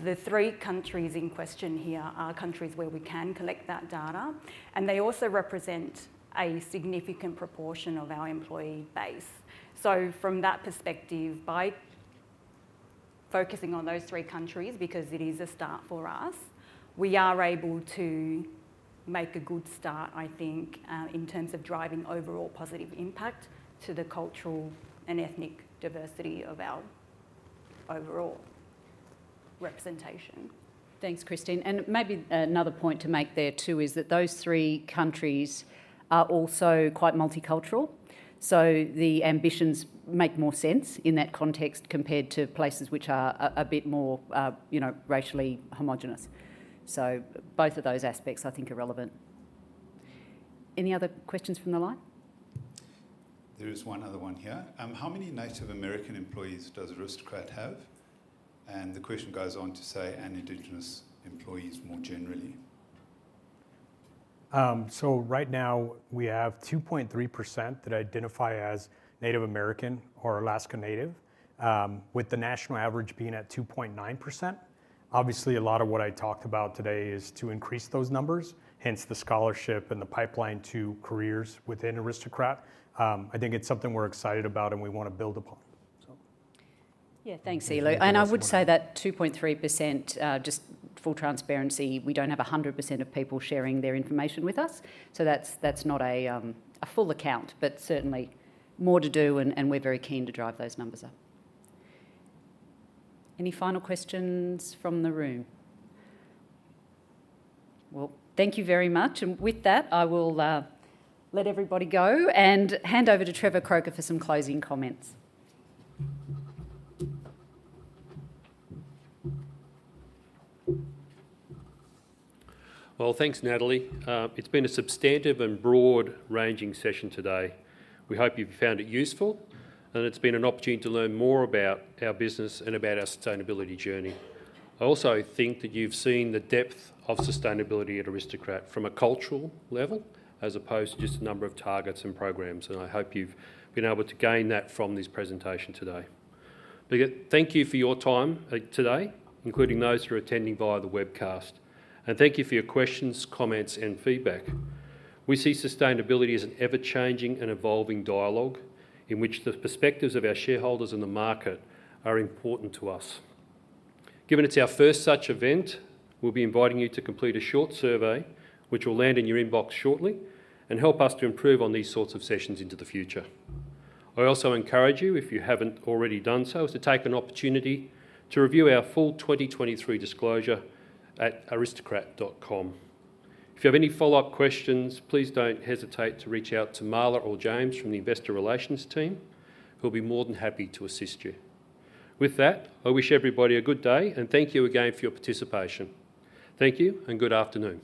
The three countries in question here are countries where we can collect that data, and they also represent a significant proportion of our employee base. So from that perspective, by focusing on those three countries, because it is a start for us, we are able to make a good start, I think, in terms of driving overall positive impact to the cultural and ethnic diversity of our overall representation. Thanks, Christine. Maybe another point to make there, too, is that those three countries are also quite multicultural, so the ambitions make more sense in that context compared to places which are a bit more, you know, racially homogeneous. Both of those aspects, I think, are relevant. Any other questions from the line?... There is one other one here. How many Native American employees does Aristocrat have? And the question goes on to say, and indigenous employees more generally. So right now we have 2.3% that identify as Native American or Alaska Native, with the national average being at 2.9%. Obviously, a lot of what I talked about today is to increase those numbers, hence the scholarship and the pipeline to careers within Aristocrat. I think it's something we're excited about and we want to build upon, so. Yeah, thanks, Eli. Thanks, James. I would say that 2.3%, just full transparency, we don't have 100% of people sharing their information with us, so that's not a full account, but certainly more to do and we're very keen to drive those numbers up. Any final questions from the room? Well, thank you very much. And with that, I will let everybody go and hand over to Trevor Croker for some closing comments. Well, thanks, Natalie. It's been a substantive and broad-ranging session today. We hope you've found it useful, and it's been an opportunity to learn more about our business and about our sustainability journey. I also think that you've seen the depth of sustainability at Aristocrat from a cultural level, as opposed to just a number of targets and programs, and I hope you've been able to gain that from this presentation today. Thank you for your time, today, including those who are attending via the webcast. Thank you for your questions, comments, and feedback. We see sustainability as an ever-changing and evolving dialogue in which the perspectives of our shareholders and the market are important to us. Given it's our first such event, we'll be inviting you to complete a short survey, which will land in your inbox shortly and help us to improve on these sorts of sessions into the future. I also encourage you, if you haven't already done so, to take an opportunity to review our full 2023 disclosure at Aristocrat.com. If you have any follow-up questions, please don't hesitate to reach out to Marla or James from the Investor Relations team, who'll be more than happy to assist you. With that, I wish everybody a good day, and thank you again for your participation. Thank you, and good afternoon.